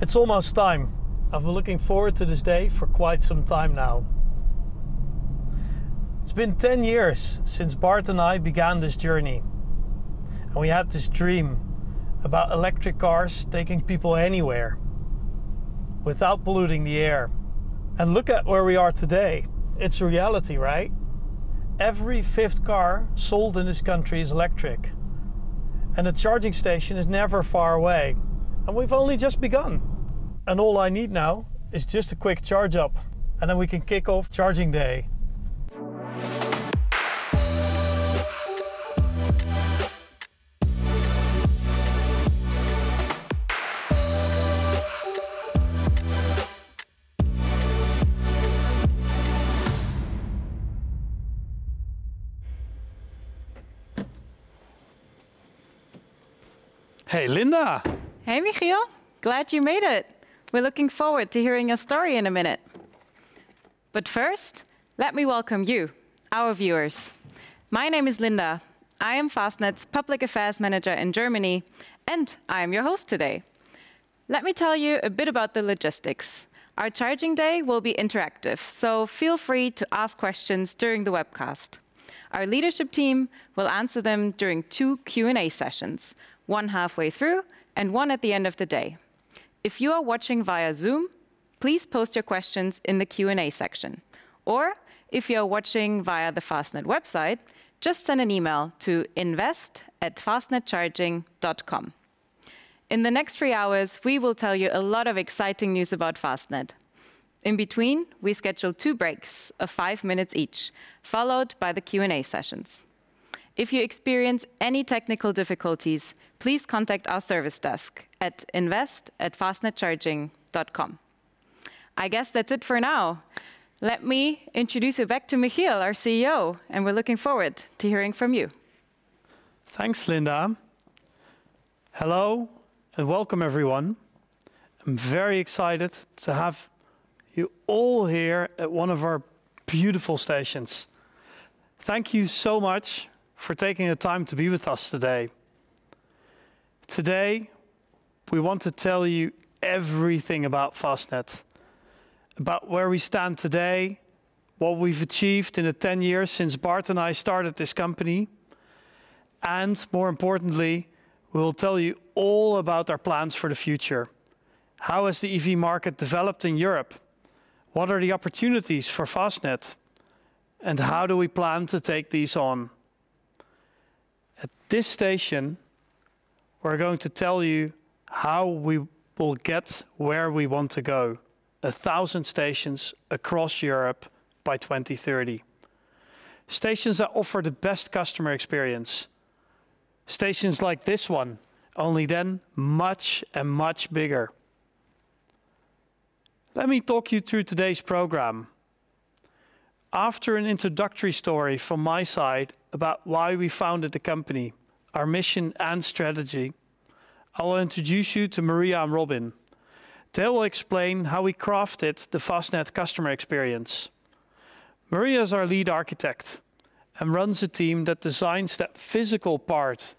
It's almost time. I've been looking forward to this day for quite some time now. It's been 10 years since Bart and I began this journey, and we had this dream about electric cars taking people anywhere without polluting the air. Look at where we are today. It's a reality, right? Every fifth car sold in this country is electric, and the charging station is never far away, and we've only just begun. All I need now is just a quick charge-up, and then we can kick off Charging Day. Hey, Linda. Hey, Michiel. Glad you made it. We're looking forward to hearing your story in a minute. But first, let me welcome you, our viewers. My name is Linda. I am Fastned's Public Affairs Manager in Germany, and I am your host today. Let me tell you a bit about the logistics. Our Charging Day will be interactive, so feel free to ask questions during the webcast. Our leadership team will answer them during two Q&A sessions, one halfway through and one at the end of the day. If you are watching via Zoom, please post your questions in the Q&A section. Or if you are watching via the Fastned website, just send an email to invest@fastned.nl. In the next three hours, we will tell you a lot of exciting news about Fastned. In between, we schedule two breaks of five minutes each, followed by the Q&A sessions. If you experience any technical difficulties, please contact our service desk at invest@fastned.nl. I guess that's it for now. Let me introduce you back to Michiel, our CEO, and we're looking forward to hearing from you. Thanks, Linda. Hello and welcome, everyone. I'm very excited to have you all here at one of our beautiful stations. Thank you so much for taking the time to be with us today. Today, we want to tell you everything about Fastned, about where we stand today, what we've achieved in the 10 years since Bart and I started this company, and more importantly, we'll tell you all about our plans for the future. How has the EV market developed in Europe? What are the opportunities for Fastned, and how do we plan to take these on? At this station, we're going to tell you how we will get where we want to go. 1,000 stations across Europe by 2030. Stations that offer the best customer experience. Stations like this one, only then much, much bigger. Let me talk you through today's program. After an introductory story from my side about why we founded the company, our mission, and strategy, I'll introduce you to Maria and Robin. They will explain how we crafted the Fastned customer experience. Maria is our lead architect and runs a team that designs that physical part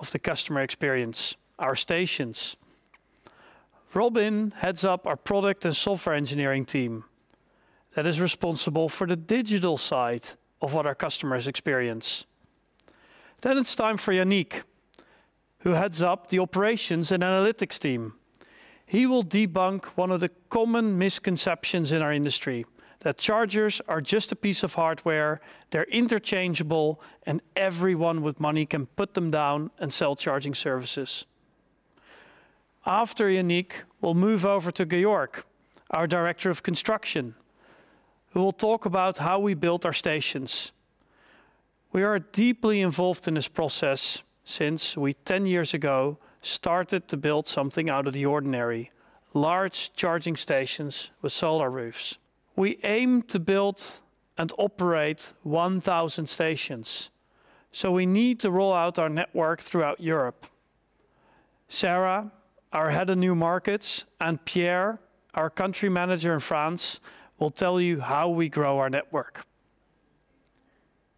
of the customer experience, our stations. Robin heads up our product and software engineering team that is responsible for the digital side of what our customers experience. Then it's time for Yannick, who heads up the operations and analytics team. He will debunk one of the common misconceptions in our industry that chargers are just a piece of hardware, they're interchangeable, and everyone with money can put them down and sell charging services. After Yannick, we'll move over to Georg, our director of construction, who will talk about how we built our stations. We are deeply involved in this process since we, 10 years ago, started to build something out of the ordinary, large charging stations with solar roofs. We aim to build and operate 1,000 stations, so we need to roll out our network throughout Europe. Sarah, our Head of New Markets, and Pierre, our Country Manager in France, will tell you how we grow our network.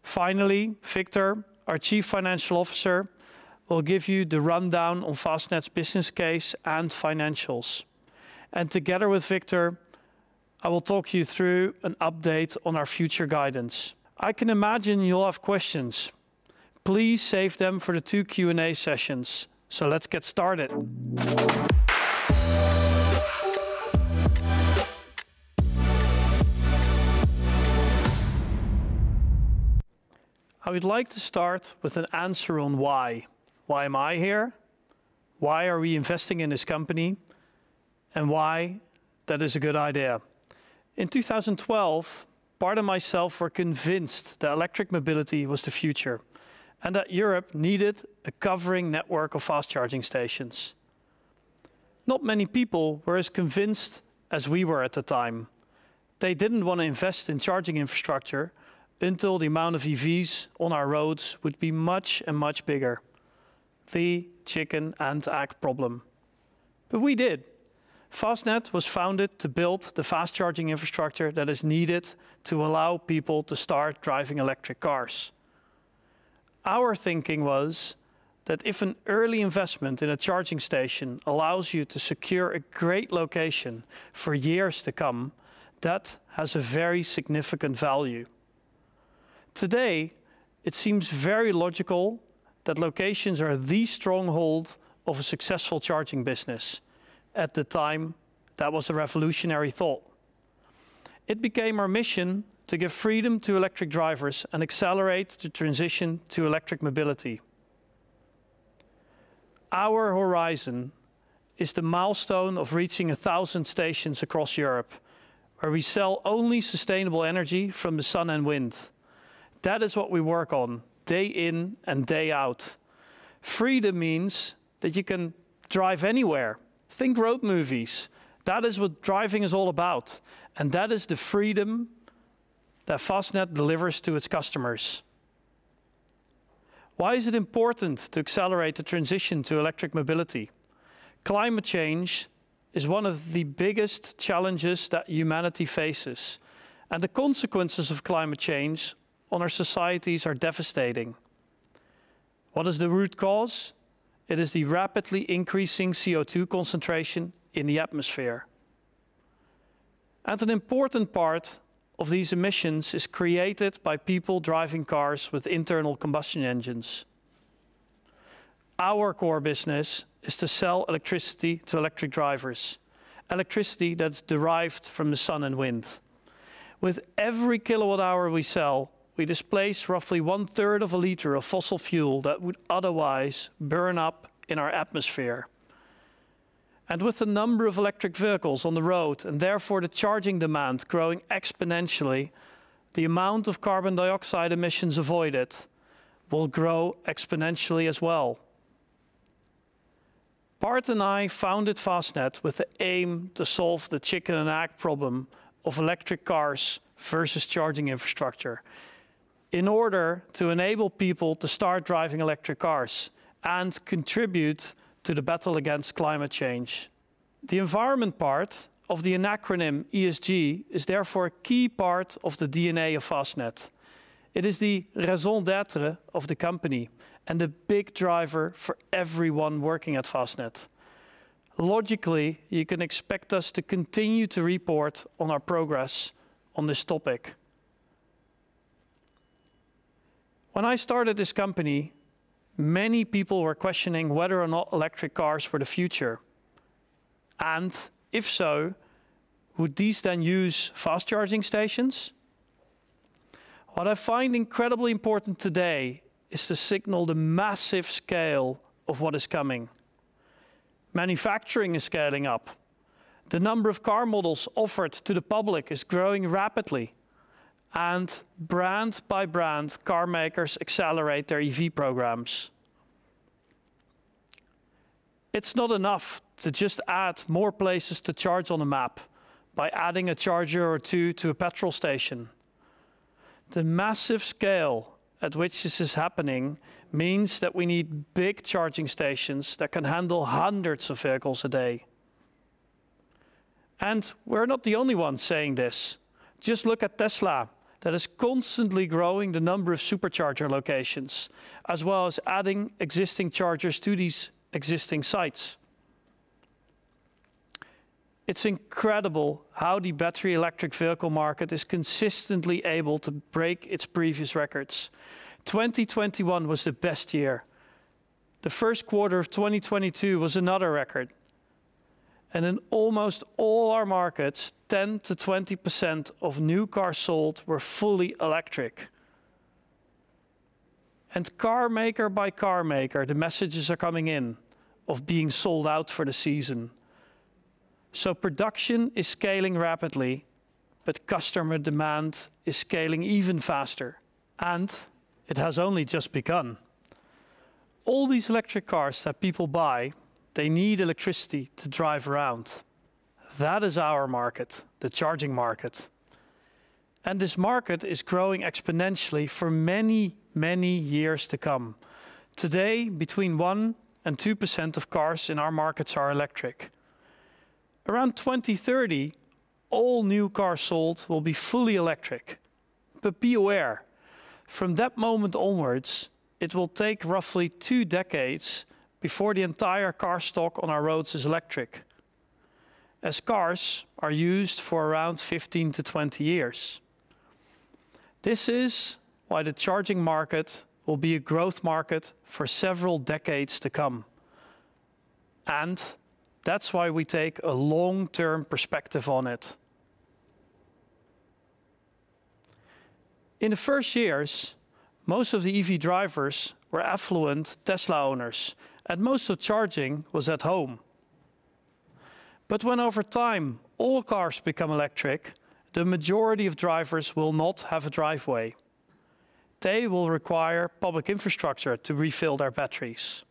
Finally, Victor, our Chief Financial Officer, will give you the rundown on Fastned's business case and financials. Together with Victor, I will talk you through an update on our future guidance. I can imagine you'll have questions. Please save them for the two Q&A sessions, so let's get started. I would like to start with an answer on why. Why am I here? Why are we investing in this company? Why that is a good idea? In 2012, Bart and myself were convinced that electric mobility was the future and that Europe needed a covering network of fast charging stations. Not many people were as convinced as we were at the time. They didn't want to invest in charging infrastructure until the amount of EVs on our roads would be much and much bigger, the chicken-and-egg problem. We did. Fastned was founded to build the fast charging infrastructure that is needed to allow people to start driving electric cars. Our thinking was that if an early investment in a charging station allows you to secure a great location for years to come, that has a very significant value. Today, it seems very logical that locations are the stronghold of a successful charging business. At the time, that was a revolutionary thought. It became our mission to give freedom to electric drivers and accelerate the transition to electric mobility. Our horizon is the milestone of reaching 1,000 stations across Europe, where we sell only sustainable energy from the sun and wind. That is what we work on day in and day out. Freedom means that you can drive anywhere. Think road movies. That is what driving is all about, and that is the freedom that Fastned delivers to its customers. Why is it important to accelerate the transition to electric mobility? Climate change is one of the biggest challenges that humanity faces, and the consequences of climate change on our societies are devastating. What is the root cause? It is the rapidly increasing CO₂ concentration in the atmosphere. An important part of these emissions is created by people driving cars with internal combustion engines. Our core business is to sell electricity to electric drivers, electricity that's derived from the sun and wind. With every kilowatt-hour we sell, we displace roughly one-third of a liter of fossil fuel that would otherwise burn up in our atmosphere. With the number of electric vehicles on the road and therefore the charging demand growing exponentially, the amount of carbon dioxide emissions avoided will grow exponentially as well. Bart and I founded Fastned with the aim to solve the chicken-and-egg problem of electric cars versus charging infrastructure in order to enable people to start driving electric cars and contribute to the battle against climate change. The environment part of the acronym ESG is therefore a key part of the DNA of Fastned. It is the raison d'être of the company and the big driver for everyone working at Fastned. Logically, you can expect us to continue to report on our progress on this topic. When I started this company, many people were questioning whether or not electric cars were the future. If so, would these then use fast charging stations? What I find incredibly important today is to signal the massive scale of what is coming. Manufacturing is scaling up. The number of car models offered to the public is growing rapidly, and brand by brand, car makers accelerate their EV programs. It's not enough to just add more places to charge on a map by adding a charger or two to a petrol station. The massive scale at which this is happening means that we need big charging stations that can handle hundreds of vehicles a day. We're not the only ones saying this. Just look at Tesla, that is constantly growing the number of Supercharger locations, as well as adding existing chargers to these existing sites. It's incredible how the battery electric vehicle market is consistently able to break its previous records. 2021 was the best year. The first quarter of 2022 was another record. In almost all our markets, 10%-20% of new cars sold were fully electric. Car maker by car maker, the messages are coming in of being sold out for the season. Production is scaling rapidly, but customer demand is scaling even faster, and it has only just begun. All these electric cars that people buy, they need electricity to drive around. That is our market, the charging market. This market is growing exponentially for many, many years to come. Today, between 1%-2% of cars in our markets are electric. Around 2030, all new cars sold will be fully electric, peu à peu. From that moment onwards, it will take roughly two-decades before the entire car stock on our roads is electric, as cars are used for around 15-20 years. This is why the charging market will be a growth market for several decades to come. That's why we take a long-term perspective on it. In the first years, most of the EV drivers were affluent Tesla owners, and most of charging was at home. When over time all cars become electric, the majority of drivers will not have a driveway. They will require public infrastructure to refill their batteries.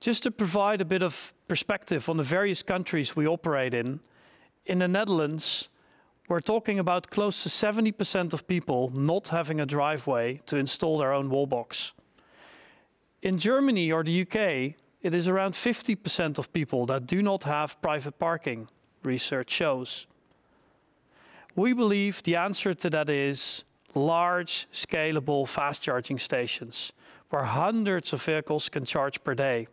Just to provide a bit of perspective on the various countries we operate in the Netherlands, we're talking about close to 70% of people not having a driveway to install their own Wallbox. In Germany or the U.K., it is around 50% of people that do not have private parking, research shows. We believe the answer to that is large, scalable fast charging stations, where hundreds of vehicles can charge per day.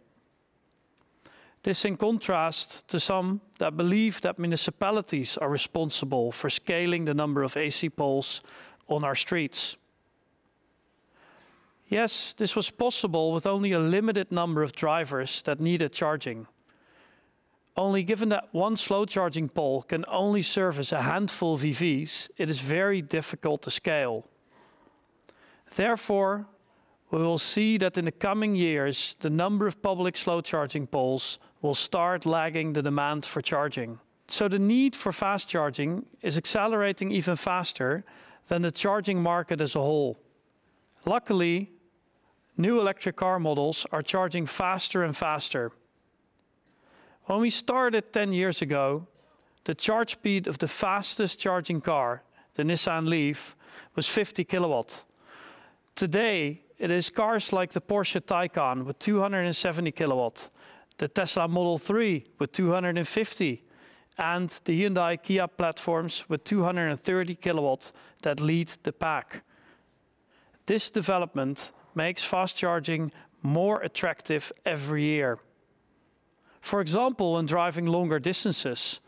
This is in contrast to some that believe that municipalities are responsible for scaling the number of AC poles on our streets. Yes, this was possible with only a limited number of drivers that needed charging. Only given that one slow charging pole can only service a handful of EVs, it is very difficult to scale. Therefore, we will see that in the coming years, the number of public slow charging poles will start lagging the demand for charging. The need for fast charging is accelerating even faster than the charging market as a whole. Luckily, new electric car models are charging faster and faster. When we started 10 years ago, the charge speed of the fastest charging car, the Nissan Leaf, was 50 kW. Today, it is cars like the Porsche Taycan with 270 kW, the Tesla Model III with 250, and the Hyundai-Kia platforms with 230 kW that lead the pack. This development makes fast charging more attractive every year, for example, when driving longer distances,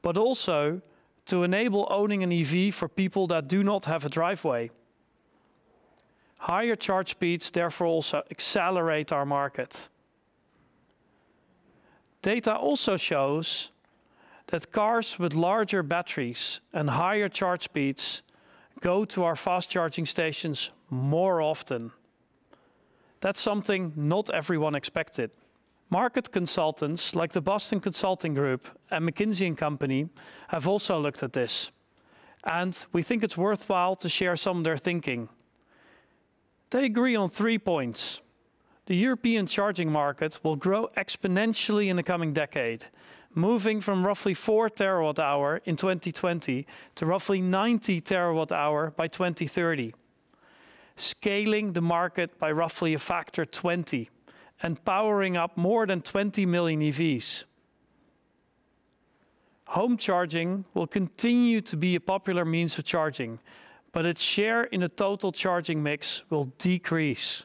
but also to enable owning an EV for people that do not have a driveway. Higher charge speeds, therefore, also accelerate our market. Data also shows that cars with larger batteries and higher charge speeds go to our fast charging stations more often. That's something not everyone expected. Market consultants like the Boston Consulting Group and McKinsey & Company have also looked at this, and we think it's worthwhile to share some of their thinking. They agree on three points. The European charging market will grow exponentially in the coming decade, moving from roughly 4 TWh in 2020 to roughly 90 TWh by 2030, scaling the market by roughly a factor 20, and powering up more than 20 million EVs. Home charging will continue to be a popular means of charging, but its share in the total charging mix will decrease.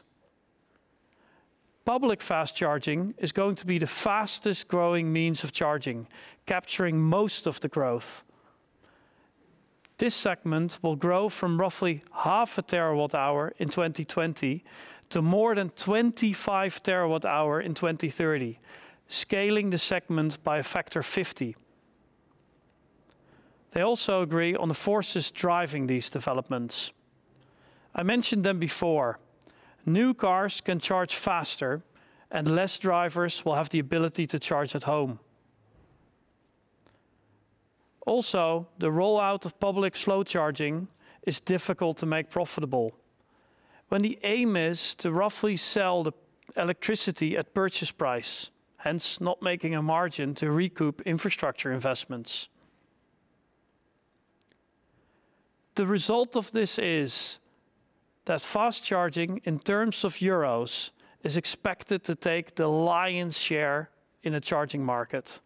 Public fast charging is going to be the fastest growing means of charging, capturing most of the growth. This segment will grow from roughly half a terawatt-hour in 2020 to more than 25 TWh in 2030, scaling the segment by a factor 50. They also agree on the forces driving these developments. I mentioned them before. New cars can charge faster, and less drivers will have the ability to charge at home. The rollout of public slow charging is difficult to make profitable, when the aim is to roughly sell the electricity at purchase price, hence not making a margin to recoup infrastructure investments. The result of this is that fast charging, in terms of euros, is expected to take the lion's share in the charging market.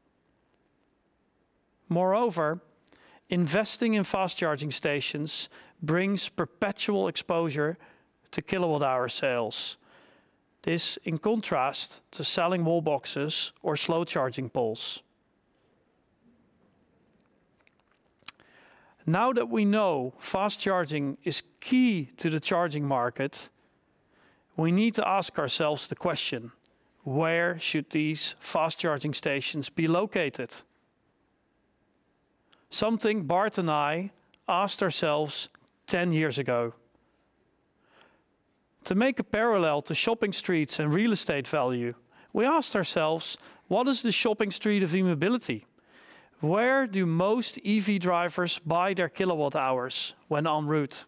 Moreover, investing in fast charging stations brings perpetual exposure to kilowatt-hour sales. This is in contrast to selling Wallboxes or slow charging poles. Now that we know fast charging is key to the charging market, we need to ask ourselves the question: Where should these fast charging stations be located? Something Bart and I asked ourselves 10 years ago. To make a parallel to shopping streets and real estate value, we asked ourselves, what is the shopping street of e-mobility? Where do most EV drivers buy their kilowatt-hours when en route?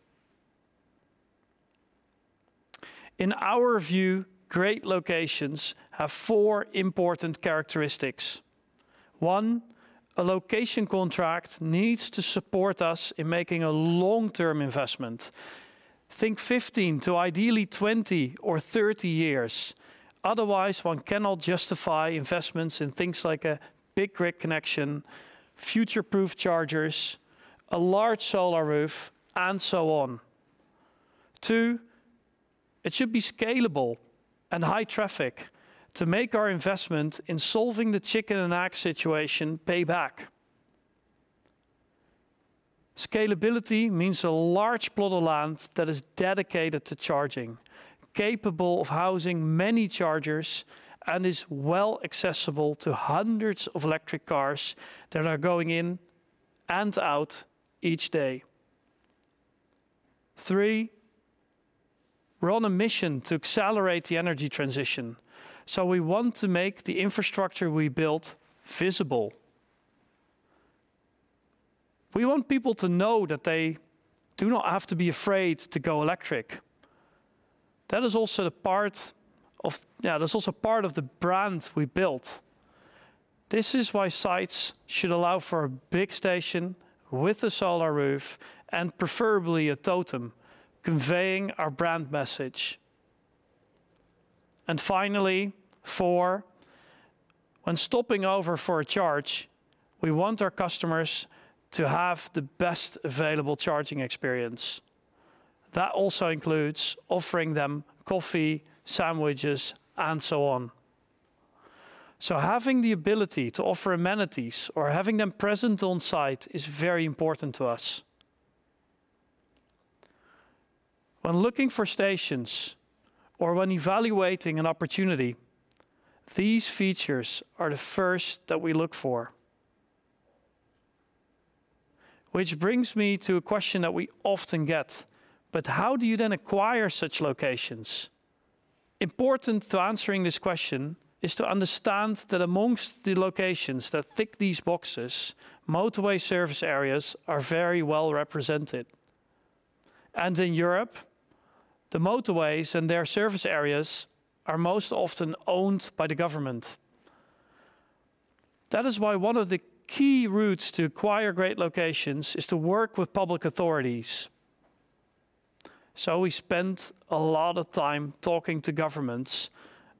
In our view, great locations have four important characteristics. One, a location contract needs to support us in making a long-term investment. Think 15 to ideally 20 or 30 years. Otherwise, one cannot justify investments in things like a big grid connection, future-proof chargers, a large solar roof, and so on. Two, it should be scalable and high traffic to make our investment in solving the chicken-and-egg situation pay back. Scalability means a large plot of land that is dedicated to charging, capable of housing many chargers, and is well accessible to hundreds of electric cars that are going in and out each day. Three, we're on a mission to accelerate the energy transition, so we want to make the infrastructure we build visible. We want people to know that they do not have to be afraid to go electric. That is also part of the brand we built. This is why sites should allow for a big station with a solar roof and preferably a totem, conveying our brand message. Finally, four, when stopping over for a charge, we want our customers to have the best available charging experience. That also includes offering them coffee, sandwiches, and so on. Having the ability to offer amenities or having them present on site is very important to us. When looking for stations or when evaluating an opportunity, these features are the first that we look for. Which brings me to a question that we often get. But how do you then acquire such locations? Important to answering this question is to understand that among the locations that tick these boxes, Motorway Service Areas are very well represented. In Europe, the motorways and their service areas are most often owned by the government. That is why one of the key routes to acquire great locations is to work with public authorities. We spend a lot of time talking to governments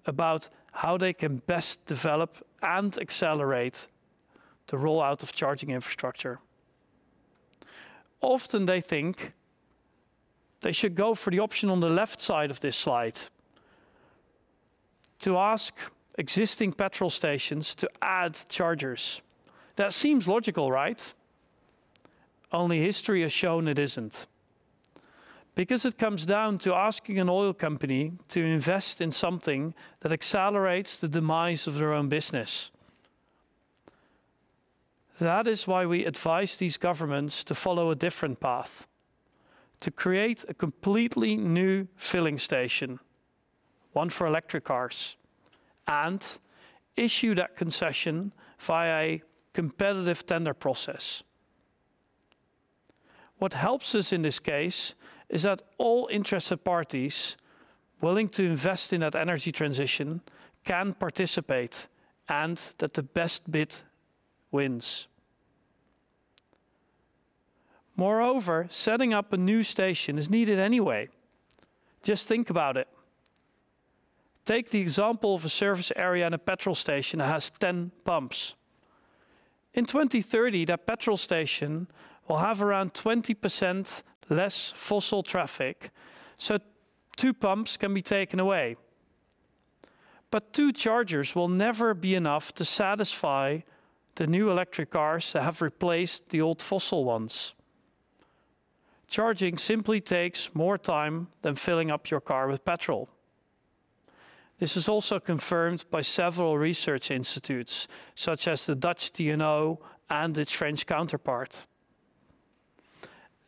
about how they can best develop and accelerate the rollout of charging infrastructure. Often they think they should go for the option on the left side of this slide, to ask existing petrol stations to add chargers. That seems logical, right? Only history has shown it isn't. Because it comes down to asking an oil company to invest in something that accelerates the demise of their own business. That is why we advise these governments to follow a different path, to create a completely new filling station, one for electric cars, and issue that concession via a competitive tender process. What helps us in this case is that all interested parties willing to invest in that energy transition can participate, and that the best bid wins. Moreover, setting up a new station is needed anyway. Just think about it. Take the example of a service area and a petrol station that has 10 pumps. In 2030, that petrol station will have around 20% less fossil traffic, so two pumps can be taken away. But two chargers will never be enough to satisfy the new electric cars that have replaced the old fossil ones. Charging simply takes more time than filling up your car with petrol. This is also confirmed by several research institutes, such as the Dutch TNO and its French counterpart.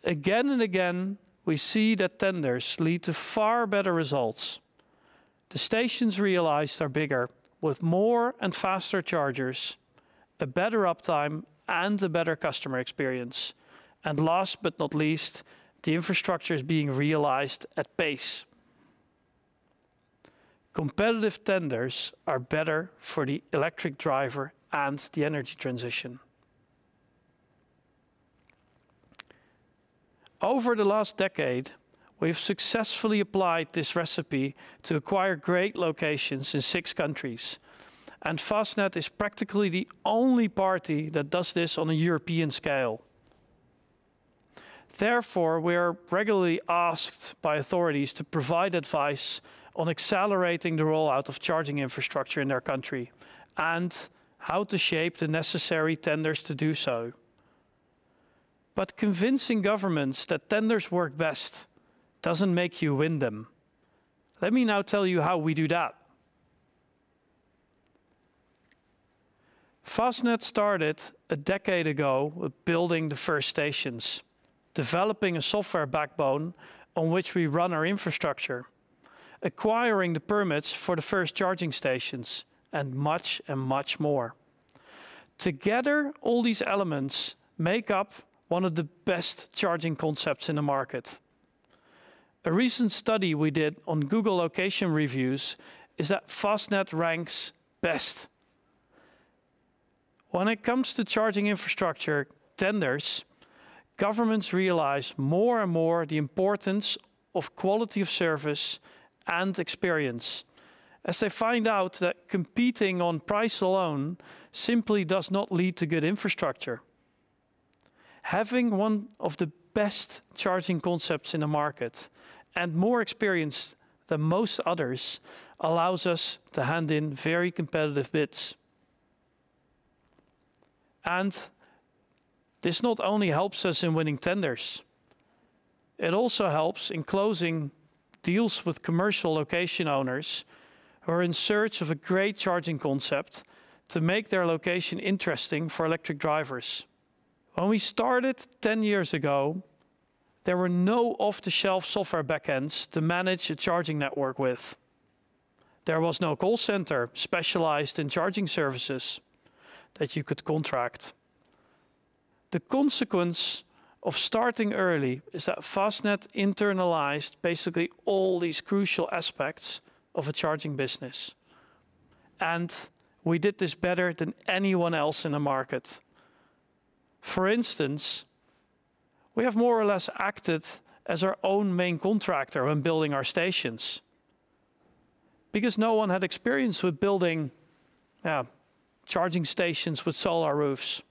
Again and again, we see that tenders lead to far better results. The stations realized are bigger, with more and faster chargers, a better uptime, and a better customer experience. Last but not least, the infrastructure is being realized at pace. Competitive tenders are better for the electric driver and the energy transition. Over the last decade, we have successfully applied this recipe to acquire great locations in six countries, and Fastned is practically the only party that does this on a European scale. Therefore, we are regularly asked by authorities to provide advice on accelerating the rollout of charging infrastructure in their country and how to shape the necessary tenders to do so. Convincing governments that tenders work best doesn't make you win them. Let me now tell you how we do that. Fastned started a decade ago with building the first stations, developing a software backbone on which we run our infrastructure, acquiring the permits for the first charging stations, and much, much more. Together, all these elements make up one of the best charging concepts in the market. A recent study we did on Google location reviews shows that Fastned ranks best. When it comes to charging infrastructure tenders, governments realize more and more the importance of quality of service and experience, as they find out that competing on price alone simply does not lead to good infrastructure. Having one of the best charging concepts in the market and more experienced than most others allows us to hand in very competitive bids. This not only helps us in winning tenders. It also helps in closing deals with commercial location owners who are in search of a great charging concept to make their location interesting for electric drivers. When we started 10 years ago, there were no off-the-shelf software backends to manage a charging network with. There was no call center specialized in charging services that you could contract. The consequence of starting early is that Fastned internalized basically all these crucial aspects of a charging business, and we did this better than anyone else in the market. For instance, we have more or less acted as our own main contractor when building our stations, because no one had experience with building charging stations with solar roofs.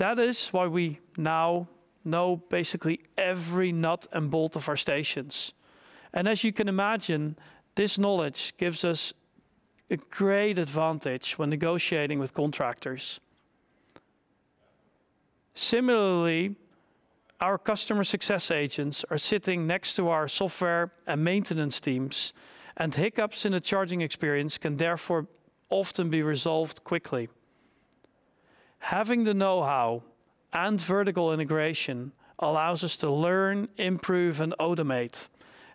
That is why we now know basically every nut and bolt of our stations. As you can imagine, this knowledge gives us a great advantage when negotiating with contractors. Similarly, our customer success agents are sitting next to our software and maintenance teams, and hiccups in the charging experience can therefore often be resolved quickly. Having the know-how and vertical integration allows us to learn, improve, and automate,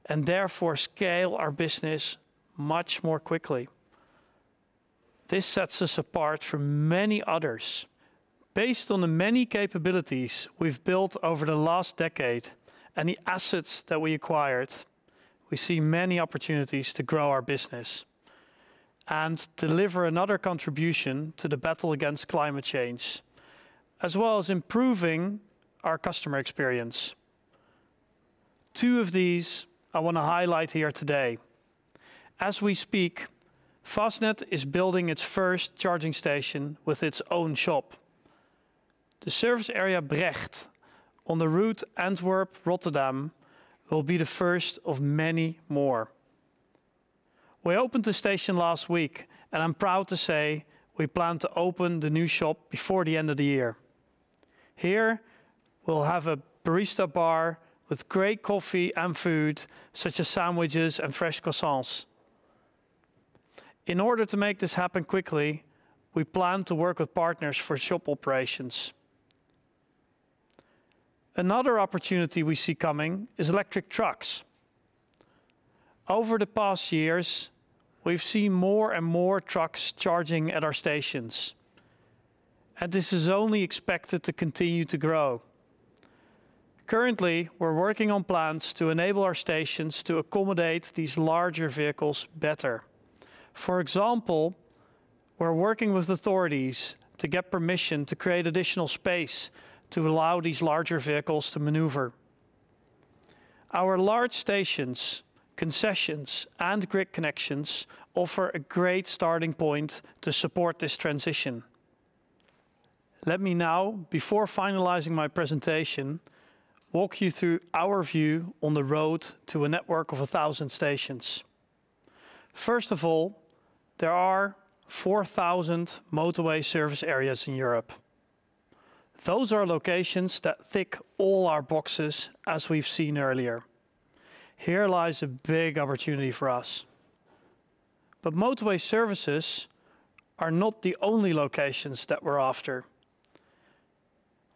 and therefore scale our business much more quickly. This sets us apart from many others. Based on the many capabilities we've built over the last decade and the assets that we acquired, we see many opportunities to grow our business and deliver another contribution to the battle against climate change, as well as improving our customer experience. Two of these I want to highlight here today. As we speak, Fastned is building its first charging station with its own shop. The service area Brecht on the route Antwerp-Rotterdam will be the first of many more. We opened the station last week, and I'm proud to say we plan to open the new shop before the end of the year. Here, we'll have a barista bar with great coffee and food, such as sandwiches and fresh croissants. In order to make this happen quickly, we plan to work with partners for shop operations. Another opportunity we see coming is electric trucks. Over the past years, we've seen more and more trucks charging at our stations, and this is only expected to continue to grow. Currently, we're working on plans to enable our stations to accommodate these larger vehicles better. For example, we're working with authorities to get permission to create additional space to allow these larger vehicles to maneuver. Our large stations, concessions, and grid connections offer a great starting point to support this transition. Let me now, before finalizing my presentation, walk you through our view on the road to a network of 1,000 stations. First of all, there are 4,000 Motorway Service Areas in Europe. Those are locations that tick all our boxes, as we've seen earlier. Here lies a big opportunity for us. Motorway services are not the only locations that we're after.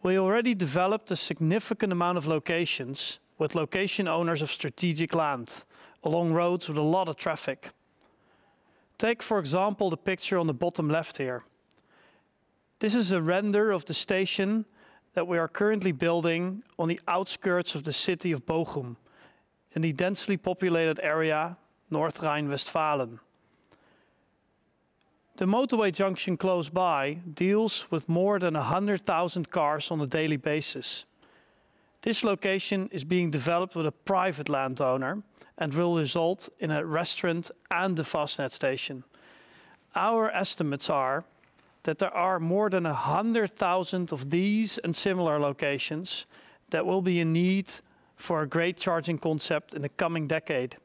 We already developed a significant amount of locations with location owners of strategic land along roads with a lot of traffic. Take, for example, the picture on the bottom left here. This is a render of the station that we are currently building on the outskirts of the city of Bochum, in the densely populated area North Rhine-Westphalia. The motorway junction close by deals with more than 100,000 cars on a daily basis. This location is being developed with a private landowner and will result in a restaurant and the Fastned station. Our estimates are that there are more than 100,000 of these and similar locations that will be in need for a great charging concept in the coming decade.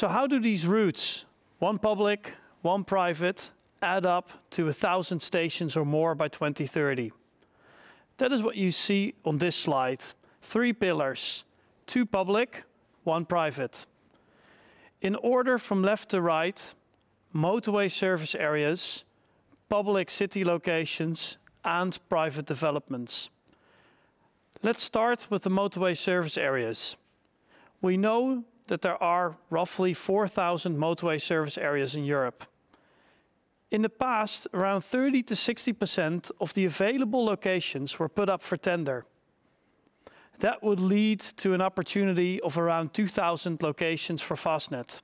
How do these routes, one public, one private, add up to 1,000 stations or more by 2030? That is what you see on this slide. Three pillars, two public, one private. In order from left to right, Motorway Service Areas, public city locations, and private developments. Let's start with the Motorway Service Areas. We know that there are roughly 4,000 Motorway Service Areas in Europe. In the past, around 30%-60% of the available locations were put up for tender. That would lead to an opportunity of around 2,000 locations for Fastned.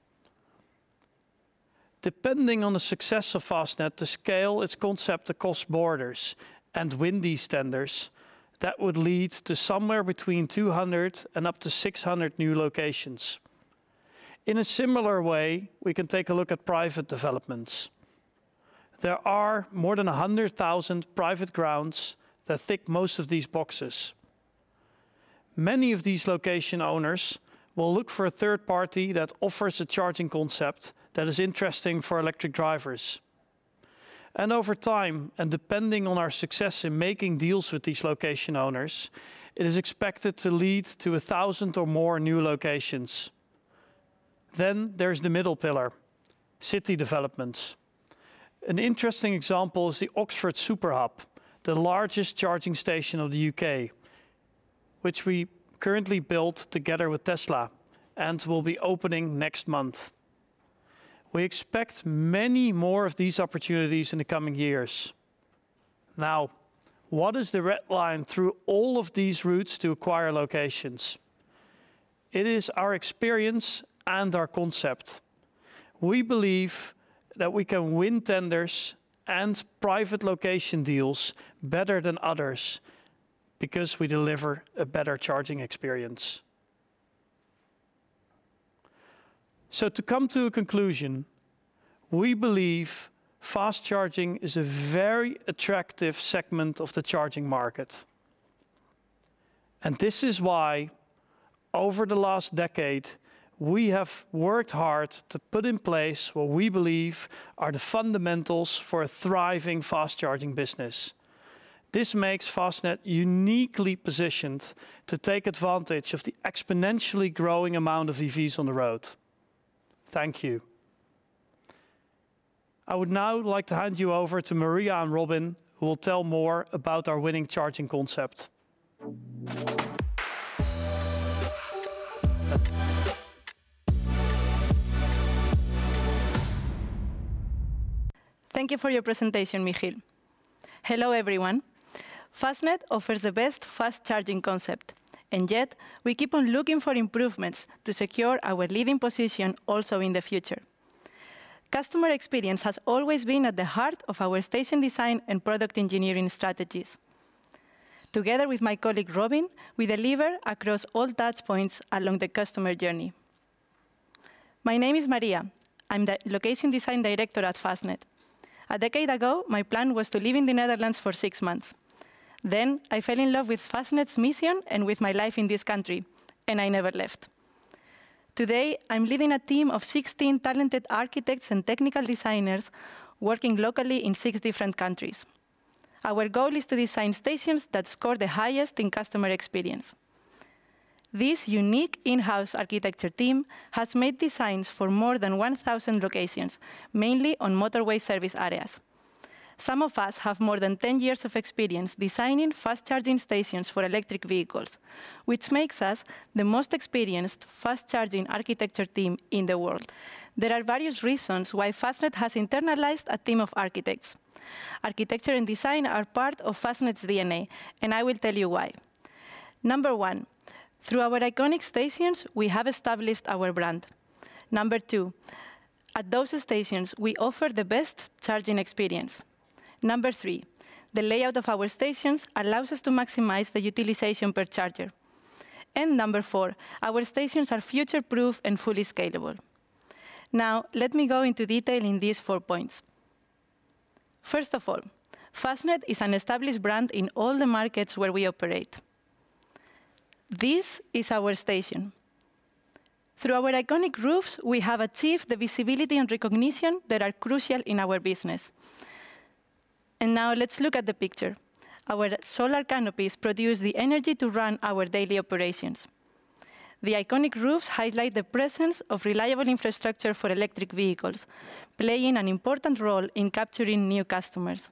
Depending on the success of Fastned to scale its concept across borders and win these tenders, that would lead to somewhere between 200 and up to 600 new locations. In a similar way, we can take a look at private developments. There are more than 100,000 private grounds that tick most of these boxes. Many of these location owners will look for a third party that offers a charging concept that is interesting for electric drivers. Over time, and depending on our success in making deals with these location owners, it is expected to lead to 1,000 or more new locations. There's the middle pillar: city developments. An interesting example is the Oxford Superhub, the largest charging station of the U.K., which we currently build together with Tesla and will be opening next month. We expect many more of these opportunities in the coming years. Now, what is the red line through all of these routes to acquire locations? It is our experience and our concept. We believe that we can win tenders and private location deals better than others because we deliver a better charging experience. To come to a conclusion, we believe fast charging is a very attractive segment of the charging market. This is why, over the last decade, we have worked hard to put in place what we believe are the fundamentals for a thriving fast charging business. This makes Fastned uniquely positioned to take advantage of the exponentially growing amount of EVs on the road. Thank you. I would now like to hand you over to Maria and Robin, who will tell more about our winning charging concept. Thank you for your presentation, Michiel. Hello everyone. Fastned offers the best fast charging concept, and yet we keep on looking for improvements to secure our leading position also in the future. Customer experience has always been at the heart of our station design and product engineering strategies. Together with my colleague Robin, we deliver across all touchpoints along the customer journey. My name is Maria. I'm the location design director at Fastned. A decade ago, my plan was to live in the Netherlands for six months. I fell in love with Fastned's mission and with my life in this country, and I never left. Today, I'm leading a team of 16 talented architects and technical designers working locally in six different countries. Our goal is to design stations that score the highest in customer experience. This unique in-house architecture team has made designs for more than 1,000 locations, mainly on Motorway Service Areas. Some of us have more than 10 years of experience designing fast charging stations for electric vehicles, which makes us the most experienced fast charging architecture team in the world. There are various reasons why Fastned has internalized a team of architects. Architecture and design are part of Fastned's DNA, and I will tell you why. One. Through our iconic stations, we have established our brand. Two. At those stations, we offer the best charging experience. Three. The layout of our stations allows us to maximize the utilization per charger. Four. Our stations are future-proof and fully scalable. Now, let me go into detail in these four points. First of all, Fastned is an established brand in all the markets where we operate. This is our station. Through our iconic roofs, we have achieved the visibility and recognition that are crucial in our business. Now let's look at the picture. Our solar canopies produce the energy to run our daily operations. The iconic roofs highlight the presence of reliable infrastructure for electric vehicles, playing an important role in capturing new customers.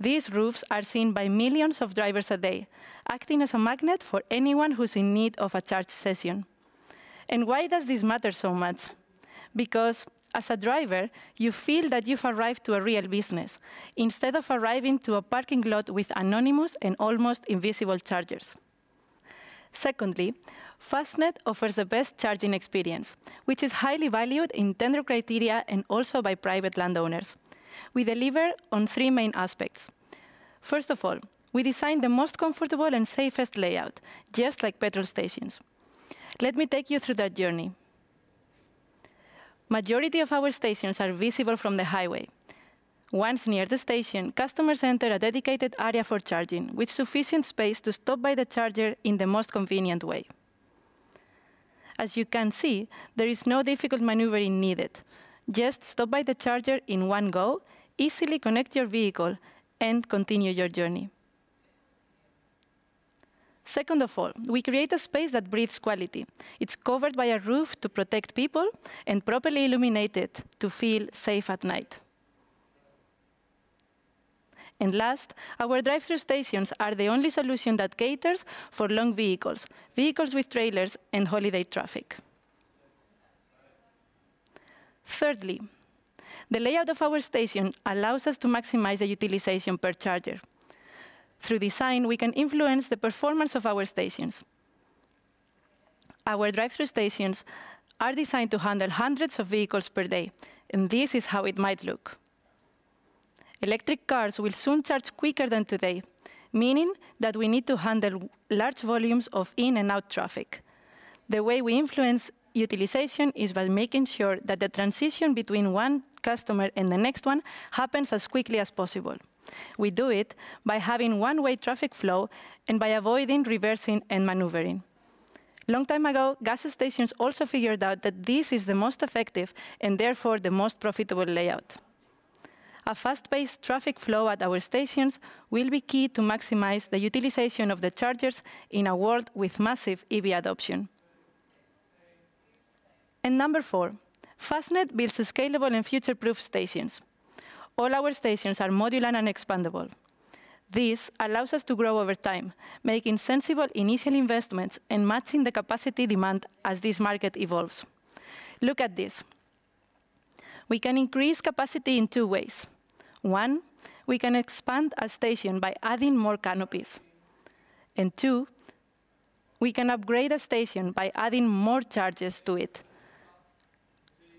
These roofs are seen by millions of drivers a day, acting as a magnet for anyone who's in need of a charge session. Why does this matter so much? Because, as a driver, you feel that you've arrived to a real business instead of arriving to a parking lot with anonymous and almost invisible chargers. Secondly, Fastned offers the best charging experience, which is highly valued in tender criteria and also by private landowners. We deliver on three main aspects. First of all, we design the most comfortable and safest layout, just like petrol stations. Let me take you through that journey. The majority of our stations are visible from the highway. Once near the station, customers enter a dedicated area for charging, with sufficient space to stop by the charger in the most convenient way. As you can see, there is no difficult maneuvering needed. Just stop by the charger in one go, easily connect your vehicle, and continue your journey. Second of all, we create a space that breathes quality. It's covered by a roof to protect people and properly illuminated to feel safe at night. Last, our drive-thru stations are the only solution that caters for long vehicles with trailers, and holiday traffic. Thirdly, the layout of our station allows us to maximize the utilization per charger. Through design, we can influence the performance of our stations. Our drive-thru stations are designed to handle hundreds of vehicles per day, and this is how it might look. Electric cars will soon charge quicker than today, meaning that we need to handle large volumes of in- and out traffic. The way we influence utilization is by making sure that the transition between one customer and the next one happens as quickly as possible. We do it by having one-way traffic flow and by avoiding reversing and maneuvering. A long time ago, gas stations also figured out that this is the most effective and therefore the most profitable layout. A fast-paced traffic flow at our stations will be key to maximize the utilization of the chargers in a world with massive EV adoption. Number four. Fastned builds scalable and future-proof stations. All our stations are modular and expandable. This allows us to grow over time, making sensible initial investments and matching the capacity demand as this market evolves. Look at this. We can increase capacity in two ways. One: we can expand our station by adding more canopies. Two: we can upgrade a station by adding more chargers to it,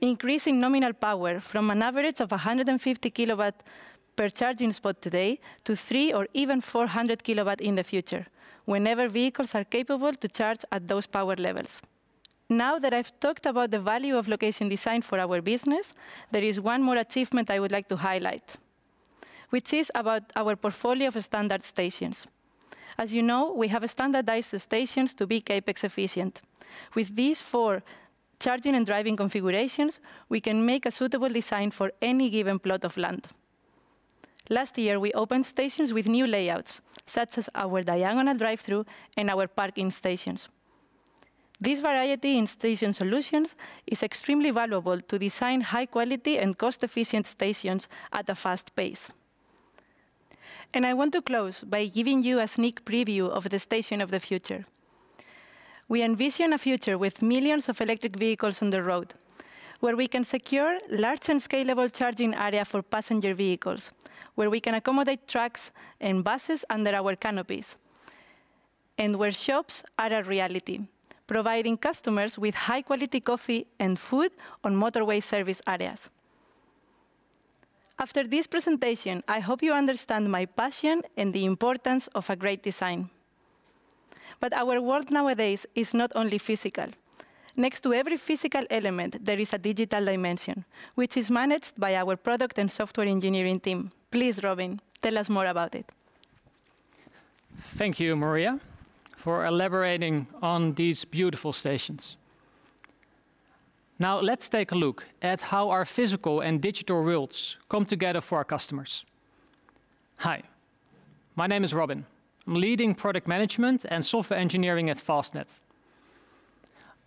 increasing nominal power from an average of 150 kW per charging spot today to 300 or even 400 kW in the future, whenever vehicles are capable to charge at those power levels. Now that I've talked about the value of location design for our business, there is one more achievement I would like to highlight, which is about our portfolio of standard stations. As you know, we have standardized stations to be CapEx efficient. With these four charging and driving configurations, we can make a suitable design for any given plot of land. Last year, we opened stations with new layouts, such as our diagonal drive-thru and our parking stations. This variety in station solutions is extremely valuable to design high-quality and cost-efficient stations at a fast pace. I want to close by giving you a sneak preview of the station of the future. We envision a future with millions of electric vehicles on the road, where we can secure large and scalable charging areas for passenger vehicles, where we can accommodate trucks and buses under our canopies, and where shops are a reality, providing customers with high-quality coffee and food on Motorway Service Areas. After this presentation, I hope you understand my passion and the importance of a great design. Our world nowadays is not only physical. Next to every physical element, there is a digital dimension, which is managed by our product and software engineering team. Please, Robin, tell us more about it. Thank you, Maria, for elaborating on these beautiful stations. Now let's take a look at how our physical and digital worlds come together for our customers. Hi, my name is Robin. I'm leading product management and software engineering at Fastned.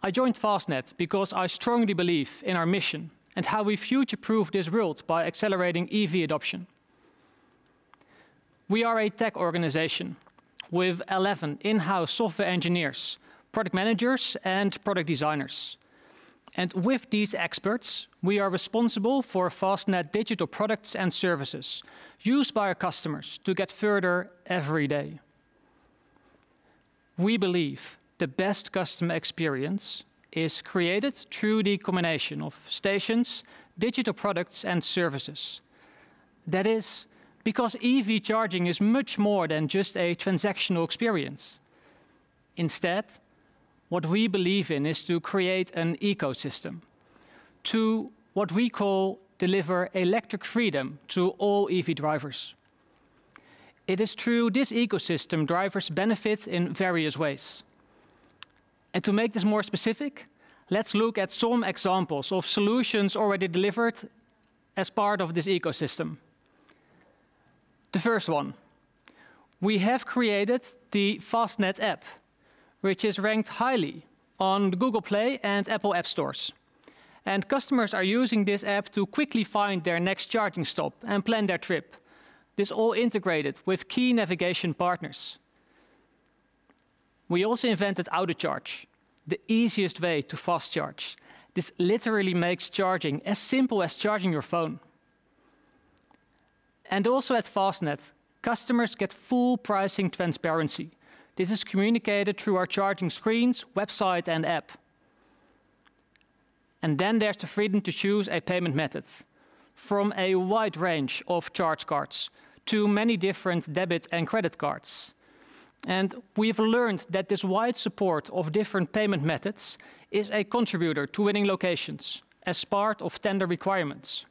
I joined Fastned because I strongly believe in our mission and how we future-proof this world by accelerating EV adoption. We are a tech organization with 11 in-house software engineers, product managers, and product designers. With these experts, we are responsible for Fastned digital products and services used by our customers to get further every day. We believe the best customer experience is created through the combination of stations, digital products, and services. That is because EV charging is much more than just a transactional experience. Instead, what we believe in is to create an ecosystem to, what we call, deliver electric freedom to all EV drivers. It is true this ecosystem drivers benefit in various ways. To make this more specific, let's look at some examples of solutions already delivered as part of this ecosystem. The first one. We have created the Fastned App, which is ranked highly on Google Play and App Store. Customers are using this app to quickly find their next charging stop and plan their trip, this all integrated with key navigation partners. We also invented Autocharge, the easiest way to fast charge. This literally makes charging as simple as charging your phone. Also at Fastned, customers get full pricing transparency. This is communicated through our charging screens, website, and app. Then there's the freedom to choose a payment method, from a wide range of charge cards to many different debit and credit cards. We've learned that this wide support of different payment methods is a contributor to winning locations as part of tender requirements.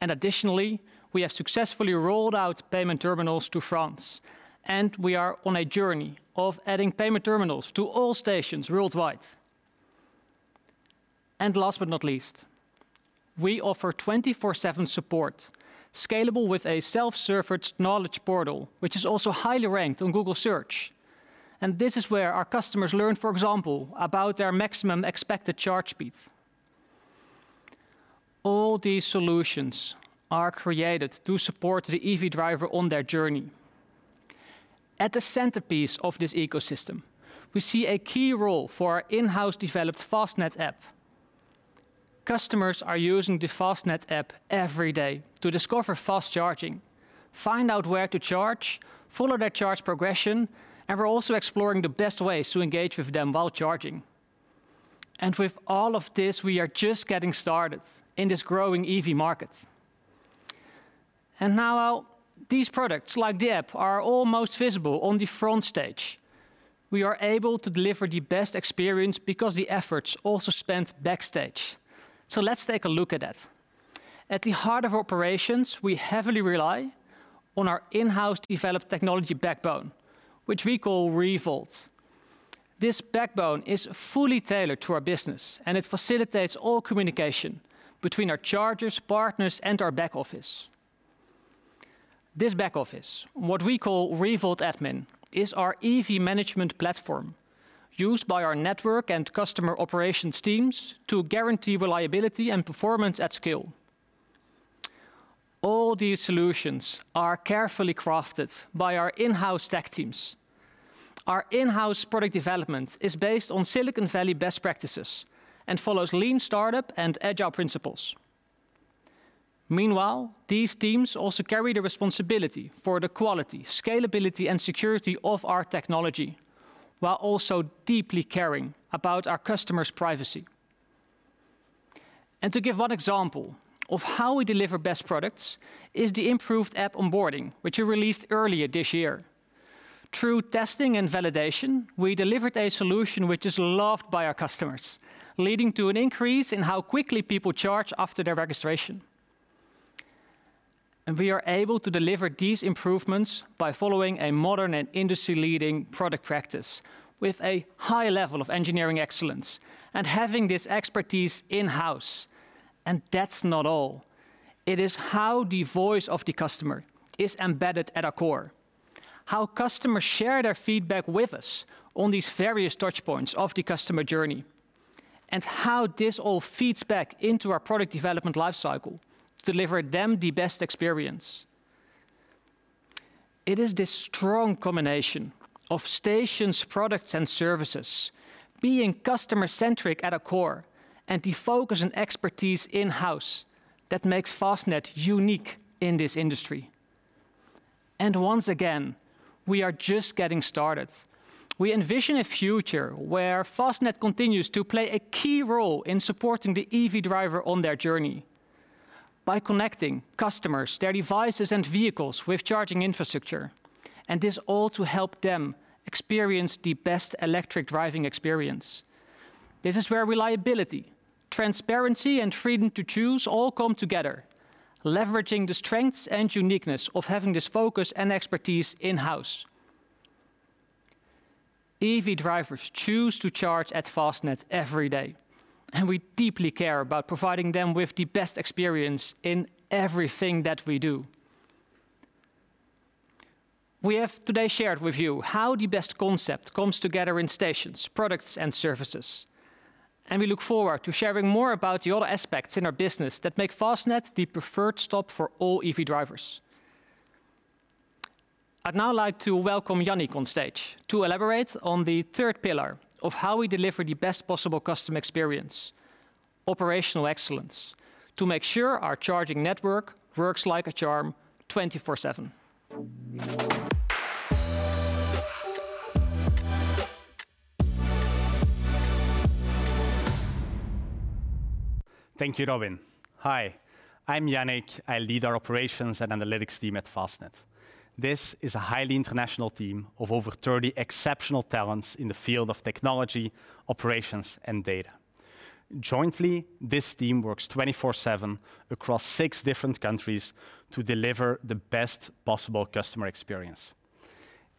Additionally, we have successfully rolled out payment terminals to France, and we are on a journey of adding payment terminals to all stations worldwide. Last but not least, we offer 24/7 support, scalable with a self-served knowledge portal, which is also highly ranked on Google Search. This is where our customers learn, for example, about their maximum expected charge speed. All these solutions are created to support the EV driver on their journey. At the centerpiece of this ecosystem, we see a key role for our in-house developed Fastned app. Customers are using the Fastned app every day to discover fast charging, find out where to charge, follow their charge progression, and we're also exploring the best ways to engage with them while charging. With all of this, we are just getting started in this growing EV market. Now, these products, like the app, are almost visible on the front stage. We are able to deliver the best experience because the efforts are also spent backstage. Let's take a look at that. At the heart of operations, we heavily rely on our in-house developed technology backbone, which we call Revolt. This backbone is fully tailored to our business, and it facilitates all communication between our chargers, partners, and our backoffice. This backoffice, what we call Revolt Admin, is our EV management platform used by our network and customer operations teams to guarantee reliability and performance at scale. All these solutions are carefully crafted by our in-house tech teams. Our in-house product development is based on Silicon Valley best practices and follows Lean Startup and Agile principles. Meanwhile, these teams also carry the responsibility for the quality, scalability, and security of our technology, while also deeply caring about our customers' privacy. To give one example of how we deliver best products, is the improved app onboarding, which we released earlier this year. Through testing and validation, we delivered a solution which is loved by our customers, leading to an increase in how quickly people charge after their registration. We are able to deliver these improvements by following a modern and industry-leading product practice, with a high level of engineering excellence and having this expertise in-house. That's not all. It is how the voice of the customer is embedded at our core, how customers share their feedback with us on these various touchpoints of the customer journey, and how this all feeds back into our product development lifecycle to deliver them the best experience. It is this strong combination of stations, products, and services being customer-centric at our core and the focus and expertise in-house that makes Fastned unique in this industry. Once again, we are just getting started. We envision a future where Fastned continues to play a key role in supporting the EV driver on their journey by connecting customers, their devices, and vehicles with charging infrastructure, and this all to help them experience the best electric driving experience. This is where reliability, transparency, and freedom to choose all come together, leveraging the strengths and uniqueness of having this focus and expertise in-house. EV drivers choose to charge at Fastned every day, and we deeply care about providing them with the best experience in everything that we do. We have today shared with you how the best concept comes together in stations, products, and services. We look forward to sharing more about the other aspects in our business that make Fastned the preferred stop for all EV drivers. I'd now like to welcome Yannick on stage to elaborate on the third pillar of how we deliver the best possible customer experience, operational excellence, to make sure our charging network works like a charm 24/7. Thank you, Robin. Hi, I'm Yannick. I lead our operations and analytics team at Fastned. This is a highly international team of over 30 exceptional talents in the field of technology, operations, and data. Jointly, this team works 24/7 across six different countries to deliver the best possible customer experience.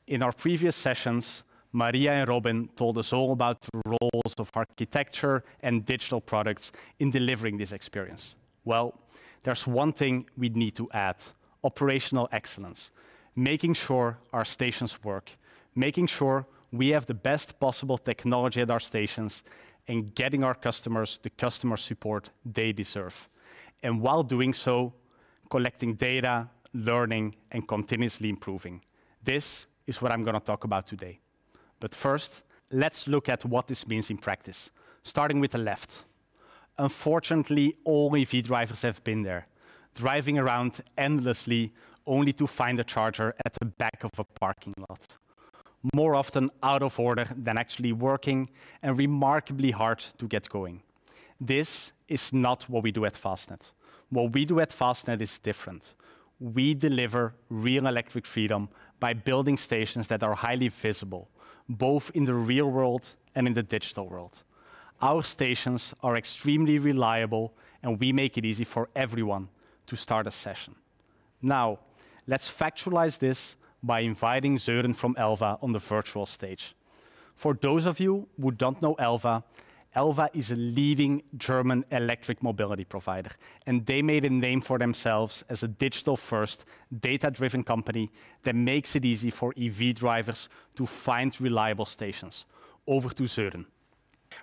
In our previous sessions, Maria and Robin told us all about the roles of architecture and digital products in delivering this experience. Well, there's one thing we need to add: operational excellence, making sure our stations work, making sure we have the best possible technology at our stations, and getting our customers the customer support they deserve. While doing so, collecting data, learning, and continuously improving. This is what I'm going to talk about today. First, let's look at what this means in practice, starting with the left. Unfortunately, all EV drivers have been there, driving around endlessly only to find a charger at the back of a parking lot, more often out of order than actually working, and remarkably hard to get going. This is not what we do at Fastned. What we do at Fastned is different. We deliver real electric freedom by building stations that are highly visible, both in the real world and in the digital world. Our stations are extremely reliable, and we make it easy for everyone to start a session. Now, let's factualize this by inviting Sören from elvah on the virtual stage. For those of you who don't know elvah is a leading German electric mobility provider, and they made a name for themselves as a digital-first, data-driven company that makes it easy for EV drivers to find reliable stations. Over to Sören.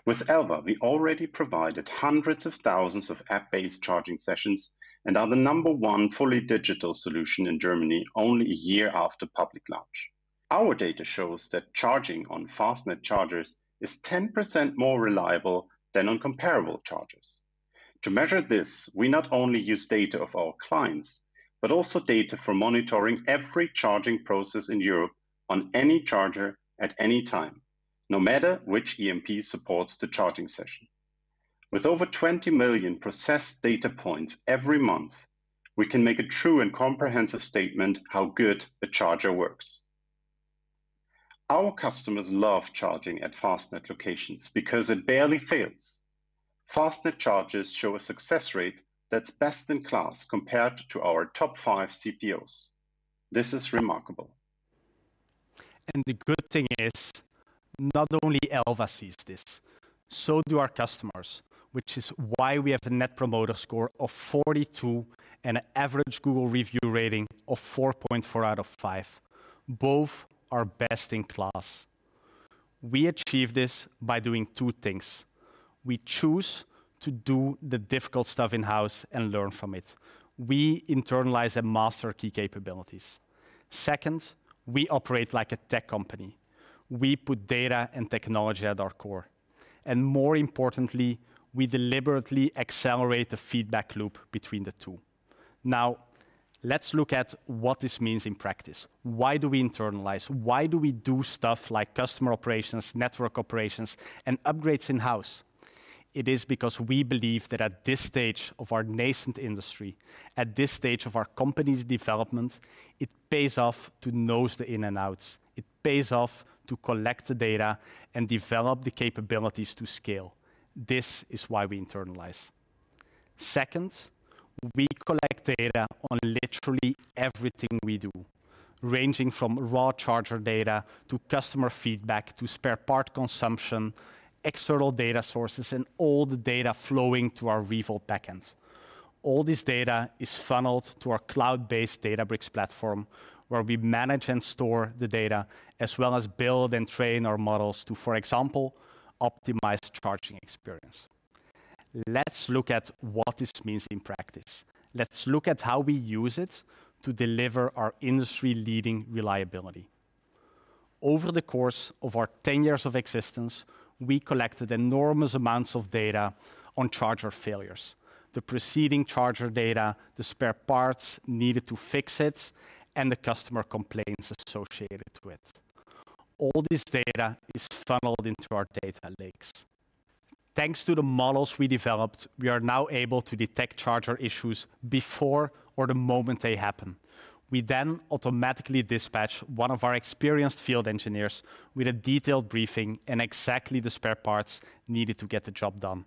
With elvah, we already provided hundreds of thousands of app-based charging sessions and are the number one fully digital solution in Germany only a year after public launch. Our data shows that charging on Fastned chargers is 10% more reliable than on comparable chargers. To measure this, we not only use data of our clients, but also data for monitoring every charging process in Europe on any charger at any time, no matter which EMP supports the charging session. With over 20 million processed data points every month, we can make a true and comprehensive statement how good a charger works. Our customers love charging at Fastned locations because it barely fails. Fastned chargers show a success rate that's best in class compared to our top five CPOs. This is remarkable. The good thing is, not only elvah sees this, so do our customers, which is why we have a Net Promoter Score of 42 and an average Google Review rating of 4.4 out of five. Both are best in class. We achieve this by doing two things. We choose to do the difficult stuff in-house and learn from it. We internalize and master key capabilities. Second, we operate like a tech company. We put data and technology at our core. More importantly, we deliberately accelerate the feedback loop between the two. Now, let's look at what this means in practice. Why do we internalize? Why do we do stuff like customer operations, network operations, and upgrades in-house? It is because we believe that at this stage of our nascent industry, at this stage of our company's development, it pays off to know the ins and outs. It pays off to collect the data and develop the capabilities to scale. This is why we internalize. Second, we collect data on literally everything we do, ranging from raw charger data to customer feedback to spare part consumption, external data sources, and all the data flowing to our Revolt backend. All this data is funneled to our cloud-based Databricks platform, where we manage and store the data, as well as build and train our models to, for example, optimize charging experience. Let's look at what this means in practice. Let's look at how we use it to deliver our industry-leading reliability. Over the course of our 10 years of existence, we collected enormous amounts of data on charger failures, the preceding charger data, the spare parts needed to fix it, and the customer complaints associated with it. All this data is funneled into our data lakes. Thanks to the models we developed, we are now able to detect charger issues before or the moment they happen. We then automatically dispatch one of our experienced field engineers with a detailed briefing and exactly the spare parts needed to get the job done.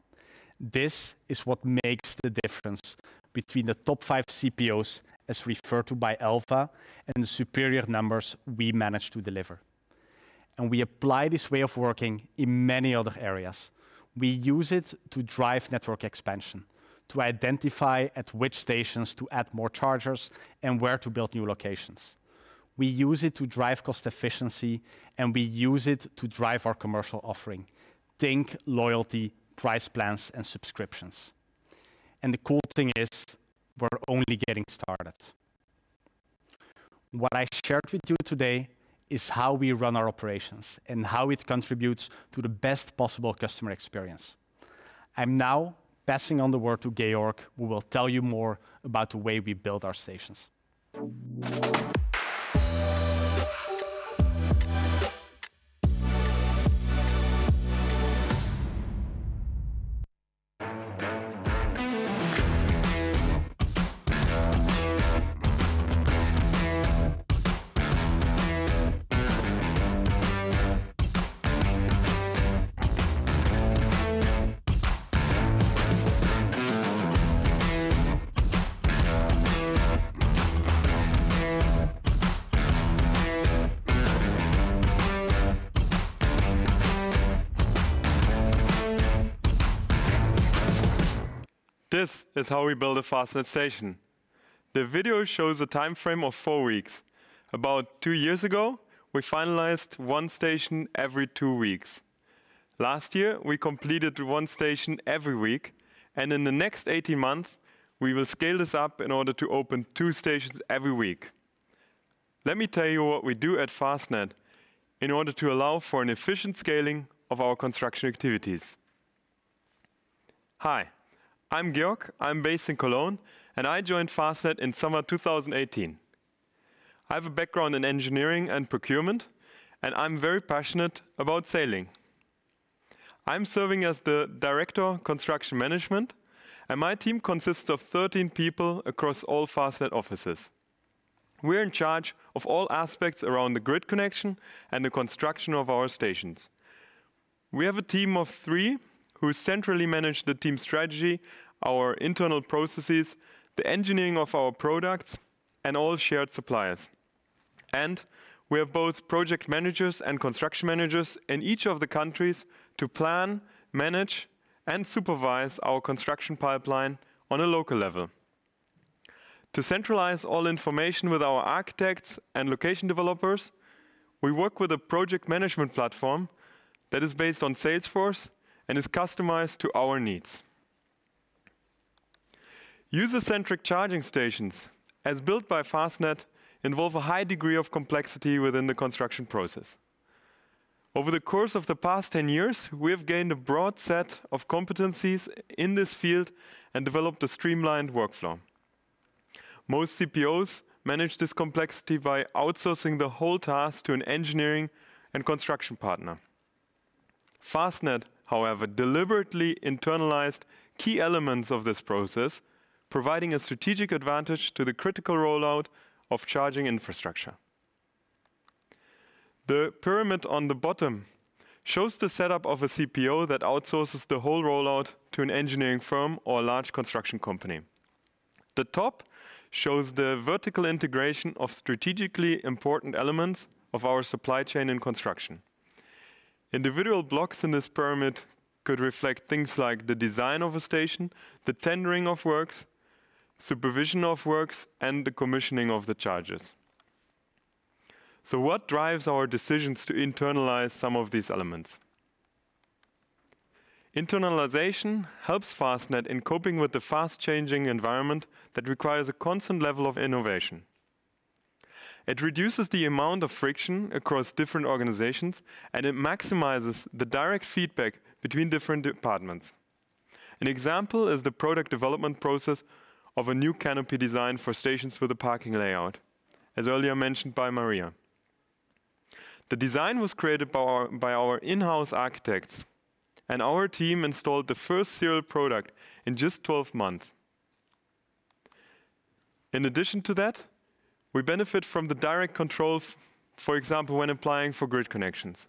This is what makes the difference between the top five CPOs as referred to by elvah and the superior numbers we manage to deliver. We apply this way of working in many other areas. We use it to drive network expansion, to identify at which stations to add more chargers and where to build new locations. We use it to drive cost efficiency, and we use it to drive our commercial offering, think, loyalty, price plans, and subscriptions. The cool thing is, we're only getting started. What I shared with you today is how we run our operations and how it contributes to the best possible customer experience. I'm now passing on the word to Georg, who will tell you more about the way we build our stations. This is how we build a Fastned station. The video shows a time frame of four-weeks. About two-years ago, we finalized one station every two-weeks. Last year, we completed one station every week. In the next 18 months, we will scale this up in order to open two stations every week. Let me tell you what we do at Fastned in order to allow for an efficient scaling of our construction activities. Hi, I'm Georg. I'm based in Cologne, and I joined Fastned in summer 2018. I have a background in engineering and procurement, and I'm very passionate about sailing. I'm serving as the Director of Construction Management, and my team consists of 13 people across all Fastned offices. We're in charge of all aspects around the grid connection and the construction of our stations. We have a team of three who centrally manage the team strategy, our internal processes, the engineering of our products, and all shared suppliers. We have both project managers and construction managers in each of the countries to plan, manage, and supervise our construction pipeline on a local level. To centralize all information with our architects and location developers, we work with a project management platform that is based on Salesforce and is customized to our needs. User-centric charging stations, as built by Fastned, involve a high degree of complexity within the construction process. Over the course of the past 10 years, we have gained a broad set of competencies in this field and developed a streamlined workflow. Most CPOs manage this complexity by outsourcing the whole task to an engineering and construction partner. Fastned, however, deliberately internalized key elements of this process, providing a strategic advantage to the critical rollout of charging infrastructure. The pyramid on the bottom shows the setup of a CPO that outsources the whole rollout to an engineering firm or a large construction company. The top shows the vertical integration of strategically important elements of our supply chain in construction. Individual blocks in this pyramid could reflect things like the design of a station, the tendering of works, supervision of works, and the commissioning of the chargers. What drives our decisions to internalize some of these elements? Internalization helps Fastned in coping with the fast-changing environment that requires a constant level of innovation. It reduces the amount of friction across different organizations, and it maximizes the direct feedback between different departments. An example is the product development process of a new canopy design for stations with a parking layout, as earlier mentioned by Maria. The design was created by our in-house architects, and our team installed the first serial product in just 12 months. In addition to that, we benefit from the direct control, for example, when applying for grid connections.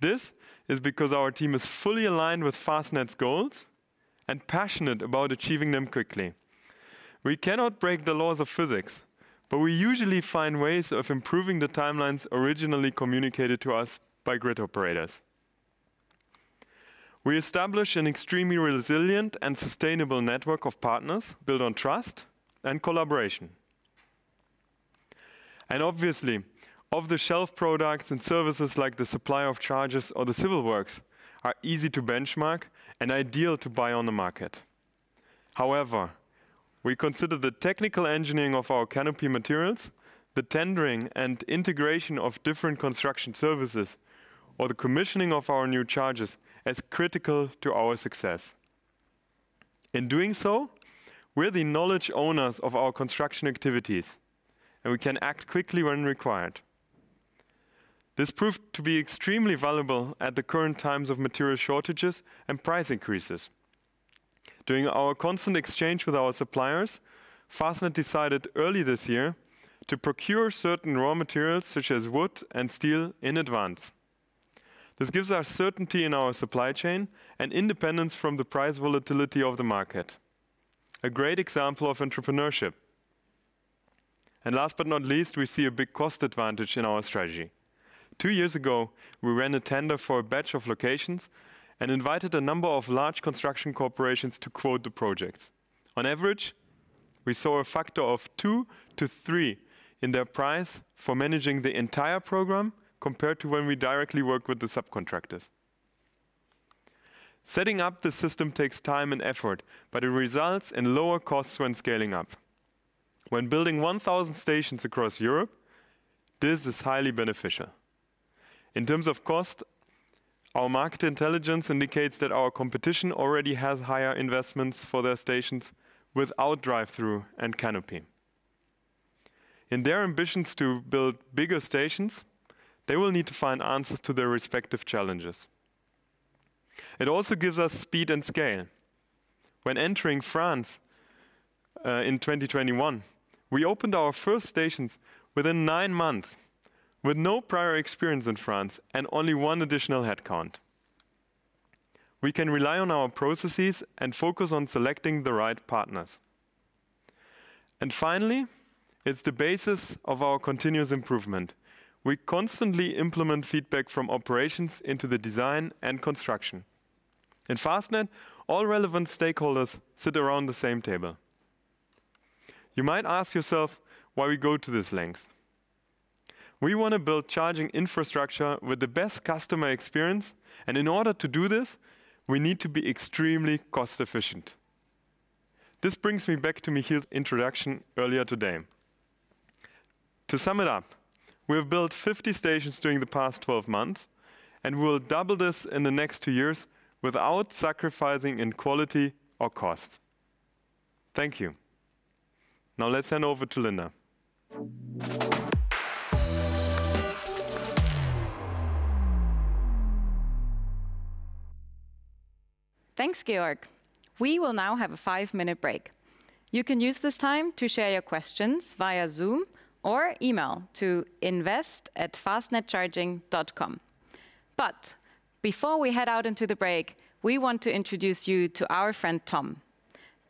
This is because our team is fully aligned with Fastned's goals and passionate about achieving them quickly. We cannot break the laws of physics, but we usually find ways of improving the timelines originally communicated to us by grid operators. We establish an extremely resilient and sustainable network of partners built on trust and collaboration. Obviously, off-the-shelf products and services like the supply of chargers or the civil works are easy to benchmark and ideal to buy on the market. However, we consider the technical engineering of our canopy materials, the tendering and integration of different construction services, or the commissioning of our new chargers as critical to our success. In doing so, we're the knowledge owners of our construction activities, and we can act quickly when required. This proved to be extremely valuable at the current times of material shortages and price increases. During our constant exchange with our suppliers, Fastned decided early this year to procure certain raw materials such as wood and steel in advance. This gives us certainty in our supply chain and independence from the price volatility of the market, a great example of entrepreneurship. Last but not least, we see a big cost advantage in our strategy. Two years ago, we ran a tender for a batch of locations and invited a number of large construction corporations to quote the projects. On average, we saw a factor of two-three in their price for managing the entire program compared to when we directly worked with the subcontractors. Setting up the system takes time and effort, but it results in lower costs when scaling up. When building 1,000 stations across Europe, this is highly beneficial. In terms of cost, our market intelligence indicates that our competition already has higher investments for their stations without drive-through and canopy. In their ambitions to build bigger stations, they will need to find answers to their respective challenges. It also gives us speed and scale. When entering France in 2021, we opened our first stations within nine-months with no prior experience in France and only one additional headcount. We can rely on our processes and focus on selecting the right partners. Finally, it's the basis of our continuous improvement. We constantly implement feedback from operations into the design and construction. In Fastned, all relevant stakeholders sit around the same table. You might ask yourself why we go to this length. We want to build charging infrastructure with the best customer experience. In order to do this, we need to be extremely cost-efficient. This brings me back to Michiel's introduction earlier today. To sum it up, we have built 50 stations during the past 12 months, and we will double this in the next two-years without sacrificing in quality or cost. Thank you. Now, let's hand over to Linda. Thanks, Georg. We will now have a five-minute break. You can use this time to share your questions via Zoom or email to invest@fastnedcharging.com. Before we head out into the break, we want to introduce you to our friend Tom.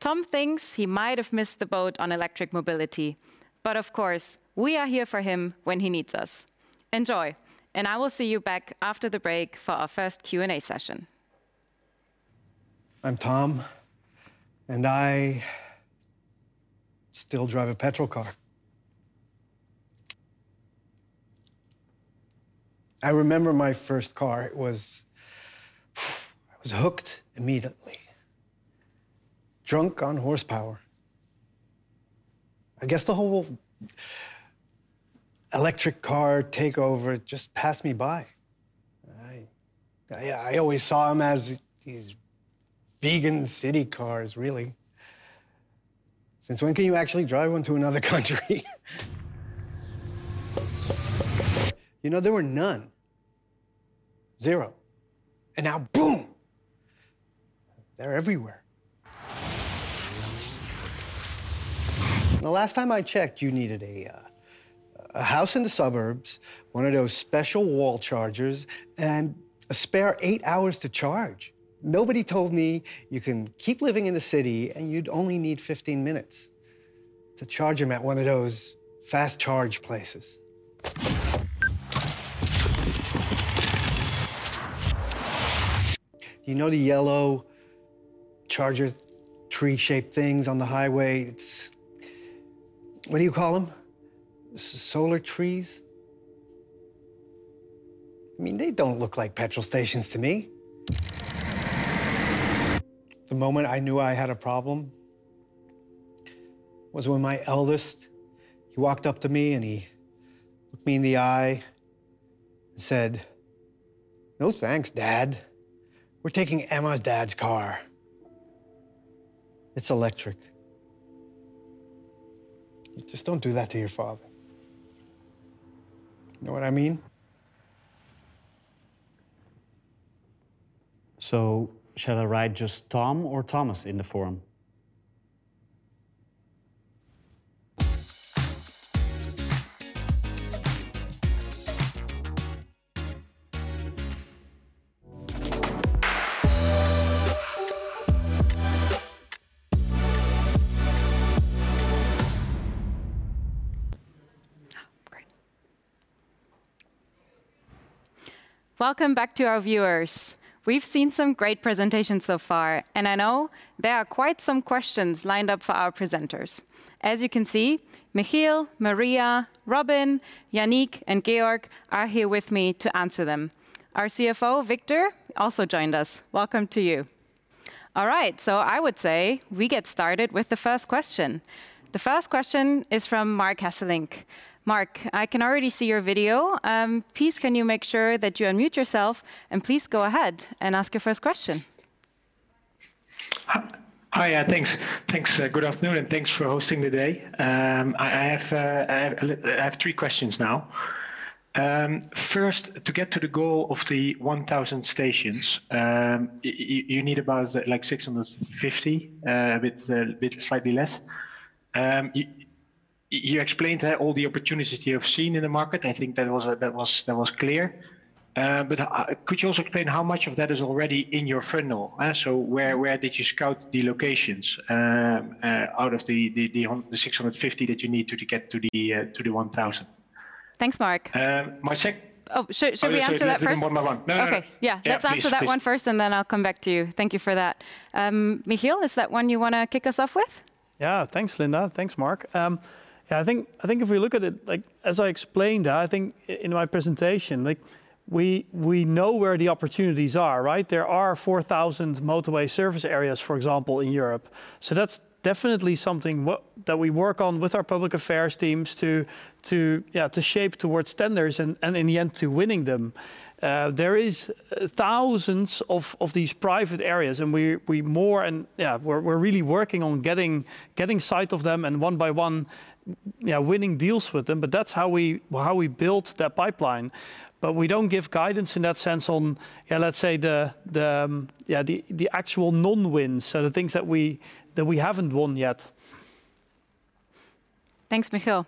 Tom thinks he might have missed the boat on electric mobility. Of course, we are here for him when he needs us. Enjoy. I will see you back after the break for our first Q&A session. I'm Tom. I still drive a petrol car. I remember my first car. I was hooked immediately, drunk on horsepower. I guess the whole electric car takeover just passed me by. I always saw them as these vegan city cars, really. Since when can you actually drive one to another country? You know, there were none, zero. Now, boom, they're everywhere. The last time I checked, you needed a house in the suburbs, one of those special wall chargers, and a spare eight hours to charge. Nobody told me you can keep living in the city and you'd only need 15 minutes to charge them at one of those fast charge places. You know, the yellow charger tree-shaped things on the highway. What do you call them? Solar trees? I mean, they don't look like petrol stations to me. The moment I knew I had a problem was when my eldest, he walked up to me and he looked me in the eye and said, "No thanks, Dad. We're taking Emma's dad's car. It's electric. Just don't do that to your father." You know what I mean? Should I write just Tom or Thomas in the forum? Great. Welcome back to our viewers. We've seen some great presentations so far, and I know there are quite some questions lined up for our presenters. As you can see, Michiel, Maria, Robin, Yannick, and Georg are here with me to answer them. Our CFO, Victor, also joined us. Welcome to you. All right. I would say we get started with the first question. The first question is from Marc Hesselink. Marc, I can already see your video. Please, can you make sure that you unmute yourself? Please go ahead and ask your first question. Hi. Thanks. Good afternoon. Thanks for hosting today. I have three questions now. First, to get to the goal of the 1,000 stations, you need about 650, a bit slightly less. You explained all the opportunities you have seen in the market. I think that was clear. Could you also explain how much of that is already in your funnel? Where did you scout the locations out of the 650 that you need to get to the 1,000? Thanks, Marc. Oh, should we answer that first? OK, yeah. Let's answer that one first, and then I'll come back to you. Thank you for that. Michiel, is that one you want to kick us off with? Yeah. Thanks, Linda. Thanks, Marc. Yeah, I think if we look at it, as I explained, I think in my presentation, we know where the opportunities are, right? There are 4,000 Motorway Service Areas, for example, in Europe. That's definitely something that we work on with our public affairs teams to shape towards tenders and, in the end, to winning them. There are thousands of these private areas. We're really working on getting sight of them and one by one winning deals with them. That's how we built that pipeline. We don't give guidance in that sense on, let's say, the actual non-wins, so the things that we haven't won yet. Thanks, Michiel.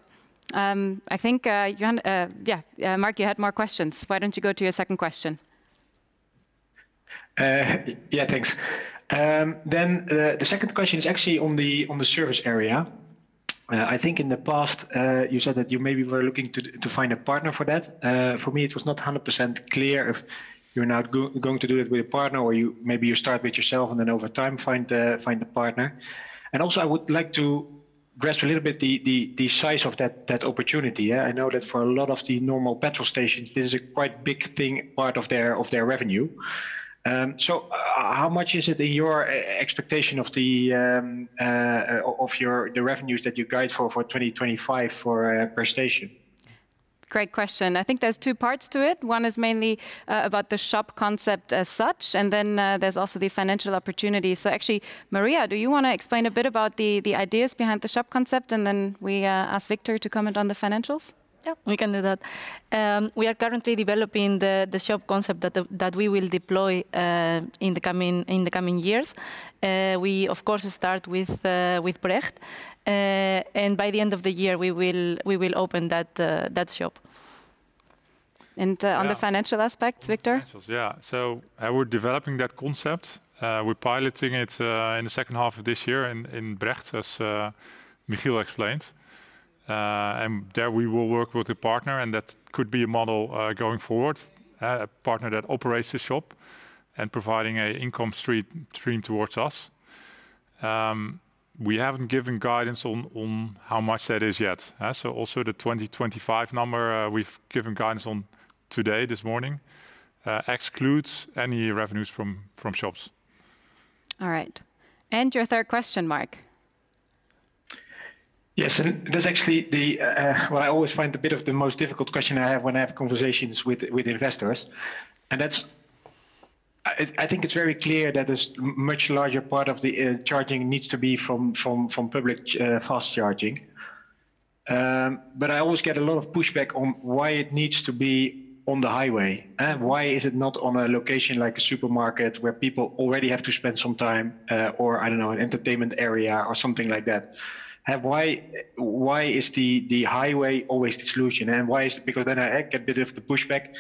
I think, yeah, Marc, you had more questions. Why don't you go to your second question? Yeah, thanks. The second question is actually on the service area. I think in the past, you said that you maybe were looking to find a partner for that. For me, it was not 100% clear if you're now going to do it with a partner or maybe you start with yourself and then over time find a partner. Also, I would like to grasp a little bit the size of that opportunity. I know that for a lot of the normal petrol stations, this is a quite big part of their revenue. How much is it in your expectation of the revenues that you guide for 2025 per station? Great question. I think there's two parts to it. One is mainly about the shop concept as such. Then there's also the financial opportunities. Actually, Maria, do you want to explain a bit about the ideas behind the shop concept? We ask Victor to comment on the financials. Yeah, we can do that. We are currently developing the shop concept that we will deploy in the coming years. We, of course, start with Brecht. By the end of the year, we will open that shop. On the financial aspect, Victor? Yeah. We're developing that concept. We're piloting it in the second half of this year in Brecht, as Michiel explained. There, we will work with a partner. That could be a model going forward, a partner that operates the shop and providing an income stream towards us. We haven't given guidance on how much that is yet. Also, the 2025 number we've given guidance on today, this morning, excludes any revenues from shops. All right. Your third question, Marc. Yes. That's actually what I always find a bit of the most difficult question I have when I have conversations with investors. I think it's very clear that a much larger part of the charging needs to be from public fast charging. I always get a lot of pushback on why it needs to be on the highway. Why is it not on a location like a supermarket where people already have to spend some time or, I don't know, an entertainment area or something like that? Why is the highway always the solution? Why is it? Because then I get a bit of the pushback.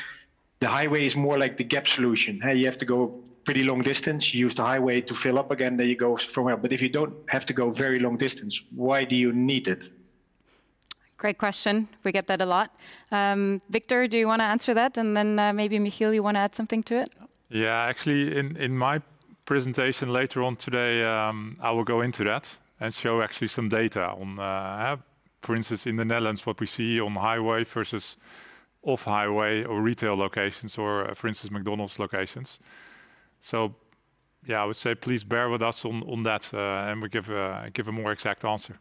The highway is more like the stopgap solution. You have to go a pretty long distance. You use the highway to fill up. Again, there you go from there. If you don't have to go a very long distance, why do you need it? Great question. We get that a lot. Victor, do you want to answer that? Maybe, Michiel, you want to add something to it? Yeah. Actually, in my presentation later on today, I will go into that and show actually some data on, for instance, in the Netherlands, what we see on highway versus off-highway or retail locations or, for instance, McDonald's locations. Yeah, I would say please bear with us on that. We'll give a more exact answer.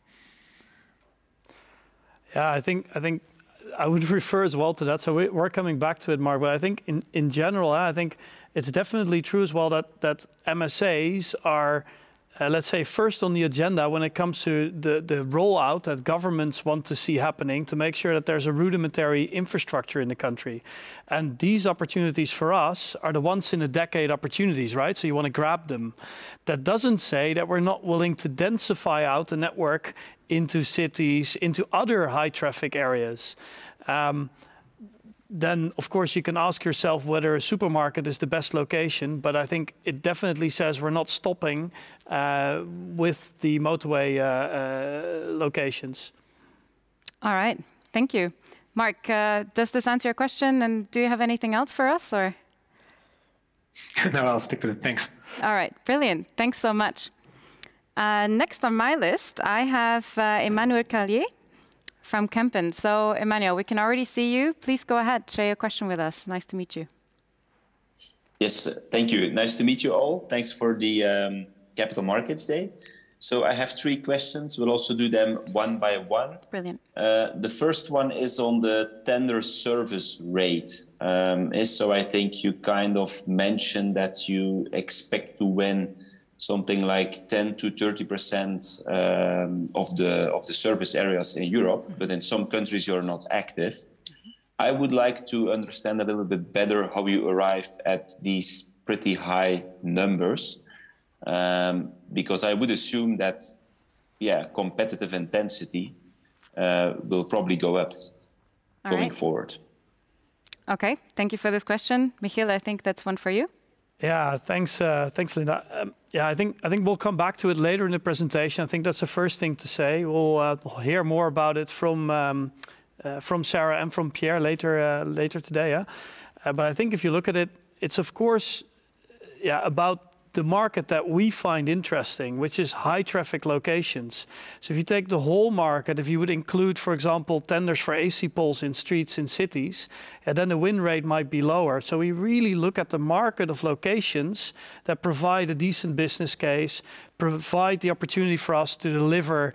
Yeah. I think I would refer as well to that. We're coming back to it, Marc. I think, in general, I think it's definitely true as well that MSAs are, let's say, first on the agenda when it comes to the rollout that governments want to see happening to make sure that there's a rudimentary infrastructure in the country. These opportunities for us are the once-in-a-decade opportunities, right? You want to grab them. That doesn't say that we're not willing to densify out the network into cities, into other high-traffic areas. Of course, you can ask yourself whether a supermarket is the best location. I think it definitely says we're not stopping with the motorway locations. All right. Thank you. Marc, does this answer your question? Do you have anything else for us, or? No, I'll stick with it. Thanks. All right. Brilliant. Thanks so much. Next on my list, I have Emmanuel Carlier from Kempen. Emmanuel, we can already see you. Please go ahead, share your question with us. Nice to meet you. Yes. Thank you. Nice to meet you all. Thanks for the Capital Markets Day. I have three questions. We'll also do them one by one. Brilliant. The first one is on the tender service rate. I think you kind of mentioned that you expect to win something like 10%-30% of the service areas in Europe. In some countries, you're not active. I would like to understand a little bit better how you arrived at these pretty high numbers because I would assume that competitive intensity will probably go up going forward. OK. Thank you for this question. Michiel, I think that's one for you. Yeah. Thanks, Linda. Yeah, I think we'll come back to it later in the presentation. I think that's the first thing to say. We'll hear more about it from Sarah and from Pierre later today. I think if you look at it's, of course, about the market that we find interesting, which is high-traffic locations. If you take the whole market, if you would include, for example, tenders for AC poles in streets in cities, then the win rate might be lower. We really look at the market of locations that provide a decent business case, provide the opportunity for us to deliver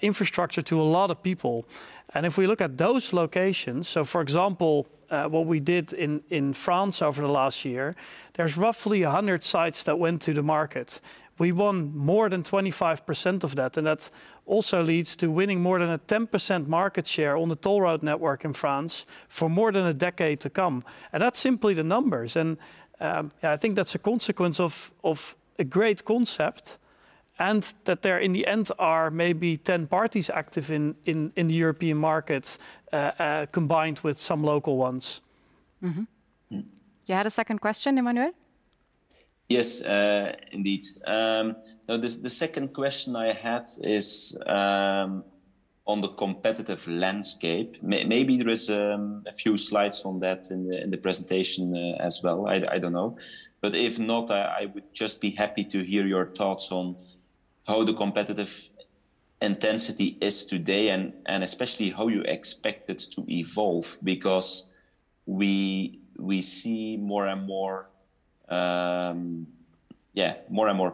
infrastructure to a lot of people. If we look at those locations, so for example, what we did in France over the last year, there's roughly 100 sites that went to the market. We won more than 25% of that. That also leads to winning more than a 10% market share on the toll road network in France for more than a decade to come. That's simply the numbers. I think that's a consequence of a great concept and that there, in the end, are maybe 10 parties active in the European market combined with some local ones. You had a second question, Emmanuel? Yes, indeed. The second question I had is on the competitive landscape. Maybe there are a few slides on that in the presentation as well. I don't know. If not, I would just be happy to hear your thoughts on how the competitive intensity is today and especially how you expect it to evolve because we see more and more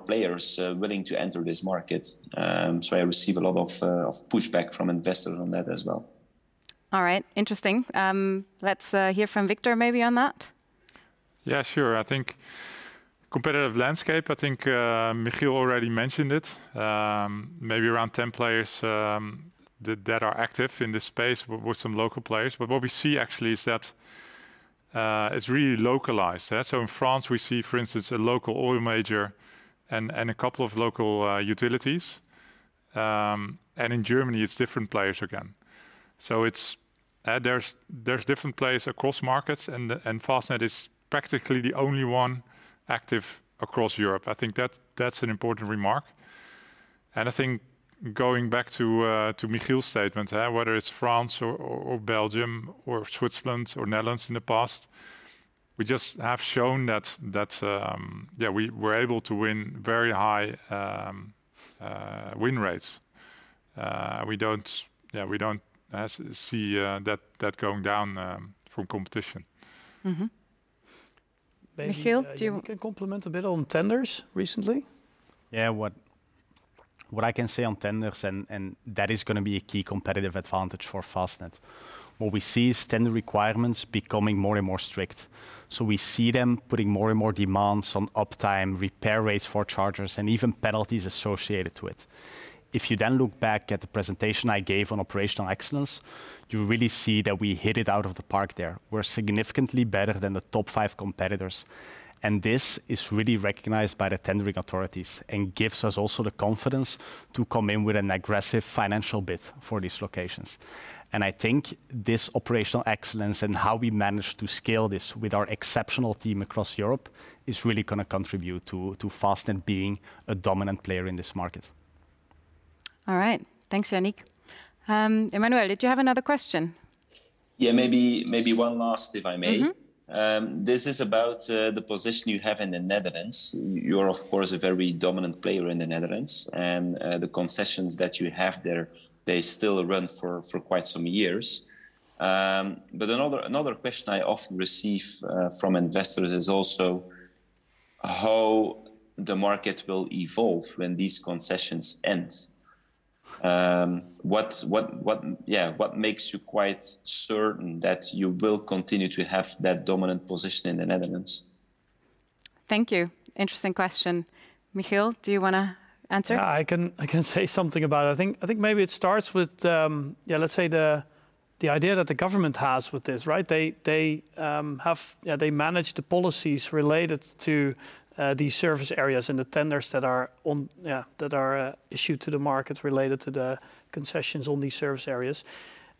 players willing to enter this market. I receive a lot of pushback from investors on that as well. All right. Interesting. Let's hear from Victor maybe on that. Yeah, sure. I think competitive landscape. I think Michiel already mentioned it. Maybe around 10 players that are active in this space with some local players. What we see, actually, is that it's really localized. In France, we see, for instance, a local oil major and a couple of local utilities. In Germany, it's different players again. There's different players across markets. Fastned is practically the only one active across Europe. I think that's an important remark. I think going back to Michiel's statement, whether it's France or Belgium or Switzerland or Netherlands in the past, we just have shown that we're able to win very high win rates. We don't see that going down from competition. Michiel, do you? You can comment a bit on tenders recently? Yeah. What I can say on tenders, and that is going to be a key competitive advantage for Fastned, what we see is tender requirements becoming more and more strict. We see them putting more and more demands on uptime, repair rates for chargers, and even penalties associated with it. If you then look back at the presentation I gave on operational excellence, you really see that we hit it out of the park there. We're significantly better than the top five competitors. This is really recognized by the tendering authorities and gives us also the confidence to come in with an aggressive financial bid for these locations. I think this operational excellence and how we manage to scale this with our exceptional team across Europe is really going to contribute to Fastned being a dominant player in this market. All right. Thanks, Yannick. Emmanuel, did you have another question? Yeah, maybe one last, if I may. This is about the position you have in the Netherlands. You're, of course, a very dominant player in the Netherlands. The concessions that you have there, they still run for quite some years. Another question I often receive from investors is also how the market will evolve when these concessions end. What makes you quite certain that you will continue to have that dominant position in the Netherlands? Thank you. Interesting question. Michiel, do you want to answer? Yeah, I can say something about it. I think maybe it starts with, yeah, let's say, the idea that the government has with this, right? They manage the policies related to these service areas and the tenders that are issued to the market related to the concessions on these service areas.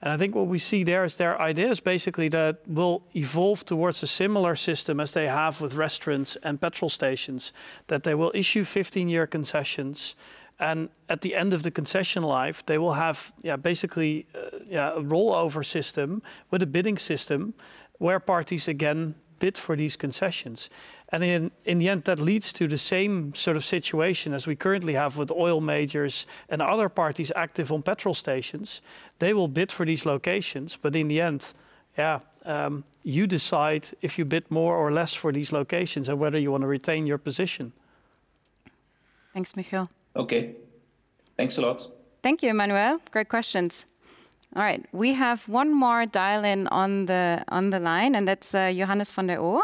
I think what we see there is their idea is basically that it will evolve towards a similar system as they have with restaurants and petrol stations, that they will issue 15-year concessions. At the end of the concession life, they will have basically a rollover system with a bidding system where parties, again, bid for these concessions. In the end, that leads to the same sort of situation as we currently have with oil majors and other parties active on petrol stations. They will bid for these locations. In the end, yeah, you decide if you bid more or less for these locations and whether you want to retain your position. Thanks, Michiel. OK. Thanks a lot. Thank you, Emmanuel. Great questions. All right. We have one more dial-in on the line. That's Johannes van der Ohe.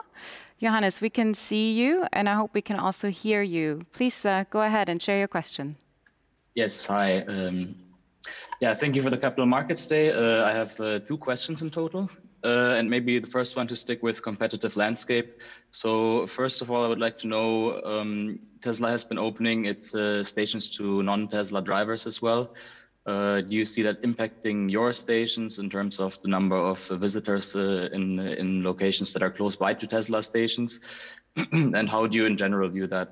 Johannes, we can see you. I hope we can also hear you. Please go ahead and share your question. Yes. Hi. Yeah, thank you for the Capital Markets Day. I have two questions in total. Maybe the first one to stick with competitive landscape. First of all, I would like to know, Tesla has been opening its stations to non-Tesla drivers as well. Do you see that impacting your stations in terms of the number of visitors in locations that are close by to Tesla stations? How do you, in general, view that?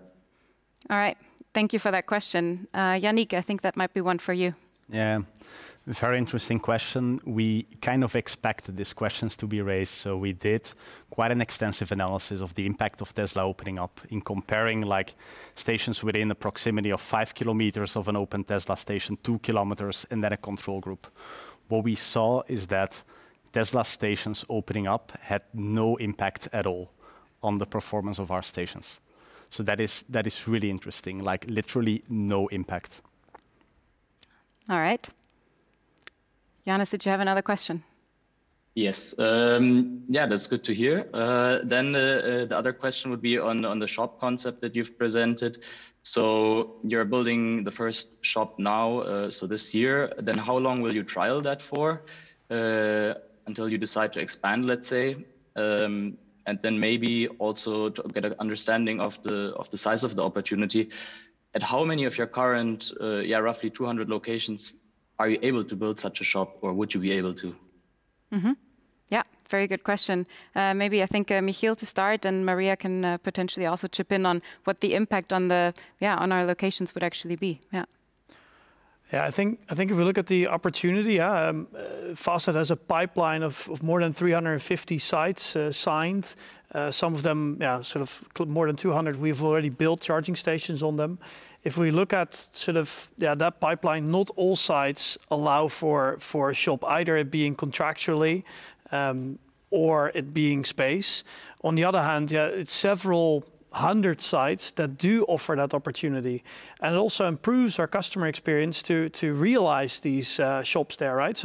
All right. Thank you for that question. Yannick, I think that might be one for you. Yeah. Very interesting question. We kind of expected these questions to be raised. We did quite an extensive analysis of the impact of Tesla opening up and comparing stations within the proximity of 5 km of an open Tesla station, 2 km, and then a control group. What we saw is that Tesla stations opening up had no impact at all on the performance of our stations. That is really interesting, like literally no impact. All right. Johannes, did you have another question? Yes. Yeah, that's good to hear. The other question would be on the shop concept that you've presented. You're building the first shop now, so this year. How long will you trial that for until you decide to expand, let's say, and then maybe also get an understanding of the size of the opportunity? At how many of your current, yeah, roughly 200 locations are you able to build such a shop, or would you be able to? Yeah. Very good question. Maybe I think Michiel to start. Maria can potentially also chip in on what the impact on our locations would actually be. Yeah. Yeah. I think if we look at the opportunity, Fastned has a pipeline of more than 350 sites signed, some of them sort of more than 200. We've already built charging stations on them. If we look at sort of that pipeline, not all sites allow for a shop, either it being contractually or it being space. On the other hand, it's several hundred sites that do offer that opportunity. It also improves our customer experience to realize these shops there, right?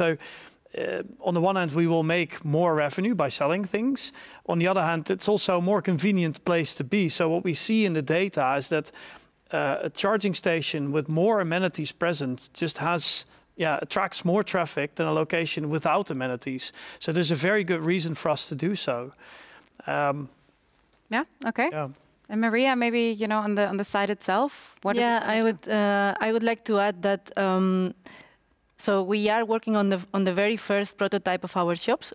On the one hand, we will make more revenue by selling things. On the other hand, it's also a more convenient place to be. What we see in the data is that a charging station with more amenities present just attracts more traffic than a location without amenities. There's a very good reason for us to do so. Yeah. OK. Maria, maybe on the side itself, what is? Yeah. I would like to add that so we are working on the very first prototype of our shops.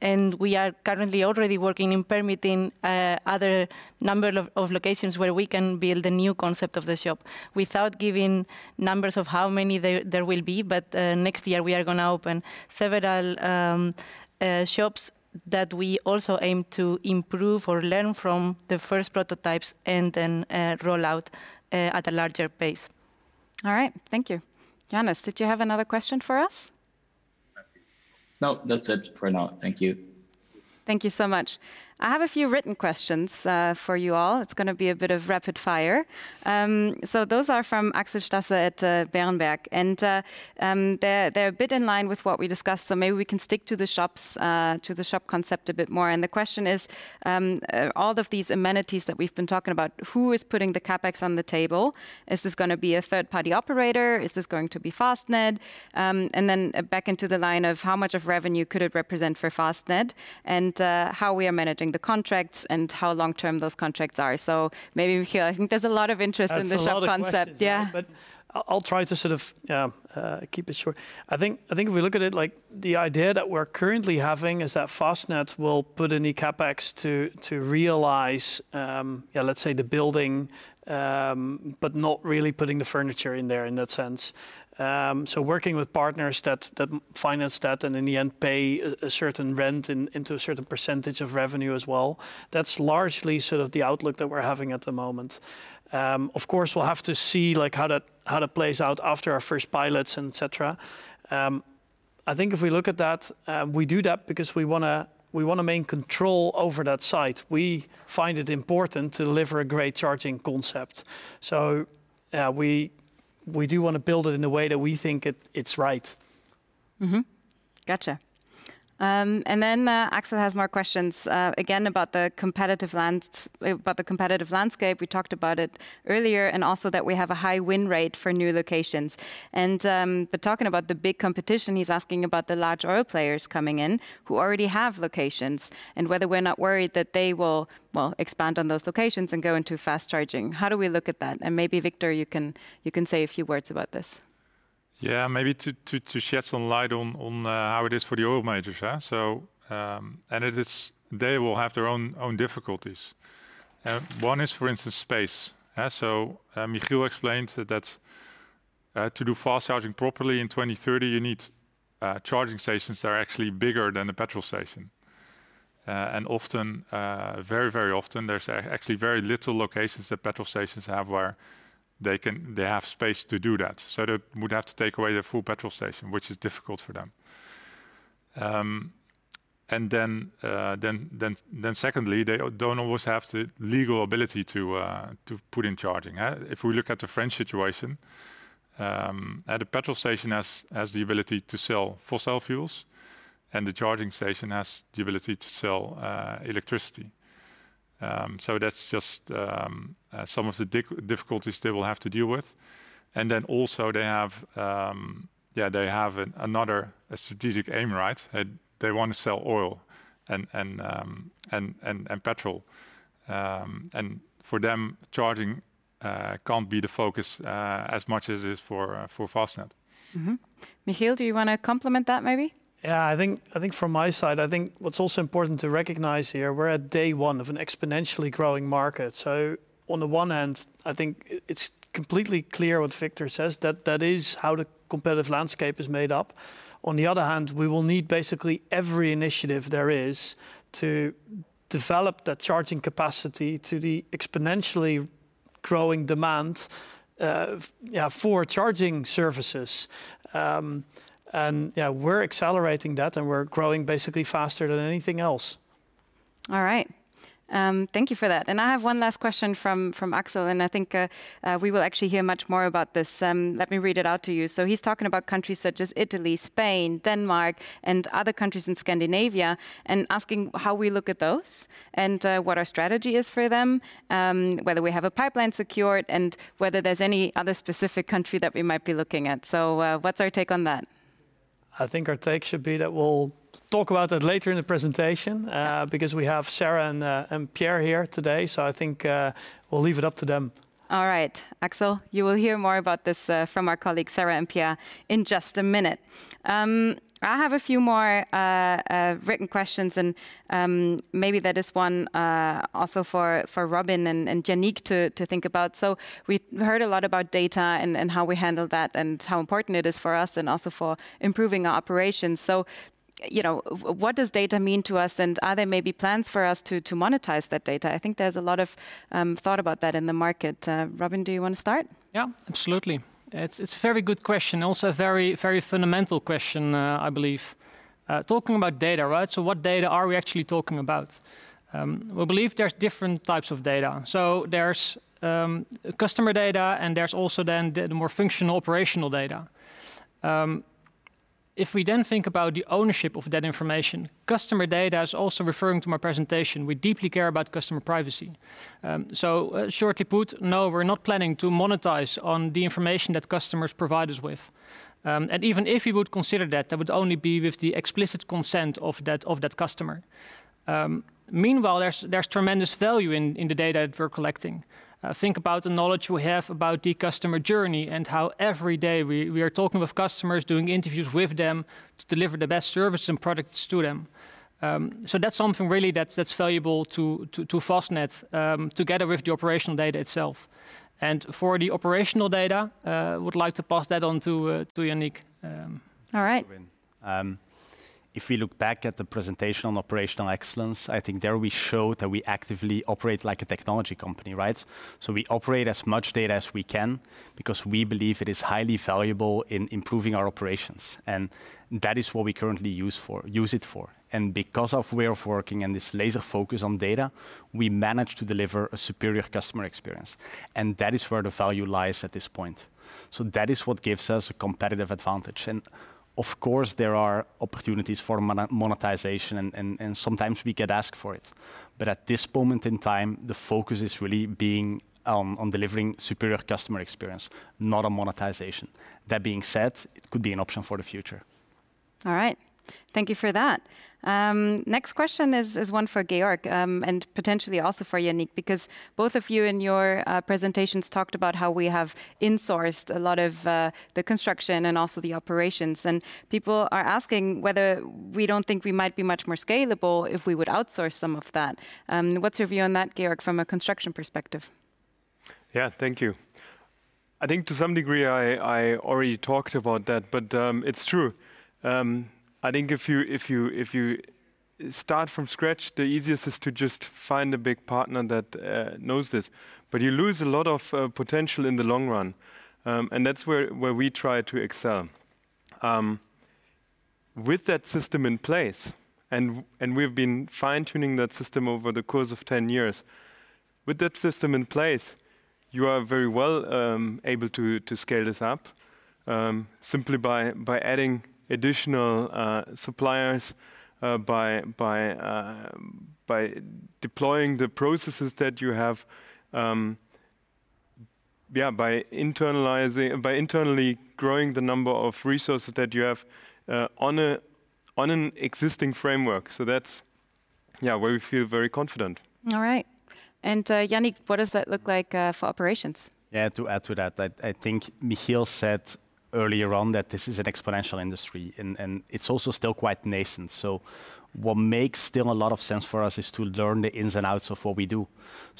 We are currently already working on permitting a number of locations where we can build a new concept of the shop without giving numbers of how many there will be. Next year, we are going to open several shops that we also aim to improve or learn from the first prototypes and then roll out at a larger pace. All right. Thank you. Johannes, did you have another question for us? No, that's it for now. Thank you. Thank you so much. I have a few written questions for you all. It's going to be a bit of rapid fire. Those are from Axel Stasse at Berenberg. They're a bit in line with what we discussed. Maybe we can stick to the shops, to the shop concept a bit more. The question is, all of these amenities that we've been talking about, who is putting the CapEx on the table? Is this going to be a third-party operator? Is this going to be Fastned? Then back into the line of how much of revenue could it represent for Fastned and how we are managing the contracts and how long-term those contracts are. Maybe, Michiel, I think there's a lot of interest in the shop concept. Yeah. I'll try to sort of keep it short. I think if we look at it, the idea that we're currently having is that Fastned will put any CapEx to realize, let's say, the building but not really putting the furniture in there in that sense. Working with partners that finance that and, in the end, pay a certain rent into a certain percentage of revenue as well, that's largely sort of the outlook that we're having at the moment. Of course, we'll have to see how that plays out after our first pilots, et cetera. I think if we look at that, we do that because we want to maintain control over that site. We find it important to deliver a great charging concept. We do want to build it in the way that we think it's right. Gotcha. Then Axel has more questions, again, about the competitive landscape. We talked about it earlier and also that we have a high win rate for new locations. Talking about the big competition, he's asking about the large oil players coming in who already have locations and whether we're not worried that they will expand on those locations and go into fast charging. How do we look at that? Maybe, Victor, you can say a few words about this. Yeah. Maybe to shed some light on how it is for the oil majors. They will have their own difficulties. One is, for instance, space. Michiel explained that to do fast charging properly in 2030, you need charging stations that are actually bigger than the petrol station. Often, very, very often, there's actually very little locations that petrol stations have where they have space to do that. They would have to take away the full petrol station, which is difficult for them. Secondly, they don't always have the legal ability to put in charging. If we look at the French situation, the petrol station has the ability to sell fossil fuels. The charging station has the ability to sell electricity. That's just some of the difficulties they will have to deal with. They have another strategic aim, right? They want to sell oil and petrol. For them, charging can't be the focus as much as it is for Fastned. Michiel, do you want to complement that maybe? Yeah. I think from my side, I think what's also important to recognize here, we're at day one of an exponentially growing market. On the one hand, I think it's completely clear what Victor says. That is how the competitive landscape is made up. On the other hand, we will need basically every initiative there is to develop that charging capacity to the exponentially growing demand for charging services. We're accelerating that. We're growing basically faster than anything else. All right. Thank you for that. I have one last question from Axel. I think we will actually hear much more about this. Let me read it out to you. He's talking about countries such as Italy, Spain, Denmark, and other countries in Scandinavia and asking how we look at those and what our strategy is for them, whether we have a pipeline secured, and whether there's any other specific country that we might be looking at. What's our take on that? I think our take should be that we'll talk about that later in the presentation because we have Sarah and Pierre here today. I think we'll leave it up to them. All right. Axel, you will hear more about this from our colleagues, Sarah and Pierre, in just a minute. I have a few more written questions. Maybe that is one also for Robin and Yannick to think about. We heard a lot about data and how we handle that and how important it is for us and also for improving our operations. What does data mean to us? And are there maybe plans for us to monetize that data? I think there's a lot of thought about that in the market. Robin, do you want to start? Yeah, absolutely. It's a very good question. Also a very fundamental question, I believe. Talking about data, right? What data are we actually talking about? We believe there's different types of data. There's customer data. There's also then the more functional operational data. If we then think about the ownership of that information, customer data is also referring to my presentation. We deeply care about customer privacy. Shortly put, no, we're not planning to monetize on the information that customers provide us with. Even if we would consider that would only be with the explicit consent of that customer. Meanwhile, there's tremendous value in the data that we're collecting. Think about the knowledge we have about the customer journey and how every day we are talking with customers, doing interviews with them to deliver the best services and products to them. That's something really that's valuable to Fastned together with the operational data itself. For the operational data, I would like to pass that on to Yannick. All right. If we look back at the presentation on operational excellence, I think there we show that we actively operate like a technology company, right? We operate as much data as we can because we believe it is highly valuable in improving our operations. That is what we currently use it for. Because of where we're working and this laser focus on data, we manage to deliver a superior customer experience. That is where the value lies at this point. That is what gives us a competitive advantage. Of course, there are opportunities for monetization. Sometimes we get asked for it. At this moment in time, the focus is really being on delivering superior customer experience, not on monetization. That being said, it could be an option for the future. All right. Thank you for that. Next question is one for Georg and potentially also for Yannick because both of you in your presentations talked about how we have insourced a lot of the construction and also the operations. People are asking whether we don't think we might be much more scalable if we would outsource some of that. What's your view on that, Georg, from a construction perspective? Yeah. Thank you. I think to some degree, I already talked about that. It's true. I think if you start from scratch, the easiest is to just find a big partner that knows this. You lose a lot of potential in the long run. That's where we try to excel. With that system in place and we have been fine-tuning that system over the course of 10 years, with that system in place, you are very well able to scale this up simply by adding additional suppliers, by deploying the processes that you have, yeah, by internally growing the number of resources that you have on an existing framework. That's where we feel very confident. All right. Yannick, what does that look like for operations? Yeah. To add to that, I think Michiel said earlier on that this is an exponential industry. It's also still quite nascent. What makes still a lot of sense for us is to learn the ins and outs of what we do.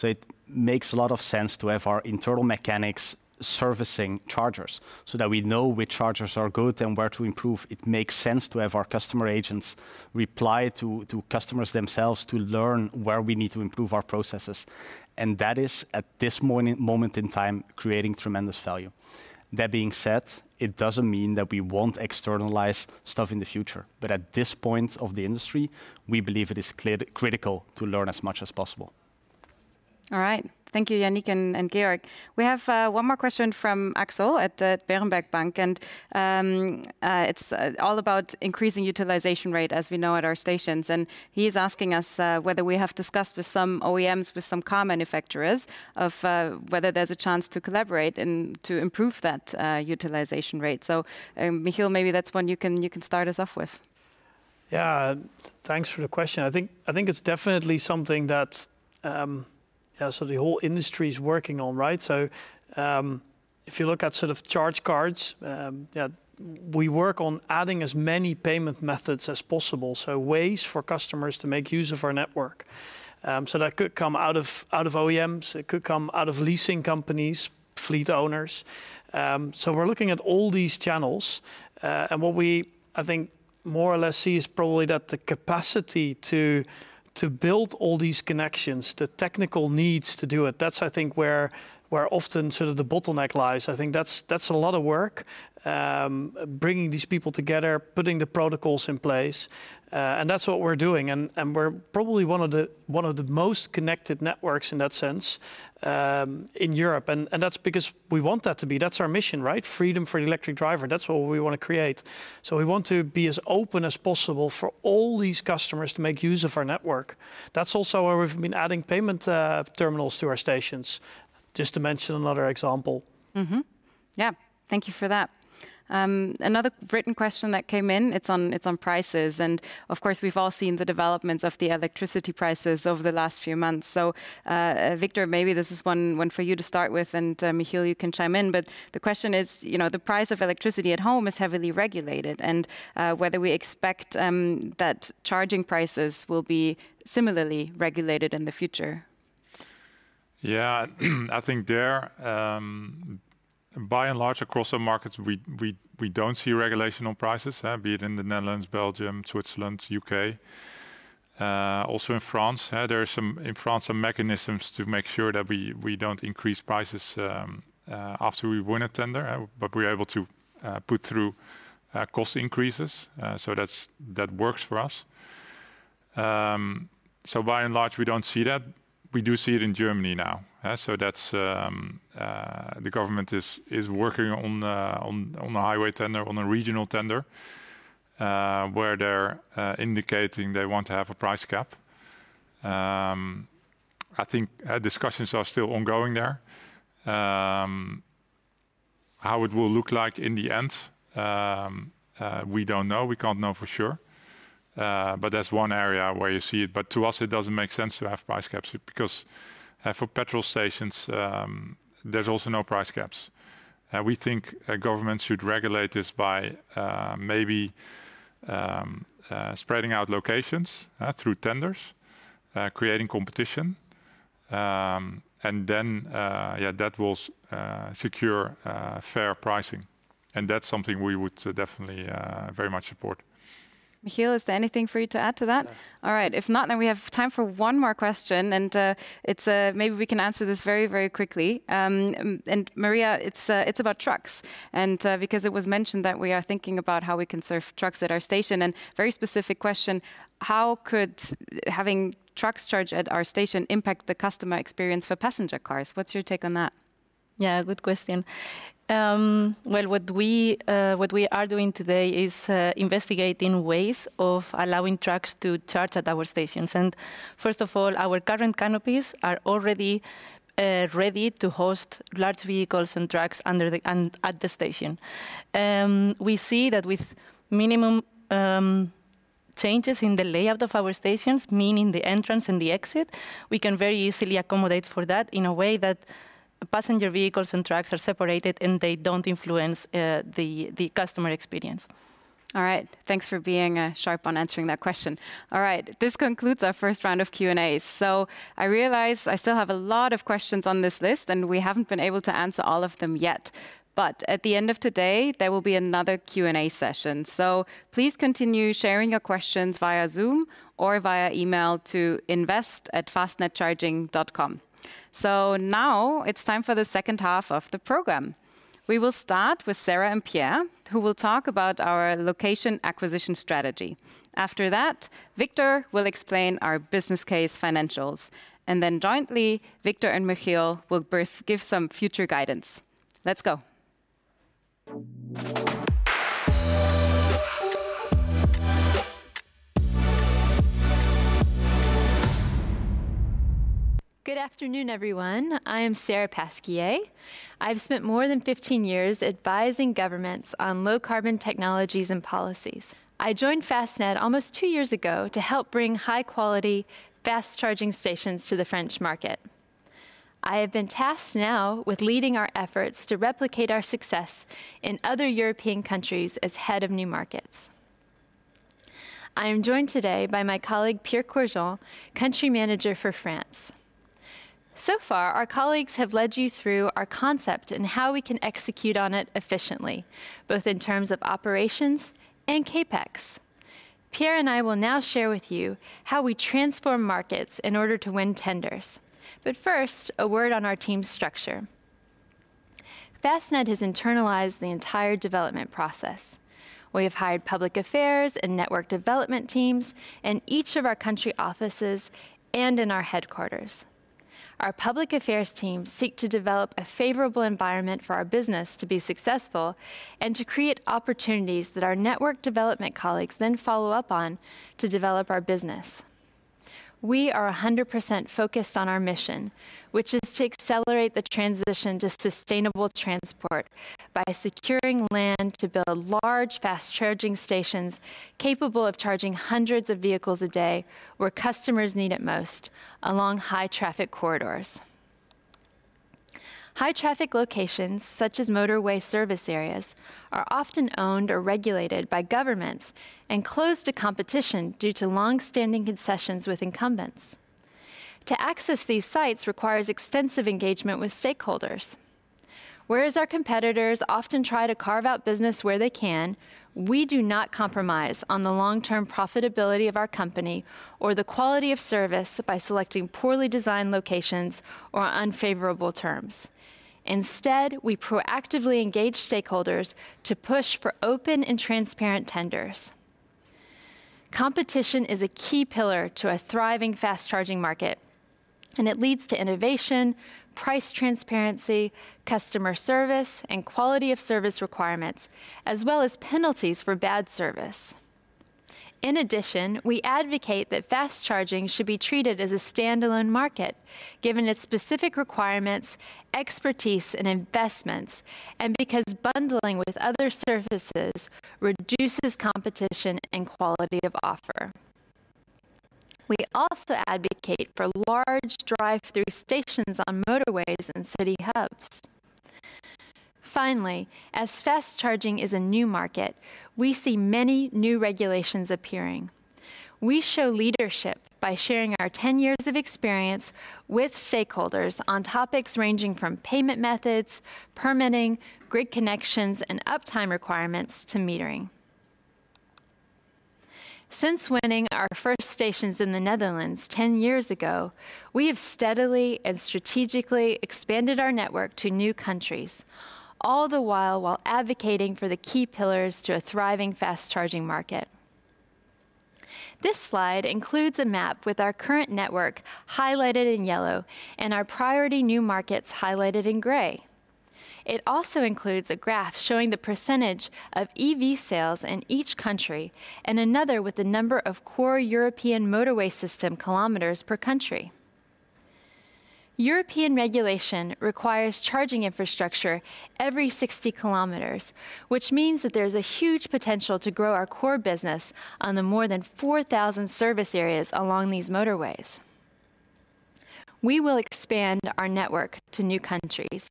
It makes a lot of sense to have our internal mechanics servicing chargers so that we know which chargers are good and where to improve. It makes sense to have our customer agents reply to customers themselves to learn where we need to improve our processes. That is, at this moment in time, creating tremendous value. That being said, it doesn't mean that we won't externalize stuff in the future. At this point of the industry, we believe it is critical to learn as much as possible. All right. Thank you, Yannick and Georg. We have one more question from Axel at Berenberg Bank. It's all about increasing utilization rate, as we know, at our stations. He is asking us whether we have discussed with some OEMs, with some car manufacturers, whether there's a chance to collaborate and to improve that utilization rate. Michiel, maybe that's one you can start us off with. Yeah. Thanks for the question. I think it's definitely something that sort of the whole industry is working on, right? If you look at sort of charge cards, we work on adding as many payment methods as possible, so ways for customers to make use of our network. That could come out of OEMs. It could come out of leasing companies, fleet owners. We're looking at all these channels. What we, I think, more or less see is probably that the capacity to build all these connections, the technical needs to do it, that's, I think, where often sort of the bottleneck lies. I think that's a lot of work, bringing these people together, putting the protocols in place. That's what we're doing. We're probably one of the most connected networks in that sense in Europe. That's because we want that to be. That's our mission, right? Freedom for the electric driver. That's what we want to create. We want to be as open as possible for all these customers to make use of our network. That's also where we've been adding payment terminals to our stations, just to mention another example. Yeah. Thank you for that. Another written question that came in, it's on prices. Of course, we've all seen the developments of the electricity prices over the last few months. Victor, maybe this is one for you to start with. Michiel, you can chime in. The question is, the price of electricity at home is heavily regulated, whether we expect that charging prices will be similarly regulated in the future. Yeah. I think there, by and large, across our markets, we don't see regulation on prices, be it in the Netherlands, Belgium, Switzerland, U.K., also in France. There are some mechanisms to make sure that we don't increase prices after we win a tender. We're able to put through cost increases. That works for us. By and large, we don't see that. We do see it in Germany now. The government is working on a highway tender, on a regional tender, where they're indicating they want to have a price cap. I think discussions are still ongoing there. How it will look like in the end, we don't know. We can't know for sure. That's one area where you see it. To us, it doesn't make sense to have price caps because for petrol stations, there's also no price caps. We think governments should regulate this by maybe spreading out locations through tenders, creating competition. That will secure fair pricing. That's something we would definitely very much support. Michiel, is there anything for you to add to that? All right. If not, then we have time for one more question. Maybe we can answer this very, very quickly. Maria, it's about trucks. Because it was mentioned that we are thinking about how we can serve trucks at our station. Very specific question: How could having trucks charge at our station impact the customer experience for passenger cars? What's your take on that? Yeah. Good question. Well, what we are doing today is investigating ways of allowing trucks to charge at our stations. First of all, our current canopies are already ready to host large vehicles and trucks at the station. We see that with minimum changes in the layout of our stations, meaning the entrance and the exit, we can very easily accommodate for that in a way that passenger vehicles and trucks are separated and they don't influence the customer experience. All right. Thanks for being sharp on answering that question. All right. This concludes our first round of Q&A. I realize I still have a lot of questions on this list. We haven't been able to answer all of them yet. At the end of today, there will be another Q&A session. Please continue sharing your questions via Zoom or via email to invest@fastnedcharging.com. Now it's time for the second half of the program. We will start with Sarah and Pierre, who will talk about our location acquisition strategy. After that, Victor will explain our business case financials. Then jointly, Victor and Michiel will give some future guidance. Let's go. Good afternoon, everyone. I am Sarah Pasquier. I've spent more than 15 years advising governments on low-carbon technologies and policies. I joined Fastned almost two years ago to help bring high-quality, fast-charging stations to the French market. I have been tasked now with leading our efforts to replicate our success in other European countries as head of new markets. I am joined today by my colleague Pierre Courgeon, Country Manager for France. Our colleagues have led you through our concept and how we can execute on it efficiently, both in terms of operations and CapEx. Pierre and I will now share with you how we transform markets in order to win tenders. First, a word on our team's structure. Fastned has internalized the entire development process. We have hired public affairs and network development teams in each of our country offices and in our headquarters. Our public affairs teams seek to develop a favorable environment for our business to be successful and to create opportunities that our network development colleagues then follow up on to develop our business. We are 100% focused on our mission, which is to accelerate the transition to sustainable transport by securing land to build large, fast-charging stations capable of charging hundreds of vehicles a day where customers need it most, along high-traffic corridors. High-traffic locations, such as Motorway Service Areas, are often owned or regulated by governments and closed to competition due to longstanding concessions with incumbents. To access these sites requires extensive engagement with stakeholders. Whereas our competitors often try to carve out business where they can, we do not compromise on the long-term profitability of our company or the quality of service by selecting poorly designed locations or unfavorable terms. Instead, we proactively engage stakeholders to push for open and transparent tenders. Competition is a key pillar to a thriving fast-charging market. It leads to innovation, price transparency, customer service, and quality of service requirements, as well as penalties for bad service. In addition, we advocate that fast-charging should be treated as a standalone market, given its specific requirements, expertise, and investments, and because bundling with other services reduces competition and quality of offer. We also advocate for large drive-through stations on motorways and city hubs. Finally, as fast-charging is a new market, we see many new regulations appearing. We show leadership by sharing our 10 years of experience with stakeholders on topics ranging from payment methods, permitting, grid connections, and uptime requirements to metering. Since winning our first stations in the Netherlands 10 years ago, we have steadily and strategically expanded our network to new countries, all the while advocating for the key pillars to a thriving fast-charging market. This slide includes a map with our current network highlighted in yellow and our priority new markets highlighted in gray. It also includes a graph showing the percentage of EV sales in each country and another with the number of core European motorway system kilometers per country. European regulation requires charging infrastructure every 60 km, which means that there is a huge potential to grow our core business on the more than 4,000 service areas along these motorways. We will expand our network to new countries,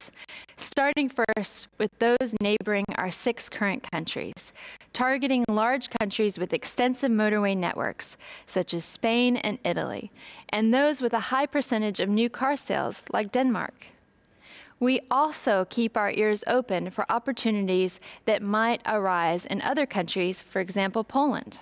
starting first with those neighboring our six current countries, targeting large countries with extensive motorway networks, such as Spain and Italy, and those with a high percentage of new car sales, like Denmark. We also keep our ears open for opportunities that might arise in other countries, for example, Poland.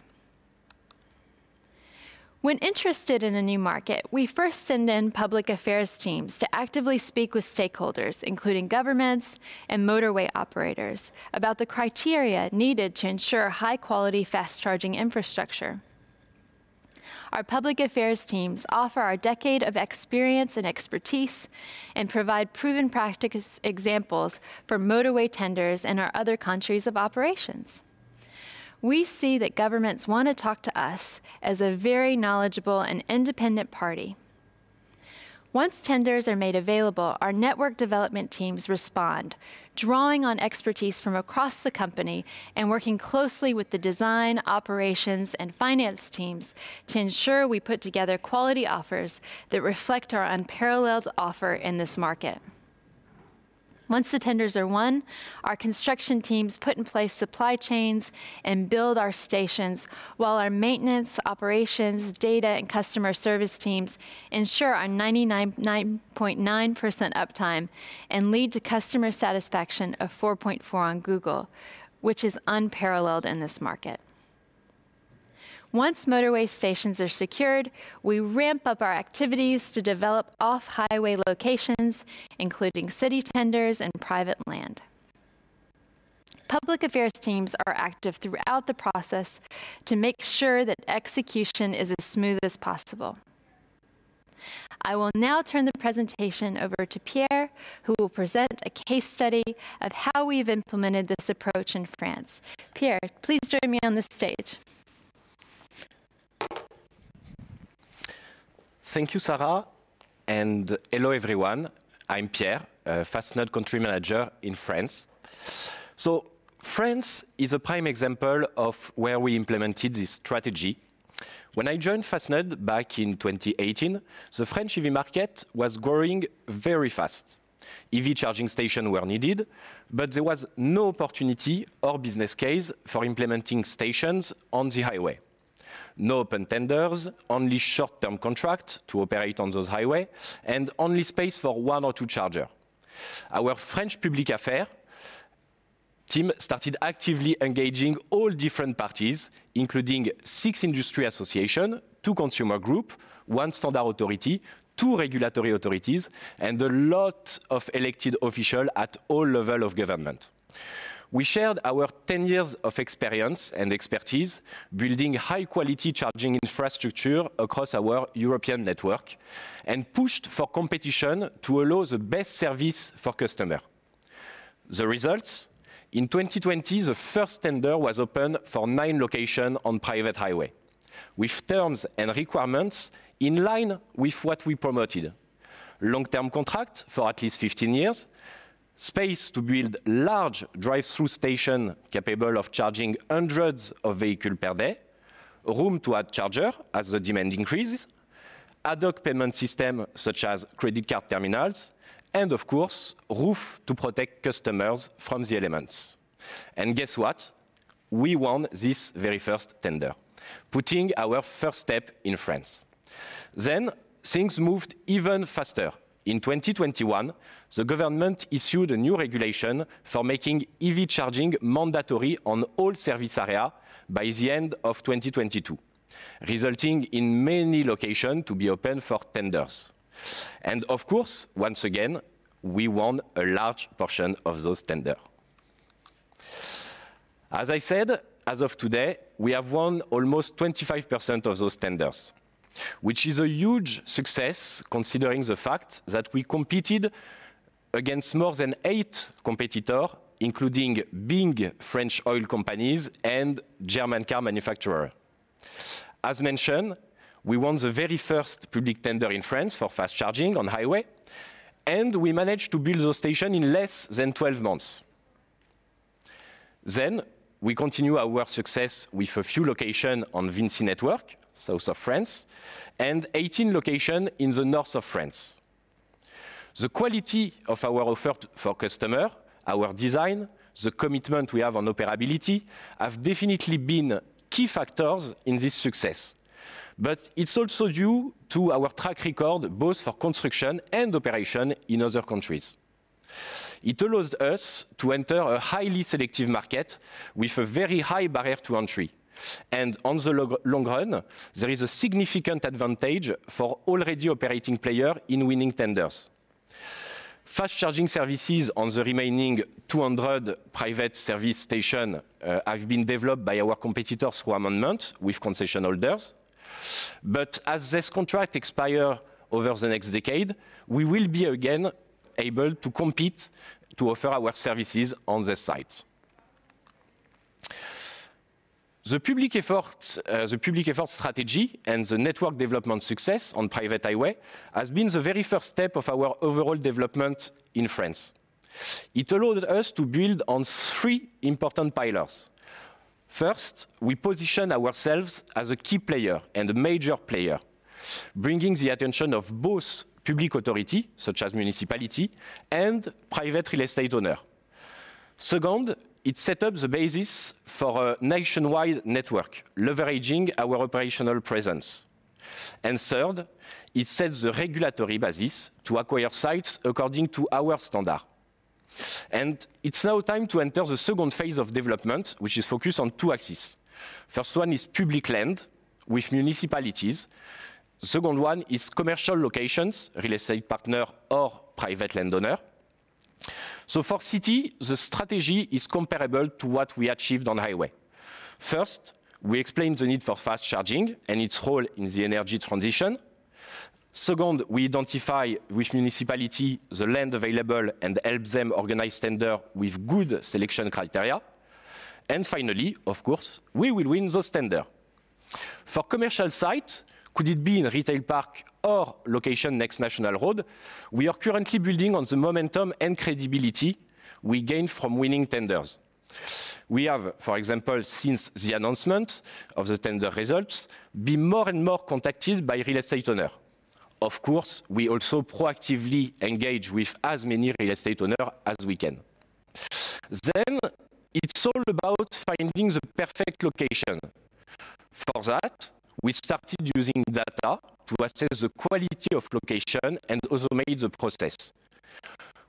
When interested in a new market, we first send in public affairs teams to actively speak with stakeholders, including governments and motorway operators, about the criteria needed to ensure high-quality fast-charging infrastructure. Our public affairs teams offer our decade of experience and expertise and provide proven practice examples for motorway tenders in our other countries of operations. We see that governments want to talk to us as a very knowledgeable and independent party. Once tenders are made available, our network development teams respond, drawing on expertise from across the company and working closely with the design, operations, and finance teams to ensure we put together quality offers that reflect our unparalleled offer in this market. Once the tenders are won, our construction teams put in place supply chains and build our stations, while our maintenance, operations, data, and customer service teams ensure our 99.9% uptime and lead to customer satisfaction of 4.4 on Google, which is unparalleled in this market. Once motorway stations are secured, we ramp up our activities to develop off-highway locations, including city tenders and private land. Public affairs teams are active throughout the process to make sure that execution is as smooth as possible. I will now turn the presentation over to Pierre, who will present a case study of how we've implemented this approach in France. Pierre, please join me on the stage. Thank you, Sarah. Hello, everyone. I'm Pierre, Fastned Country Manager in France. France is a prime example of where we implemented this strategy. When I joined Fastned back in 2018, the French EV market was growing very fast. EV charging stations were needed. There was no opportunity or business case for implementing stations on the highway. No open tenders, only short-term contracts to operate on those highways, and only space for one or two chargers. Our French Public Affairs team started actively engaging all different parties, including six industry associations, two consumer groups, one standard authority, two regulatory authorities, and a lot of elected officials at all levels of government. We shared our 10 years of experience and expertise building high-quality charging infrastructure across our European network and pushed for competition to allow the best service for customers. The results? In 2020, the first tender was opened for nine locations on private highways, with terms and requirements in line with what we promoted, long-term contracts for at least 15 years, space to build large drive-through stations capable of charging hundreds of vehicles per day, room to add chargers as the demand increases, ad hoc payment systems such as credit card terminals, and, of course, roofs to protect customers from the elements. Guess what? We won this very first tender, putting our first step in France. Things moved even faster. In 2021, the government issued a new regulation for making EV charging mandatory on all service areas by the end of 2022, resulting in many locations to be open for tenders. Of course, once again, we won a large portion of those tenders. As I said, as of today, we have won almost 25% of those tenders, which is a huge success considering the fact that we competed against more than Eight competitors, including big French oil companies and German car manufacturers. As mentioned, we won the very first public tender in France for fast charging on highways. We managed to build those stations in less than 12 months. We continue our success with a few locations on VINCI network, south of France, and 18 locations in the north of France. The quality of our offer for customers, our design, and the commitment we have on operability have definitely been key factors in this success. It's also due to our track record, both for construction and operation in other countries. It allows us to enter a highly selective market with a very high barrier to entry. On the long run, there is a significant advantage for already operating players in winning tenders. Fast charging services on the remaining 200 private service stations have been developed by our competitors through amendments with concession holders. As these contracts expire over the next decade, we will be again able to compete to offer our services on these sites. The public effort strategy and the network development success on private highways has been the very first step of our overall development in France. It allows us to build on three important pillars. First, we position ourselves as a key player and a major player, bringing the attention of both public authorities, such as municipalities, and private real estate owners. Second, it sets up the basis for a nationwide network, leveraging our operational presence. Third, it sets the regulatory basis to acquire sites according to our standards. It's now time to enter the second phase of development, which is focused on two axes. The first one is public land with municipalities. The second one is commercial locations, real estate partners, or private landowners. For cities, the strategy is comparable to what we achieved on highways. First, we explained the need for fast charging and its role in the energy transition. Second, we identified with municipalities the land available and helped them organize tenders with good selection criteria. Finally, of course, we will win those tenders. For commercial sites, could it be in a retail park or a location next to a national road? We are currently building on the momentum and credibility we gained from winning tenders. We have, for example, since the announcement of the tender results, been more and more contacted by real estate owners. Of course, we also proactively engage with as many real estate owners as we can. It's all about finding the perfect location. For that, we started using data to assess the quality of locations and automate the process.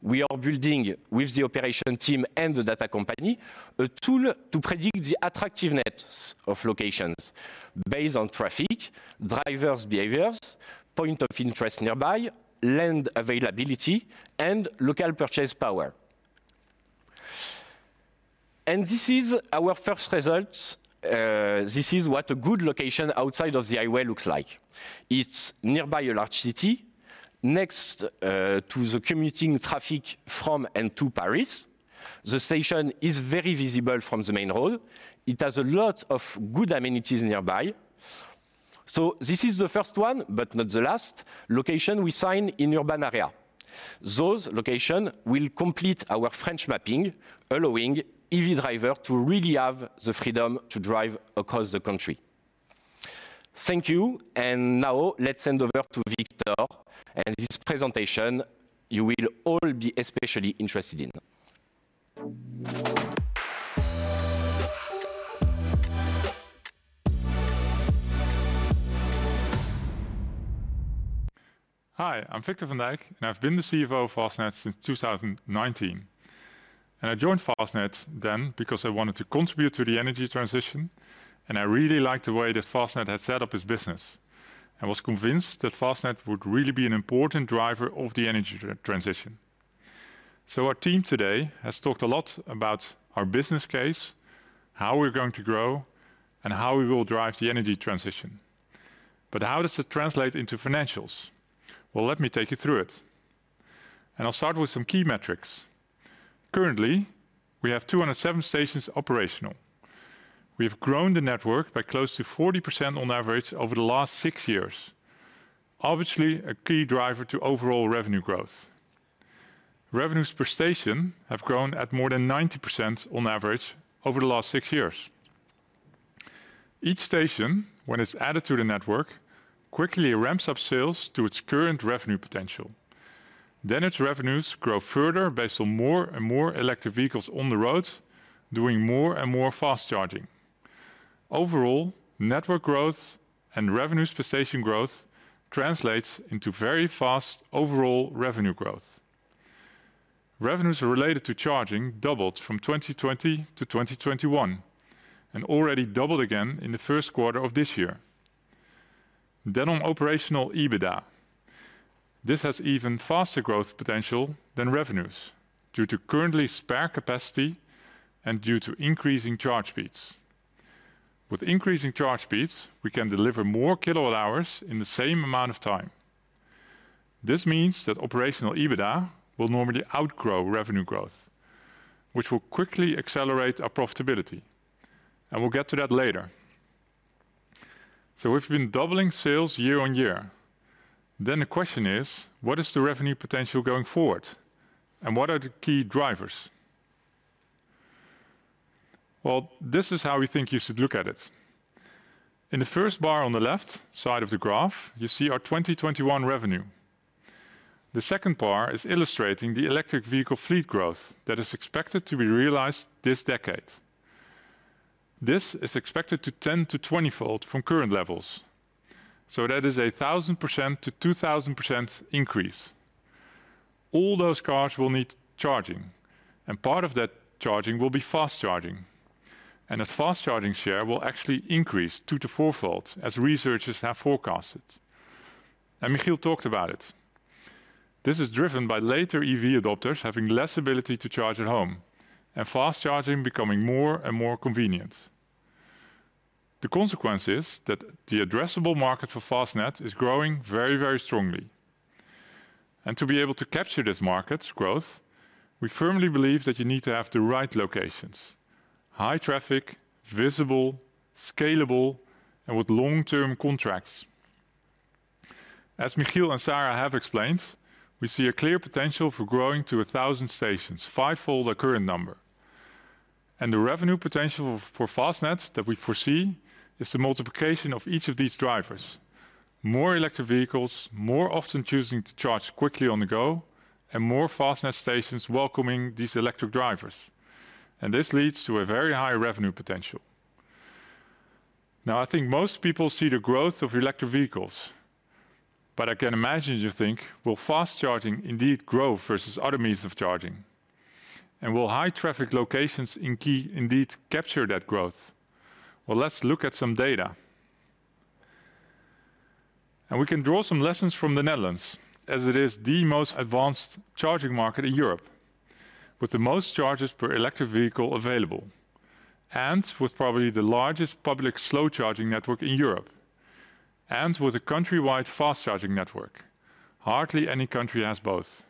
We are building, with the operations team and the data company, a tool to predict the attractiveness of locations based on traffic, drivers' behaviors, points of interest nearby, land availability, and local purchase power. This is our first result. This is what a good location outside of the highway looks like. It's nearby a large city, next to the commuting traffic from and to Paris. The station is very visible from the main road. It has a lot of good amenities nearby. This is the first one, but not the last location we signed in the urban area. Those locations will complete our French mapping, allowing EV drivers to really have the freedom to drive across the country. Thank you. Now, let's send over to Victor. His presentation, you will all be especially interested in. Hi. I'm Victor van Dijk. I've been the CFO of Fastned since 2019. I joined Fastned then because I wanted to contribute to the energy transition. I really liked the way that Fastned had set up its business and was convinced that Fastned would really be an important driver of the energy transition. Our team today has talked a lot about our business case, how we're going to grow, and how we will drive the energy transition. How does that translate into financials? Well, let me take you through it. I'll start with some key metrics. Currently, we have 207 stations operational. We have grown the network by close to 40% on average over the last six years, obviously a key driver to overall revenue growth. Revenues per station have grown at more than 90% on average over the last six years. Each station, when it's added to the network, quickly ramps up sales to its current revenue potential. Its revenues grow further based on more and more Electric Vehicles on the roads, doing more and more fast charging. Overall, network growth and revenues per station growth translate into very fast overall revenue growth. Revenues related to charging doubled from 2020 to 2021 and already doubled again in the first quarter of this year. On operational EBITDA, this has even faster growth potential than revenues due to currently spare capacity and due to increasing charge speeds. With increasing charge speeds, we can deliver more kilowatt-hours in the same amount of time. This means that operational EBITDA will normally outgrow revenue growth, which will quickly accelerate our profitability. We'll get to that later. We've been doubling sales year-on-year. The question is: what is the revenue potential going forward? What are the key drivers? Well, this is how we think you should look at it. In the first bar on the left side of the graph, you see our 2021 revenue. The second bar is illustrating the electric vehicle fleet growth that is expected to be realized this decade. This is expected to 10- to 20-fold from current levels. So that is a 1,000%-2,000% increase. All those cars will need charging. Part of that charging will be fast charging. That fast charging share will actually increase two- to four-fold, as researchers have forecasted. Michiel talked about it. This is driven by later EV adopters having less ability to charge at home and fast charging becoming more and more convenient. The consequence is that the addressable market for Fastned is growing very, very strongly. To be able to capture this market growth, we firmly believe that you need to have the right locations, high traffic, visible, scalable, and with long-term contracts. As Michiel and Sarah have explained, we see a clear potential for growing to 1,000 stations, five-fold our current number. The revenue potential for Fastned that we foresee is the multiplication of each of these drivers, more electric vehicles, more often choosing to charge quickly on the go, and more Fastned stations welcoming these electric drivers. This leads to a very high revenue potential. Now, I think most people see the growth of electric vehicles. I can imagine you think: will fast charging indeed grow versus other means of charging? Will high-traffic locations indeed capture that growth? Well, let's look at some data. We can draw some lessons from the Netherlands, as it is the most advanced charging market in Europe, with the most chargers per electric vehicle available, and with probably the largest public slow-charging network in Europe, and with a countrywide fast-charging network. Hardly any country has both.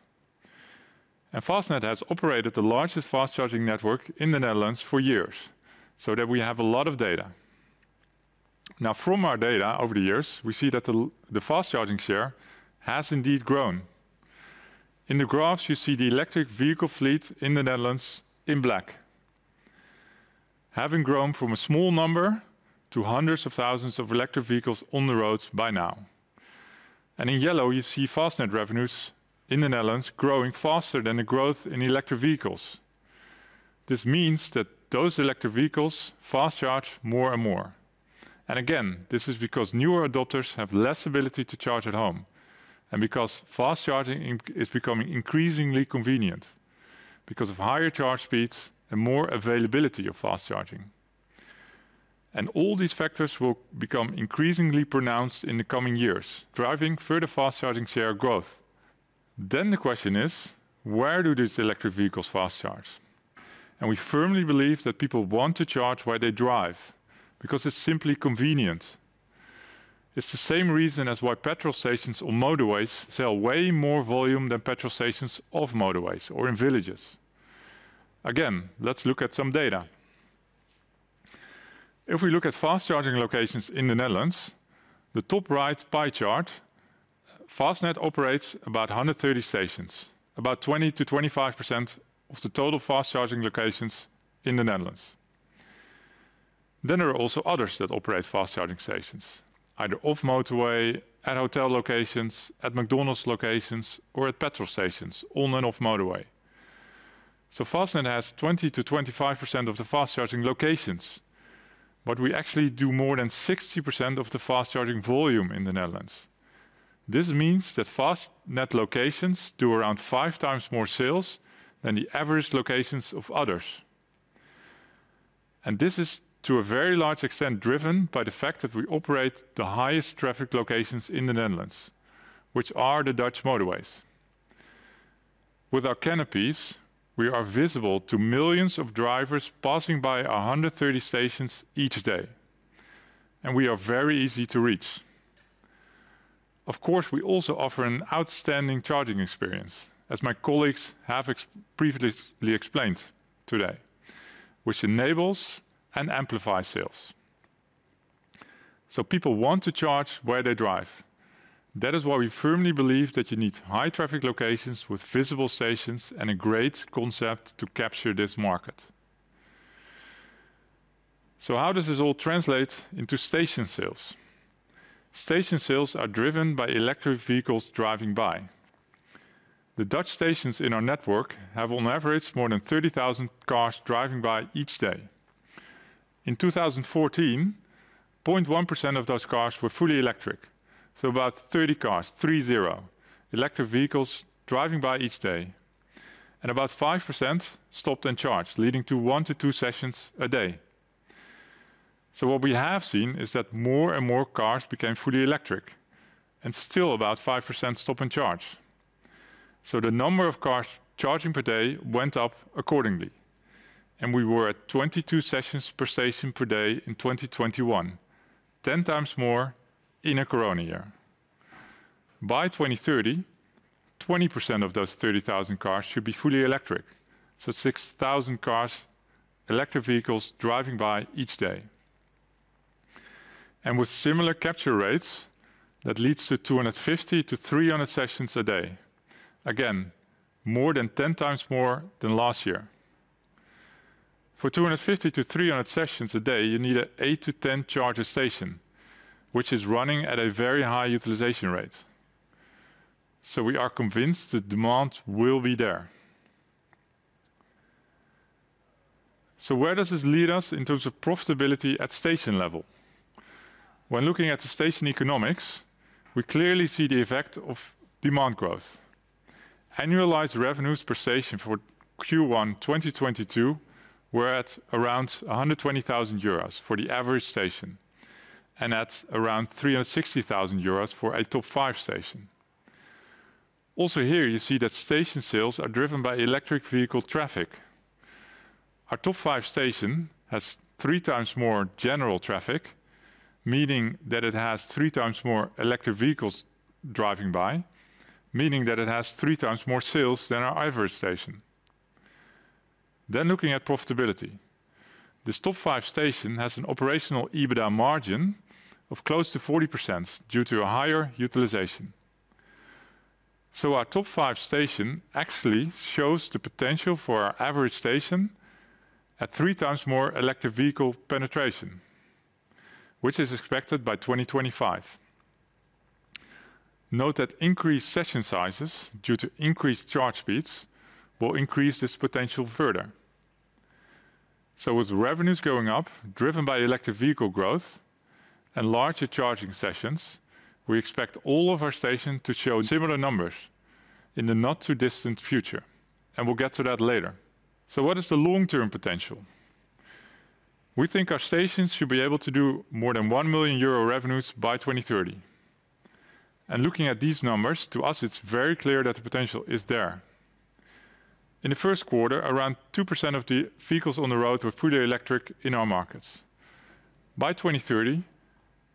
Fastned has operated the largest fast-charging network in the Netherlands for years, so that we have a lot of data. Now, from our data over the years, we see that the fast charging share has indeed grown. In the graphs, you see the electric vehicle fleet in the Netherlands in black, having grown from a small number to hundreds of thousands of electric vehicles on the roads by now. In yellow, you see Fastned revenues in the Netherlands growing faster than the growth in electric vehicles. This means that those electric vehicles fast charge more and more. Again, this is because newer adopters have less ability to charge at home and because fast charging is becoming increasingly convenient because of higher charge speeds and more availability of fast charging. All these factors will become increasingly pronounced in the coming years, driving further fast-charging share growth. The question is: where do these electric vehicles fast charge? We firmly believe that people want to charge while they drive because it's simply convenient. It's the same reason as why petrol stations on motorways sell way more volume than petrol stations off motorways or in villages. Again, let's look at some data. If we look at fast-charging locations in the Netherlands, the top-right pie chart, Fastned operates about 130 stations, about 20%-25% of the total fast-charging locations in the Netherlands. There are also others that operate fast-charging stations, either off highway, at hotel locations, at McDonald's locations, or at gas stations on and off highways. Fastned has 20%-25% of the fast-charging locations. We actually do more than 60% of the fast-charging volume in the Netherlands. This means that Fastned locations do around 5x more sales than the average locations of others. This is, to a very large extent, driven by the fact that we operate the highest traffic locations in the Netherlands, which are the Dutch highways. With our canopies, we are visible to millions of drivers passing by our 130 stations each day. We are very easy to reach. Of course, we also offer an outstanding charging experience, as my colleagues have previously explained today, which enables and amplifies sales. People want to charge while they drive. That is why we firmly believe that you need high-traffic locations with visible stations and a great concept to capture this market. How does this all translate into station sales? Station sales are driven by electric vehicles driving by. The Dutch stations in our network have, on average, more than 30,000 cars driving by each day. In 2014, 0.1% of those cars were fully electric, so about 30 cars, 30, electric vehicles driving by each day. About 5% stopped and charged, leading to one-two sessions a day. What we have seen is that more and more cars became fully electric, and still about 5% stopped and charged. The number of cars charging per day went up accordingly. We were at 22 sessions per station per day in 2021, 10x more in a Corona year. By 2030, 20% of those 30,000 cars should be fully electric, so 6,000 cars, electric vehicles driving by each day. With similar capture rates, that leads to 250-300 sessions a day. Again, more than 10x more than last year. For 250-300 sessions a day, you need an eight-10-charger station, which is running at a very high utilization rate. We are convinced the demand will be there. Where does this lead us in terms of profitability at station level? When looking at the station economics, we clearly see the effect of demand growth. Annualized revenues per station for Q1 2022 were at around 120,000 euros for the average station and at around 360,000 euros for a top-five station. Also here, you see that station sales are driven by Electric Vehicle traffic. Our top-five station has three times more general traffic, meaning that it has three times more electric vehicles driving by, meaning that it has three times more sales than our average station. Looking at profitability, this top-five station has an operational EBITDA margin of close to 40% due to a higher utilization. Our top-five station actually shows the potential for our average station at three times more electric vehicle penetration, which is expected by 2025. Note that increased session sizes, due to increased charge speeds, will increase this potential further. With revenues going up, driven by electric vehicle growth, and larger charging sessions, we expect all of our stations to show similar numbers in the not-too-distant future. We'll get to that later. What is the long-term potential? We think our stations should be able to do more than 1 million euro revenues by 2030. Looking at these numbers, to us, it's very clear that the potential is there. In the first quarter, around 2% of the vehicles on the roads were fully electric in our markets. By 2030,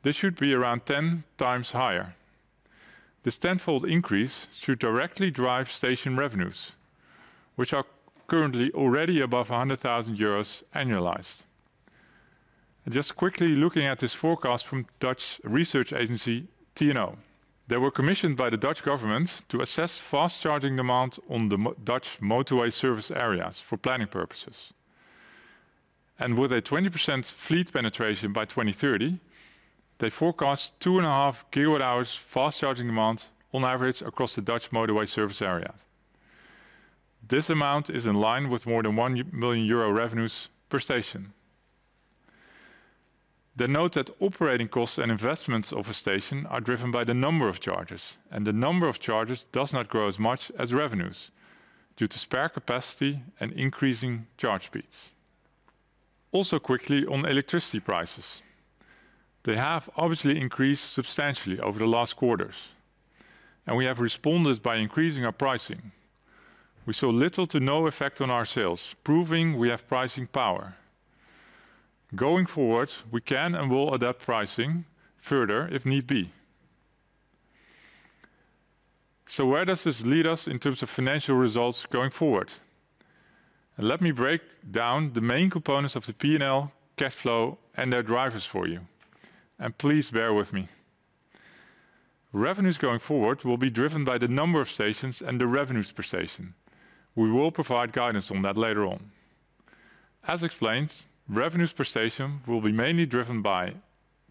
this should be around 10x higher. This tenfold increase should directly drive station revenues, which are currently already above 100,000 euros annualized. Just quickly looking at this forecast from Dutch research agency TNO. They were commissioned by the Dutch government to assess fast charging demand on the Dutch Motorway Service Areas for planning purposes. With a 20% fleet penetration by 2030, they forecast 2.5 kWh fast charging demand on average across the Dutch Motorway Service Areas. This amount is in line with more than 1 million euro revenues per station. Note that operating costs and investments of a station are driven by the number of chargers. The number of chargers does not grow as much as revenues due to spare capacity and increasing charge speeds. Also quickly on electricity prices, they have obviously increased substantially over the last quarters. We have responded by increasing our pricing. We saw little to no effect on our sales, proving we have pricing power. Going forward, we can and will adapt pricing further, if need be. Where does this lead us in terms of financial results going forward? Let me break down the main components of the P&L, cash flow, and their drivers for you. Please bear with me. Revenues going forward will be driven by the number of stations and the revenues per station. We will provide guidance on that later on. As explained, revenues per station will be mainly driven by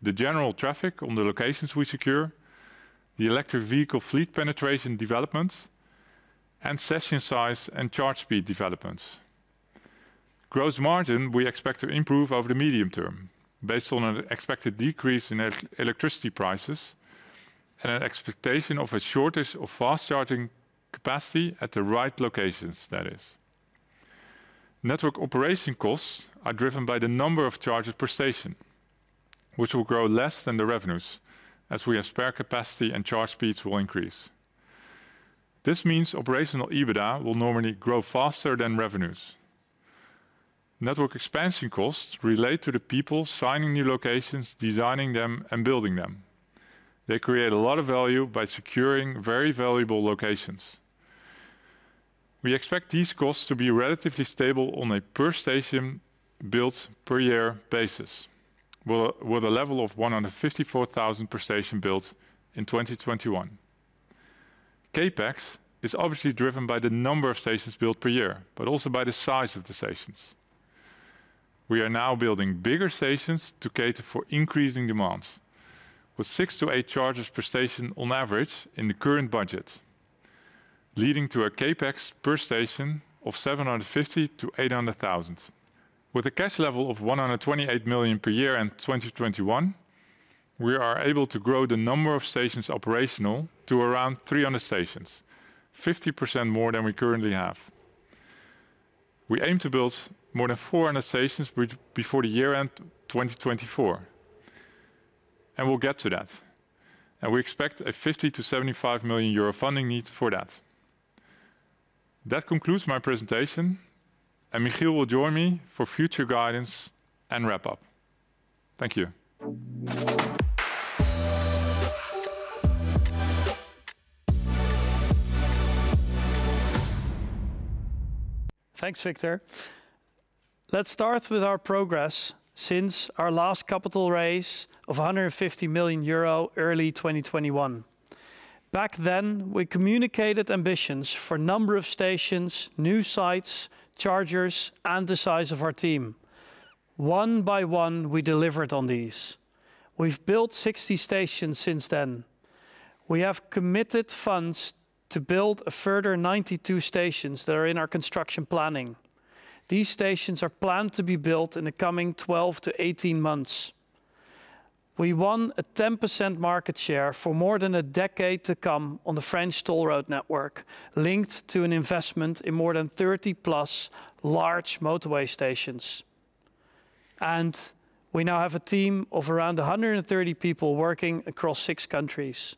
the general traffic on the locations we secure, the electric vehicle fleet penetration developments, and session size and charge speed developments. Gross margin we expect to improve over the medium term, based on an expected decrease in electricity prices and an expectation of a shortage of fast charging capacity at the right locations, that is. Network operation costs are driven by the number of chargers per station, which will grow less than the revenues, as we have spare capacity and charge speeds will increase. This means operational EBITDA will normally grow faster than revenues. Network expansion costs relate to the people signing new locations, designing them, and building them. They create a lot of value by securing very valuable locations. We expect these costs to be relatively stable on a per-station builds-per-year basis, with a level of 154,000 per station built in 2021. CapEx is obviously driven by the number of stations built per year, but also by the size of the stations. We are now building bigger stations to cater for increasing demand, with six-eight chargers per station on average in the current budget, leading to a CapEx per station of 750,000-800,000. With a cash level of 128 million per year in 2021, we are able to grow the number of stations operational to around 300 stations, 50% more than we currently have. We aim to build more than 400 stations before the year-end 2024. We will get to that. We expect a 50-75 million euro funding need for that. That concludes my presentation. Michiel will join me for future guidance and wrap-up. Thank you. Thanks, Victor. Let's start with our progress since our last capital raise of 150 million euro early 2021. Back then, we communicated ambitions for a number of stations, new sites, chargers, and the size of our team. One by one, we delivered on these. We have built 60 stations since then. We have committed funds to build further 92 stations that are in our construction planning. These stations are planned to be built in the coming 12-18 months. We won a 10% market share for more than a decade to come on the French toll road network, linked to an investment in more than 30-plus large Motorway Stations. We now have a team of around 130 people working across six countries.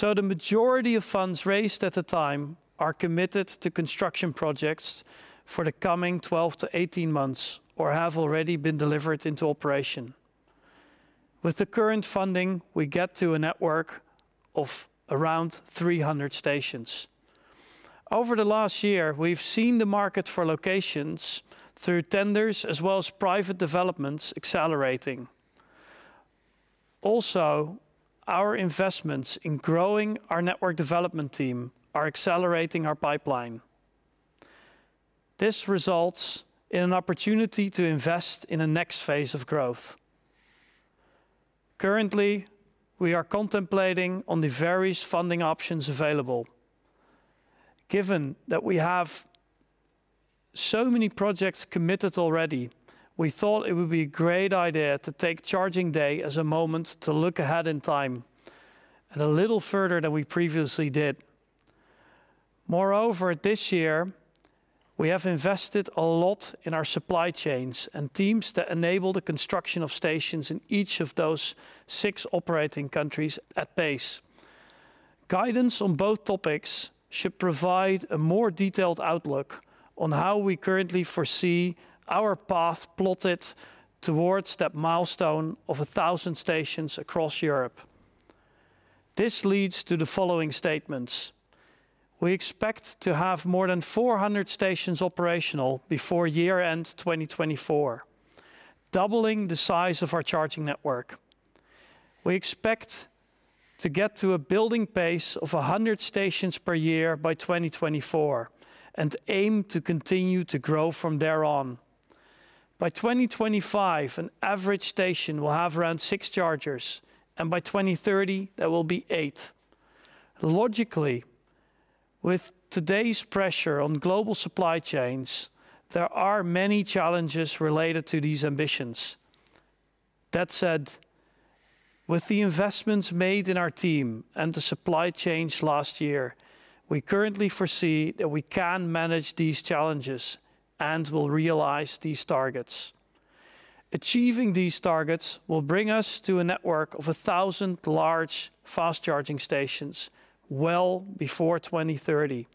The majority of funds raised at the time are committed to construction projects for the coming 12 to 18 months or have already been delivered into operation. With the current funding, we get to a network of around 300 stations. Over the last year, we have seen the market for locations, through tenders as well as private developments, accelerating. Also, our investments in growing our network development team are accelerating our pipeline. This results in an opportunity to invest in the next phase of growth. Currently, we are contemplating on the various funding options available. Given that we have so many projects committed already, we thought it would be a great idea to take Charging Day as a moment to look ahead in time and a little further than we previously did. Moreover, this year, we have invested a lot in our supply chains and teams that enable the construction of stations in each of those six operating countries at pace. Guidance on both topics should provide a more detailed outlook on how we currently foresee our path plotted towards that milestone of 1,000 stations across Europe. This leads to the following statements: We expect to have more than 400 stations operational before year-end 2024, doubling the size of our charging network. We expect to get to a building pace of 100 stations per year by 2024 and aim to continue to grow from there on. By 2025, an average station will have around six chargers. By 2030, there will be eight. Logically, with today's pressure on global supply chains, there are many challenges related to these ambitions. That said, with the investments made in our team and the supply chain last year, we currently foresee that we can manage these challenges and will realize these targets. Achieving these targets will bring us to a network of 1,000 large fast charging stations well before 2030.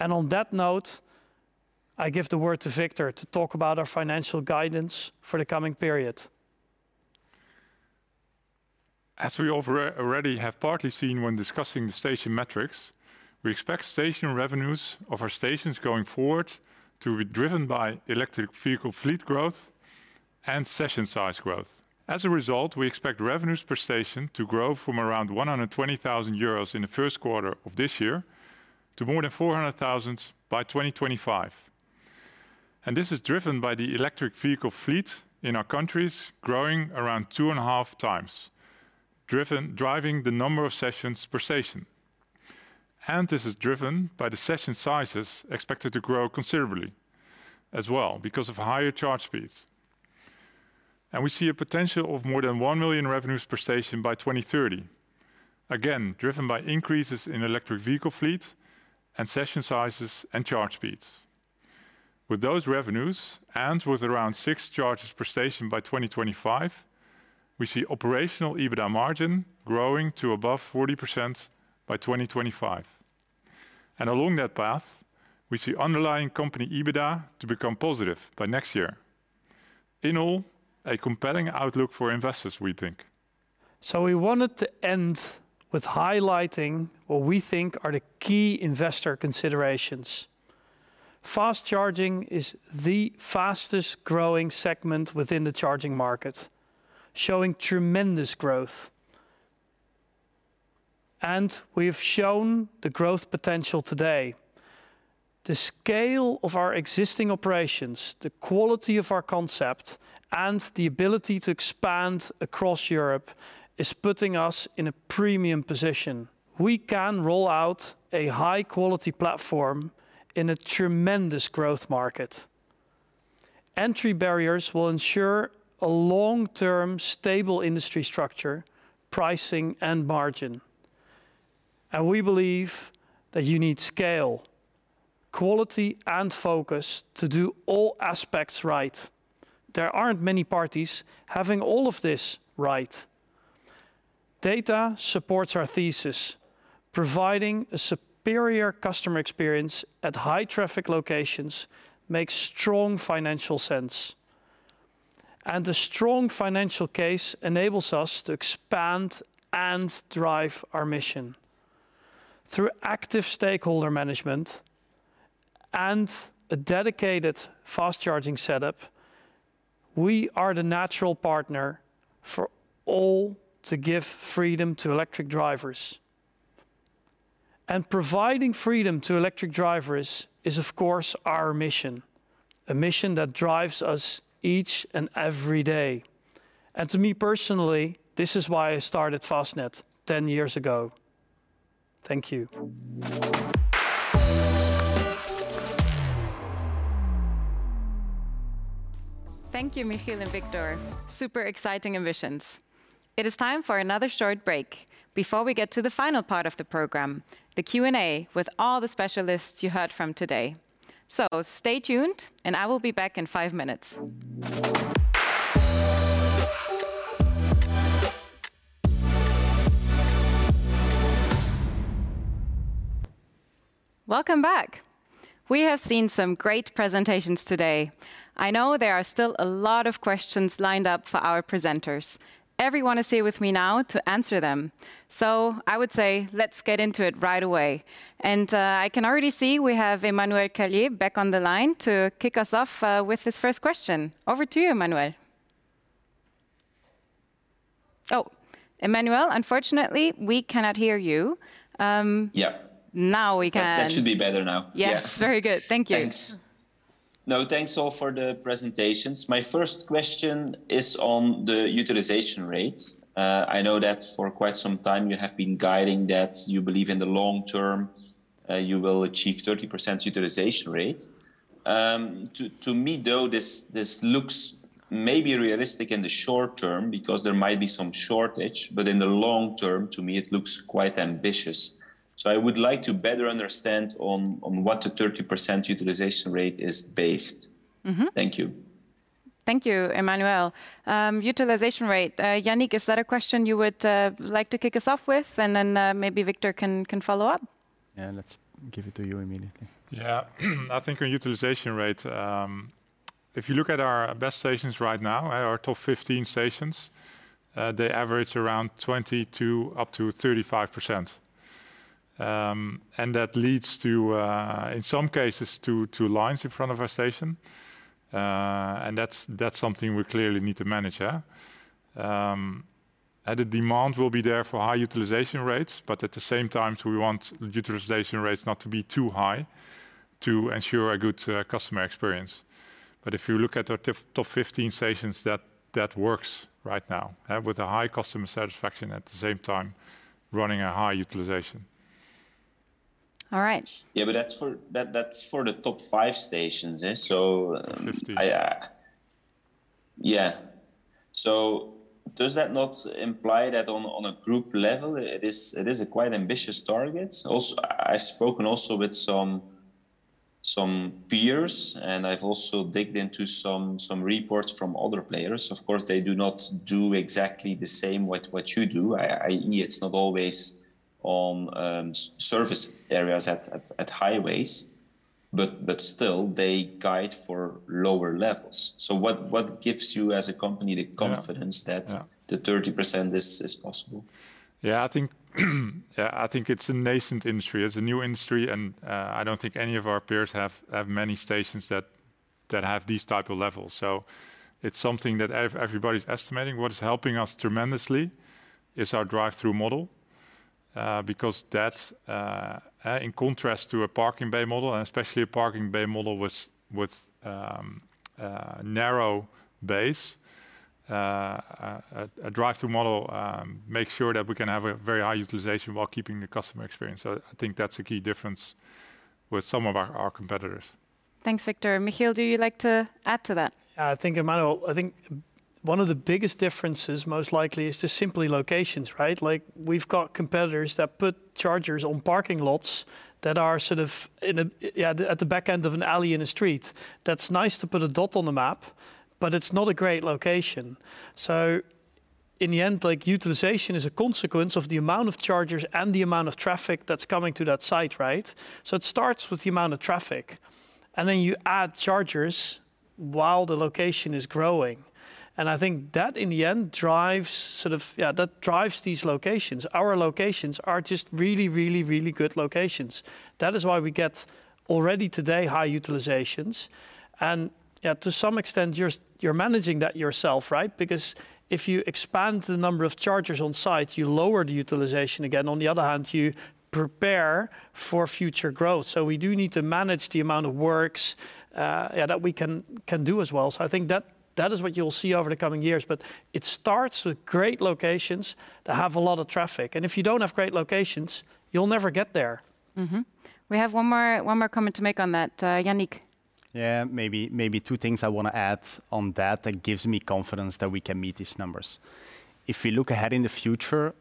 On that note, I give the word to Victor to talk about our financial guidance for the coming period. As we already have partly seen when discussing the station metrics, we expect station revenues of our stations going forward to be driven by electric vehicle fleet growth and session size growth. As a result, we expect revenues per station to grow from around 120,000 euros in the first quarter of this year to more than 400,000 by 2025. This is driven by the electric vehicle fleet in our countries growing around 2.5x, driving the number of sessions per station. This is driven by the session sizes expected to grow considerably as well, because of higher charge speeds. We see a potential of more than 1 million revenues per station by 2030, again driven by increases in electric vehicle fleet and session sizes and charge speeds. With those revenues and with around six chargers per station by 2025, we see operational EBITDA margin growing to above 40% by 2025. Along that path, we see underlying company EBITDA to become positive by next year. In all, a compelling outlook for investors, we think. We wanted to end with highlighting what we think are the key investor considerations. Fast charging is the fastest growing segment within the charging market, showing tremendous growth. We have shown the growth potential today. The scale of our existing operations, the quality of our concept, and the ability to expand across Europe is putting us in a premium position. We can roll out a high-quality platform in a tremendous growth market. Entry barriers will ensure a long-term stable industry structure, pricing, and margin. We believe that you need scale, quality, and focus to do all aspects right. There aren't many parties having all of this right. Data supports our thesis. Providing a superior customer experience at high-traffic locations makes strong financial sense. A strong financial case enables us to expand and drive our mission. Through active stakeholder management and a dedicated fast charging setup, we are the natural partner for all to give freedom to electric drivers. Providing freedom to electric drivers is, of course, our mission, a mission that drives us each and every day. To me personally, this is why I started Fastned 10 years ago. Thank you. Thank you, Michiel and Victor. Super exciting ambitions. It is time for another short break before we get to the final part of the program, the Q&A with all the specialists you heard from today. Stay tuned, and I will be back in five minutes. Welcome back. We have seen some great presentations today. I know there are still a lot of questions lined up for our presenters. Everyone is here with me now to answer them. I would say, let's get into it right away. I can already see we have Emmanuel Carlier back on the line to kick us off with his first question. Over to you, Emmanuel. Oh, Emmanuel, unfortunately, we cannot hear you. Yeah. Now we can. That should be better now. Yes. Very good. Thank you. Thanks all for the presentations. My first question is on the utilization rate. I know that for quite some time you have been guiding that you believe in the long term you will achieve a 30% utilization rate. To me, though, this looks maybe realistic in the short term because there might be some shortage. In the long term, to me, it looks quite ambitious. I would like to better understand on what the 30% utilization rate is based. Thank you. Thank you, Emmanuel. Utilization rate. Yannick, is that a question you would like to kick us off with? Maybe Victor can follow up. Yeah, let's give it to you immediately. Yeah. I think on utilization rate, if you look at our best stations right now, our top 15 stations, they average around 20%-35%. That leads to, in some cases, to lines in front of our station. That's something we clearly need to manage. The demand will be there for high utilization rates. At the same time, we want utilization rates not to be too high to ensure a good customer experience. If you look at our top 15 stations, that works right now, with a high customer satisfaction at the same time running a high utilization. All right. Yeah, that's for the top five stations, so. 50. Yeah. Does that not imply that on a group level, it is a quite ambitious target? Also, I've spoken also with some peers, and I've also dug into some reports from other players. Of course, they do not do exactly the same what you do, i.e., it's not always on service areas at highways. Still, they guide for lower levels. What gives you, as a company, the confidence that the 30% is possible? Yeah, I think it's a nascent industry. It's a new industry. I don't think any of our peers have many stations that have these type of levels. It's something that everybody's estimating. What is helping us tremendously is our drive-through model. Because that's, in contrast to a parking bay model, and especially a parking bay model with narrow bays, a drive-through model makes sure that we can have a very high utilization while keeping the customer experience. I think that's a key difference with some of our competitors. Thanks, Victor. Michiel, do you like to add to that? Yeah, I think, Emmanuel, I think one of the biggest differences, most likely, is just simply locations, right? We've got competitors that put chargers on parking lots that are sort of at the back end of an alley in a street. That's nice to put a dot on the map, but it's not a great location. In the end, utilization is a consequence of the amount of chargers and the amount of traffic that's coming to that site, right? It starts with the amount of traffic. Then you add chargers while the location is growing. I think that, in the end, drives sort of, yeah, that drives these locations. Our locations are just really, really, really good locations. That is why we get already today high utilizations. To some extent, you're managing that yourself, right? Because if you expand the number of chargers on site, you lower the utilization again. On the other hand, you prepare for future growth. We do need to manage the amount of works that we can do as well. I think that is what you'll see over the coming years. It starts with great locations that have a lot of traffic. If you don't have great locations, you'll never get there. We have one more comment to make on that. Yannick? Yeah, maybe two things I want to add on that that gives me confidence that we can meet these numbers. If we look ahead in the future,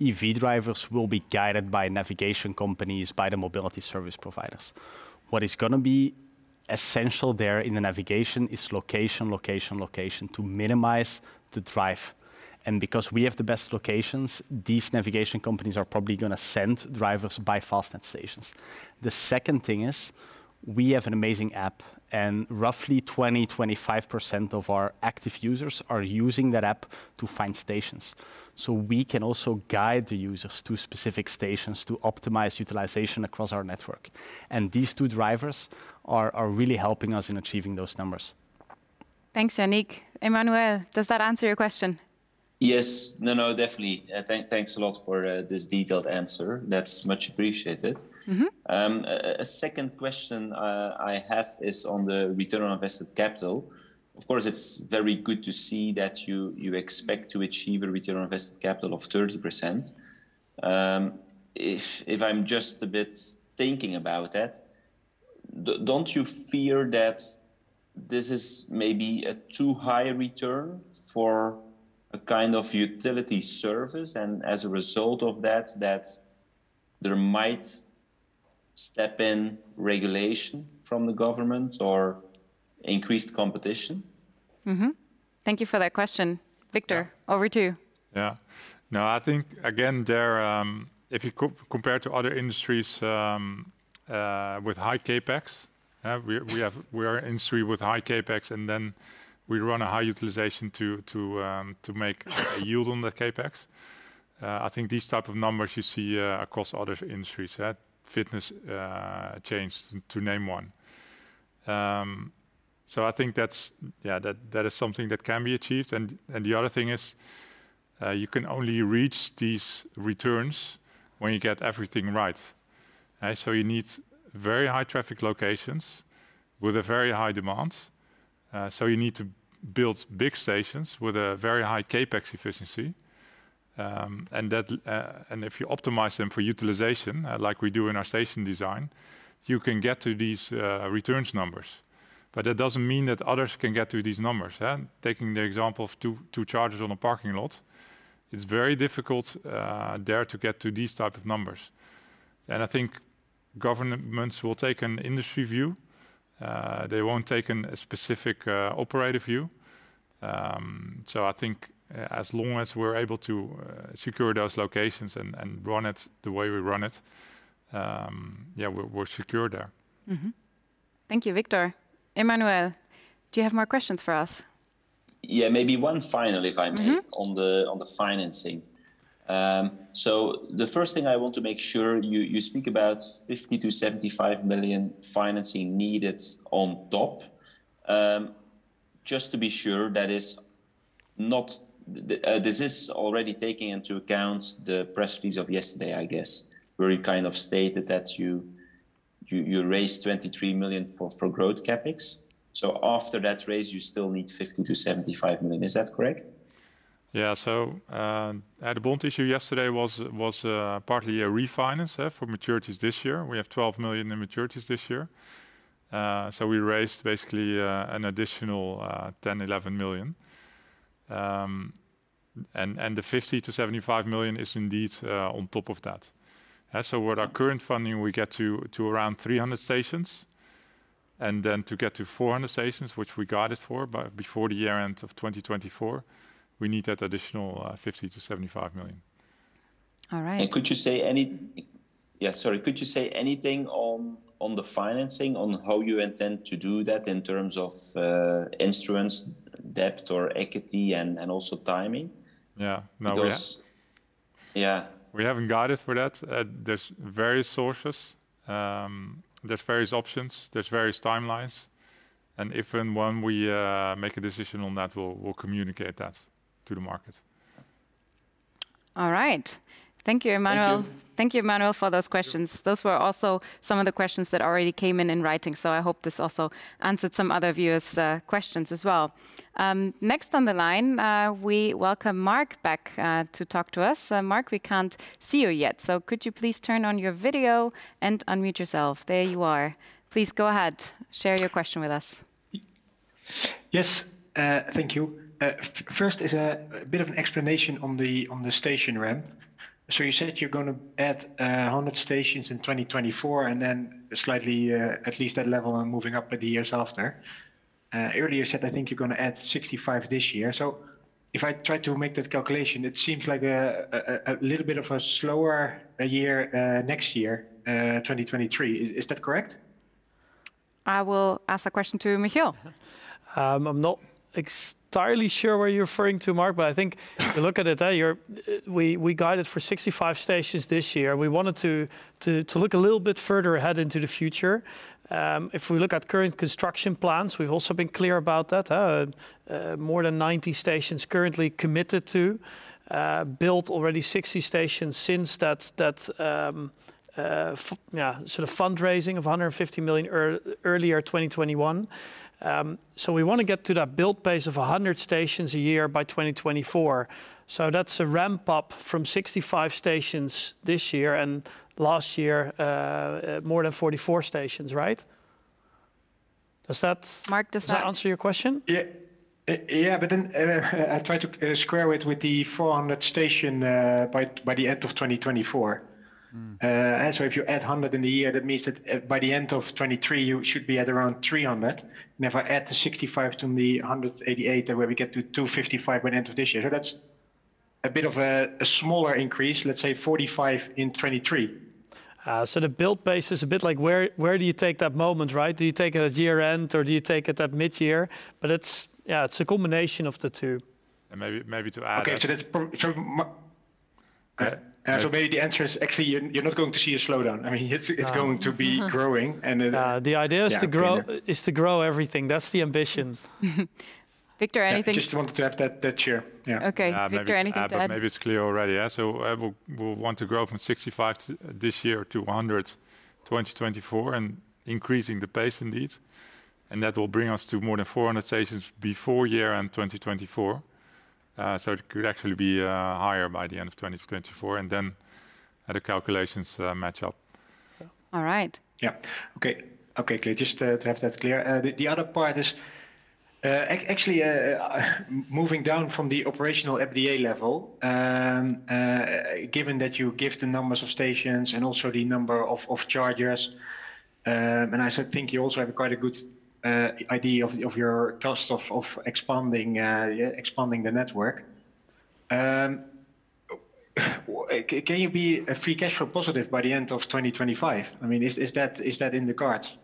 EV drivers will be guided by navigation companies, by the mobility service providers. What is going to be essential there in the navigation is location, location to minimize the drive. Because we have the best locations, these navigation companies are probably going to send drivers by Fastned stations. The second thing is, we have an amazing app. Roughly 20%-25% of our active users are using that app to find stations. We can also guide the users to specific stations to optimize utilization across our network. These two drivers are really helping us in achieving those numbers. Thanks, Yannick. Emmanuel, does that answer your question? Yes. No, no, definitely. Thanks a lot for this detailed answer. That's much appreciated. A second question I have is on the return on invested capital. Of course, it's very good to see that you expect to achieve a return on invested capital of 30%. If I'm just a bit thinking about that, don't you fear that this is maybe a too high return for a kind of utility service? As a result of that there might step in regulation from the government or increased competition? Thank you for that question. Victor, over to you. Yeah. No, I think, again, there, if you compare to other industries with high CapEx, we are an industry with high CapEx. We run a high utilization to make a yield on that CapEx. I think these type of numbers you see across other industries, fitness chains, to name one. I think that is something that can be achieved. The other thing is, you can only reach these returns when you get everything right. You need very high-traffic locations with a very high demand. You need to build big stations with a very high CapEx efficiency. If you optimize them for utilization, like we do in our station design, you can get to these returns numbers. That doesn't mean that others can get to these numbers. Taking the example of two chargers on a parking lot, it's very difficult there to get to these type of numbers. I think governments will take an industry view. They won't take a specific operator view. I think, as long as we're able to secure those locations and run it the way we run it, yeah, we're secure there. Thank you, Victor. Emmanuel, do you have more questions for us? Yeah, maybe one final, if I may, on the financing. The first thing I want to make sure, you speak about 50-75 million financing needed on top. Just to be sure, this is already taking into account the press release of yesterday, I guess, where you kind of stated that you raised 23 million for growth CapEx. After that raise, you still need 50-75 million. Is that correct? Yeah. The bond issue yesterday was partly a refinance for maturities this year. We have 12 million in maturities this year. We raised, basically, an additional 10-11 million. The 50-75 million is indeed on top of that. With our current funding, we get to around 300 stations. Then to get to 400 stations, which we guided for before the year-end of 2024, we need that additional 50-75 million. All right. Could you say anything on the financing, on how you intend to do that in terms of instruments, debt, or equity, and also timing? Yeah. No, we haven't guided for that. There's various sources. There's various options. There's various timelines. If and when we make a decision on that, we'll communicate that to the market. All right. Thank you, Emmanuel. Thank you, Emmanuel, for those questions. Those were also some of the questions that already came in writing. I hope this also answered some other viewers' questions as well. Next on the line, we welcome Marc back to talk to us. Marc, we can't see you yet. Could you please turn on your video and unmute yourself? There you are. Please go ahead. Share your question with us. Yes. Thank you. First is a bit of an explanation on the station ramp. You said you're going to add 100 stations in 2024, and then slightly, at least that level, moving up the years after. Earlier you said, I think, you're going to add 65 this year. If I try to make that calculation, it seems like a little bit of a slower year next year, 2023. Is that correct? I will ask the question to Michiel. I'm not entirely sure what you're referring to, Marc. I think, if you look at it, we guided for 65 stations this year. We wanted to look a little bit further ahead into the future. If we look at current construction plans, we've also been clear about that, more than 90 stations currently committed to, built already 60 stations since that sort of fundraising of 150 million earlier 2021. We want to get to that build pace of 100 stations a year by 2024. That's a ramp-up from 65 stations this year. Last year, more than 44 stations, right? Does that answer your question? Yeah. Yeah, but then I tried to square it with the 400 stations by the end of 2024. If you add 100 in the year, that means that by the end of 2023, you should be at around 300. If I add the 65 to the 188, that way we get to 255 by the end of this year. That's a bit of a smaller increase, let's say 45 in 2023. The build pace is a bit like, where do you take that moment, right? Do you take it at year-end, or do you take it at mid-year? It's a combination of the two. Maybe to add. OK, maybe the answer is, actually, you're not going to see a slowdown. I mean, it's going to be growing. Yeah, the idea is to grow everything. That's the ambition. Victor, anything? I just wanted to add that share. Yeah. OK, Victor, anything to add? Maybe it's clear already. We'll want to grow from 65 this year to 100 2024, and increasing the pace, indeed. That will bring us to more than 400 stations before year-end 2024. It could actually be higher by the end of 2024. Then the calculations match up. All right. Yeah. OK, just to have that clear. The other part is, actually, moving down from the operational EBITDA level, given that you give the numbers of stations and also the number of chargers, and I think you also have quite a good idea of your cost of expanding the network, can you be free cash flow positive by the end of 2025? I mean, is that in the cards?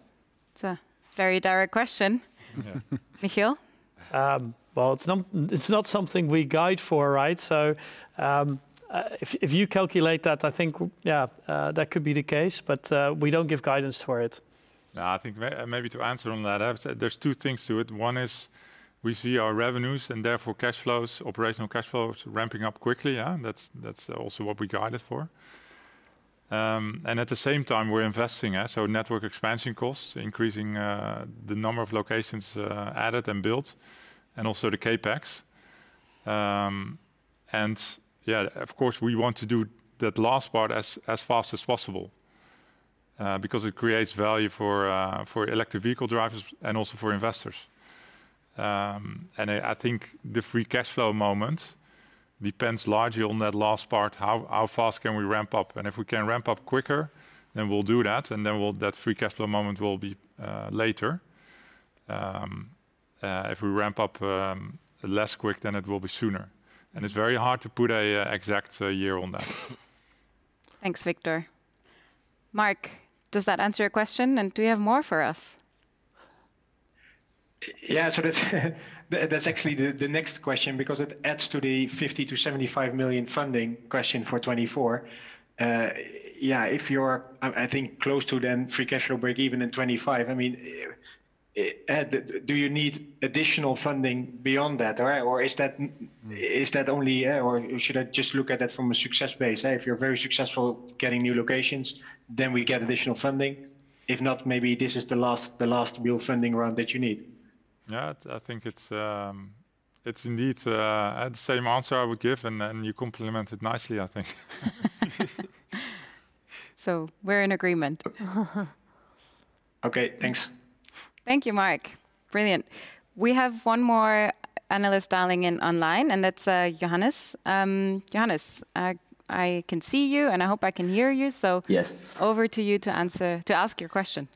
It's a very direct question. Michiel? Well, it's not something we guide for, right? If you calculate that, I think, yeah, that could be the case. We don't give guidance for it. No, I think maybe to answer on that, there's two things to it. One is, we see our revenues and, therefore, cash flows, operational cash flows, ramping up quickly. That's also what we guide it for. At the same time, we're investing, so network expansion costs, increasing the number of locations added and built, and also the CapEx. Yeah, of course, we want to do that last part as fast as possible. Because it creates value for electric vehicle drivers and also for investors. I think the free cash flow moment depends largely on that last part, how fast can we ramp up. If we can ramp up quicker, then we'll do that. Then that free cash flow moment will be later. If we ramp up less quick, then it will be sooner. It's very hard to put an exact year on that. Thanks, Victor. Marc, does that answer your question? Do you have more for us? Yeah, that's actually the next question. Because it adds to the 50-75 million funding question for 2024. Yeah, if you're, I think, close to then free cash flow break-even in 2025, I mean, do you need additional funding beyond that? Is that only, or should I just look at that from a success base? If you're very successful getting new locations, then we get additional funding. If not, maybe this is the last real funding round that you need. Yeah, I think it's indeed the same answer I would give. You complemented nicely, I think. We're in agreement. OK, thanks. Thank you, Marc. Brilliant. We have one more analyst dialing in online. That's Johannes. Johannes, I can see you. I hope I can hear you. Over to you to ask your question.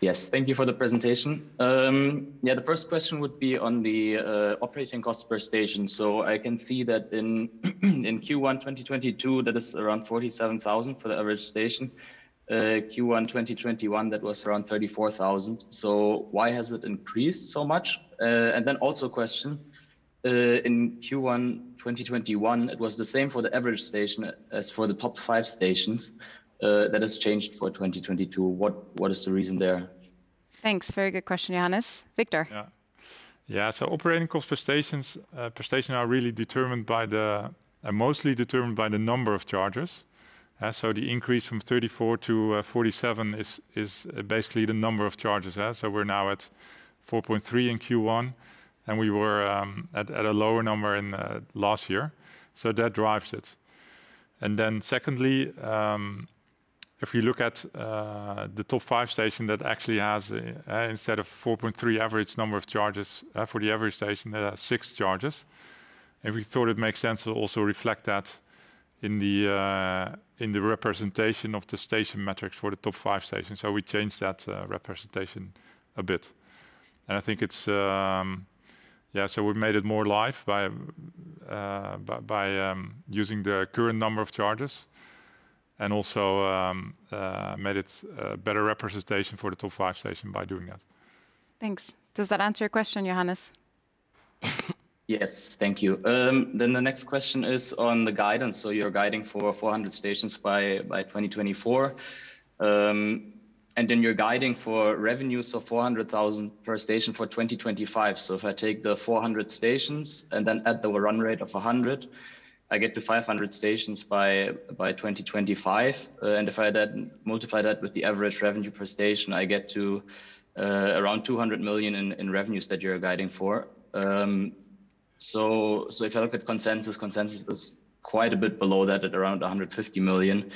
Yes. Thank you for the presentation. Yeah, the first question would be on the operating costs per station. I can see that in Q1 2022, that is around 47,000 for the average station. Q1 2021, that was around 34,000. Why has it increased so much? Also a question, in Q1 2021, it was the same for the average station as for the top five stations. That has changed for 2022. What is the reason there? Thanks. Very good question, Johannes. Victor? Operating costs per station are really determined mostly by the number of chargers. The increase from 34-47 is basically the number of chargers. We're now at 4.3 in Q1. We were at a lower number last year. That drives it. Secondly, if you look at the top five station that actually has, instead of 4.3 average number of chargers for the average station, they have six chargers. We thought it makes sense to also reflect that in the representation of the station metrics for the top five stations. We changed that representation a bit. I think it's. We made it more live by using the current number of chargers. Also made it a better representation for the top five stations by doing that. Thanks. Does that answer your question, Johannes? Yes, thank you. The next question is on the guidance. You're guiding for 400 stations by 2024. You're guiding for revenues of 400,000 per station for 2025. If I take the 400 stations and then add the run rate of 100, I get to 500 stations by 2025. If I multiply that with the average revenue per station, I get to around 200 million in revenues that you're guiding for. If I look at consensus is quite a bit below that, at around 150 million.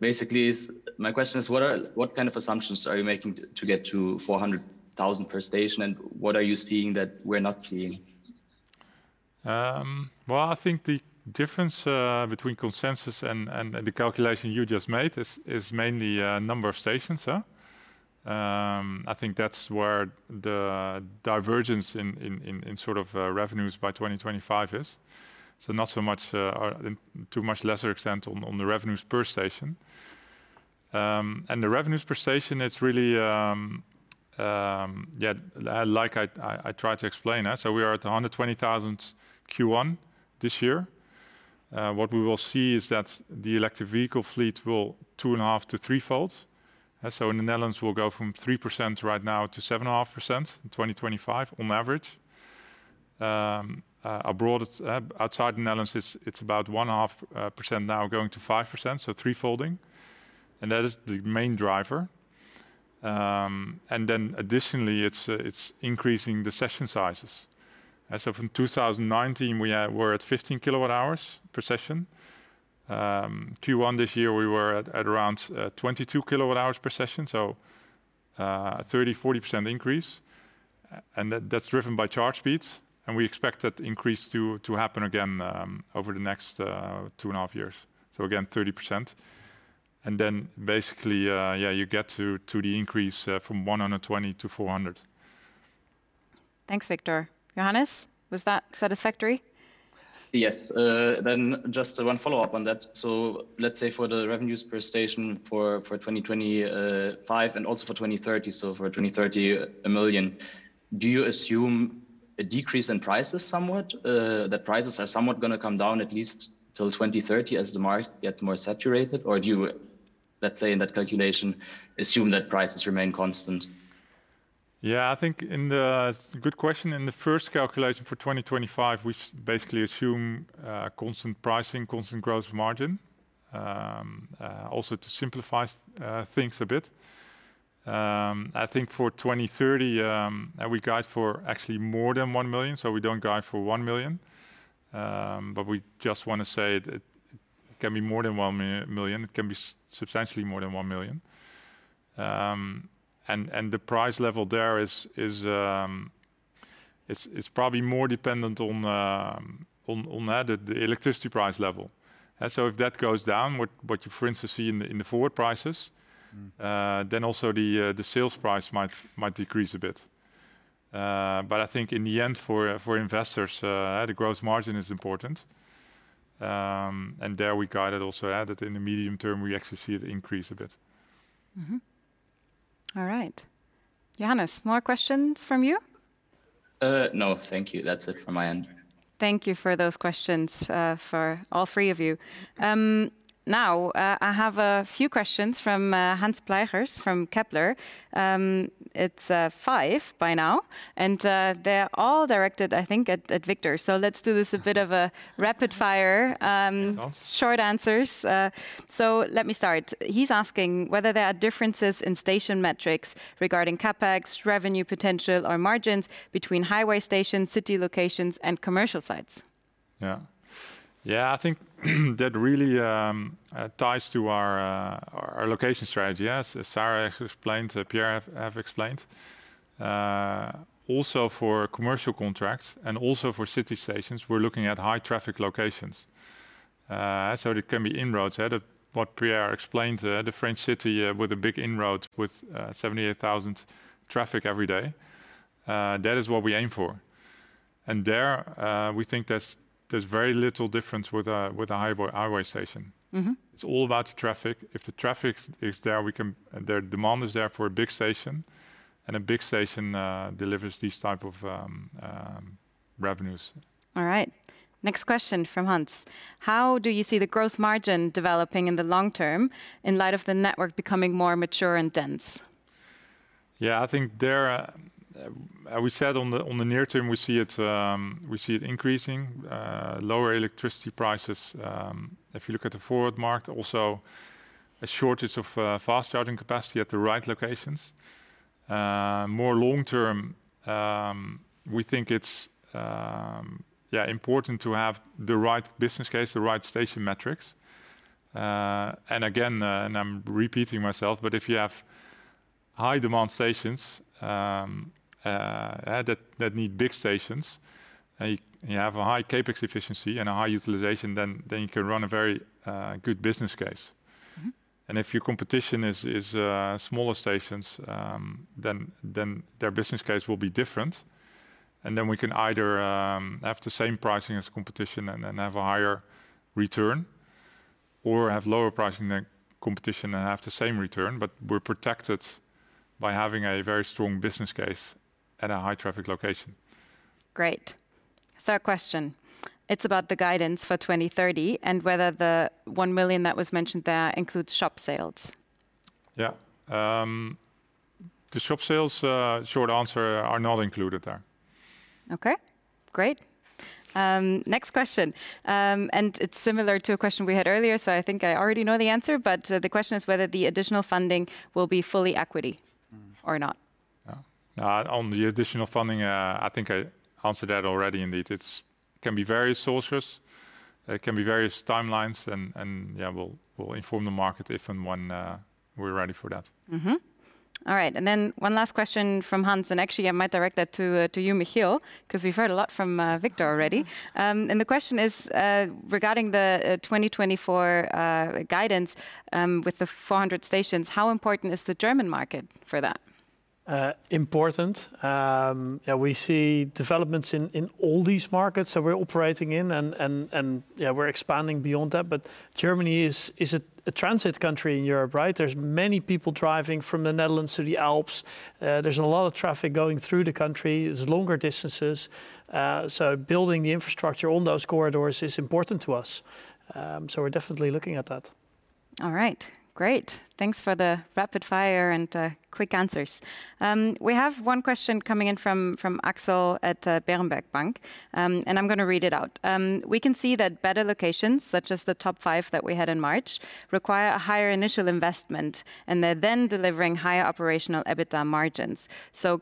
Basically, my question is, what kind of assumptions are you making to get to 400,000 per station? What are you seeing that we're not seeing? Well, I think the difference between consensus and the calculation you just made is mainly number of stations. I think that's where the divergence in sort of revenues by 2025 is. Not so much, to a much lesser extent on the revenues per station. The revenues per station, it's really, yeah, like I tried to explain. We are at 120,000 Q1 this year. What we will see is that the electric vehicle fleet will 2.5- to threefold. In the Netherlands, we'll go from 3% right now to 7.5% in 2025, on average. Outside the Netherlands, it's about 1.5% now, going to 5%, so three-folding. That is the main driver. Then, additionally, it's increasing the session sizes. From 2019, we were at 15 kWh per session. Q1 this year, we were at around 22 kWh per session. So a 30%-40% increase. That's driven by charge speeds. We expect that increase to happen again over the next two and a half years. Again, 30%. Then, basically, yeah, you get to the increase from 120 to 400. Thanks, Victor. Johannes, was that satisfactory? Yes. Just one follow-up on that. Let's say, for the revenues per station for 2025 and also for 2030, so for 2030, 1 million, do you assume a decrease in prices somewhat, that prices are somewhat going to come down at least till 2030 as the market gets more saturated? Do you, let's say, in that calculation, assume that prices remain constant? Yeah, I think it's a good question. In the first calculation for 2025, we basically assume constant pricing, constant gross margin. Also, to simplify things a bit, I think for 2030, we guide for actually more than 1 million. We don't guide for 1 million. We just want to say it can be more than 1 million. It can be substantially more than 1 million. The price level there is probably more dependent on the electricity price level. If that goes down, what you, for instance, see in the forward prices, then also the sales price might decrease a bit. I think, in the end, for investors, the gross margin is important. There we guide it also, that in the medium term, we actually see it increase a bit. All right. Johannes, more questions from you? No, thank you. That's it from my end. Thank you for those questions for all three of you. Now, I have a few questions from Hans Pluijgers from Kepler Cheuvreux. It's five by now. They're all directed, I think, at Victor. Let's do this a bit of a rapid-fire, short answers. Let me start. He's asking whether there are differences in station metrics regarding CapEx, revenue potential, or margins between highway stations, city locations, and commercial sites. Yeah. Yeah, I think that really ties to our location strategy, as Sara explained, Pierre have explained. Also, for commercial contracts and also for city stations, we're looking at high-traffic locations. It can be in roads. What Pierre explained, the French city with a big road with 78,000 traffic every day, that is what we aim for. There, we think there's very little difference with a highway station. It's all about the traffic. If the traffic is there, the demand is there for a big station. A big station delivers these types of revenues. All right. Next question from Hans. How do you see the gross margin developing in the long term, in light of the network becoming more mature and dense? Yeah, I think there, as we said, on the near term, we see it increasing, lower electricity prices. If you look at the forward market, also a shortage of fast-charging capacity at the right locations. More long term, we think it's important to have the right business case, the right station metrics. Again, and I'm repeating myself, but if you have high-demand stations that need big stations, and you have a high CapEx efficiency and a high utilization, then you can run a very good business case. If your competition is smaller stations, then their business case will be different. Then we can either have the same pricing as competition and have a higher return. Have lower pricing than competition and have the same return. We're protected by having a very strong business case at a high-traffic location. Great. Third question. It's about the guidance for 2030 and whether the 1 million that was mentioned there includes shop sales. Yeah. The shop sales, short answer, are not included there. OK, great. Next question. It's similar to a question we had earlier. I think I already know the answer. The question is whether the additional funding will be fully equity or not. Yeah. On the additional funding, I think I answered that already, indeed. It can be various sources. It can be various timelines. Yeah, we'll inform the market if and when we're ready for that. All right. Then one last question from Hans. Actually, I might direct that to you, Michiel. Because we've heard a lot from Victor already. The question is, regarding the 2024 guidance with the 400 stations, how important is the German market for that? Important. Yeah, we see developments in all these markets that we're operating in. Yeah, we're expanding beyond that. Germany is a transit country in Europe, right? There's many people driving from the Netherlands to the Alps. There's a lot of traffic going through the country. It's longer distances. Building the infrastructure on those corridors is important to us. We're definitely looking at that. All right. Great. Thanks for the rapid-fire and quick answers. We have one question coming in from Axel Stasse at Berenberg Bank. I'm going to read it out. We can see that better locations, such as the top five that we had in March, require a higher initial investment. They're then delivering higher operational EBITDA margins.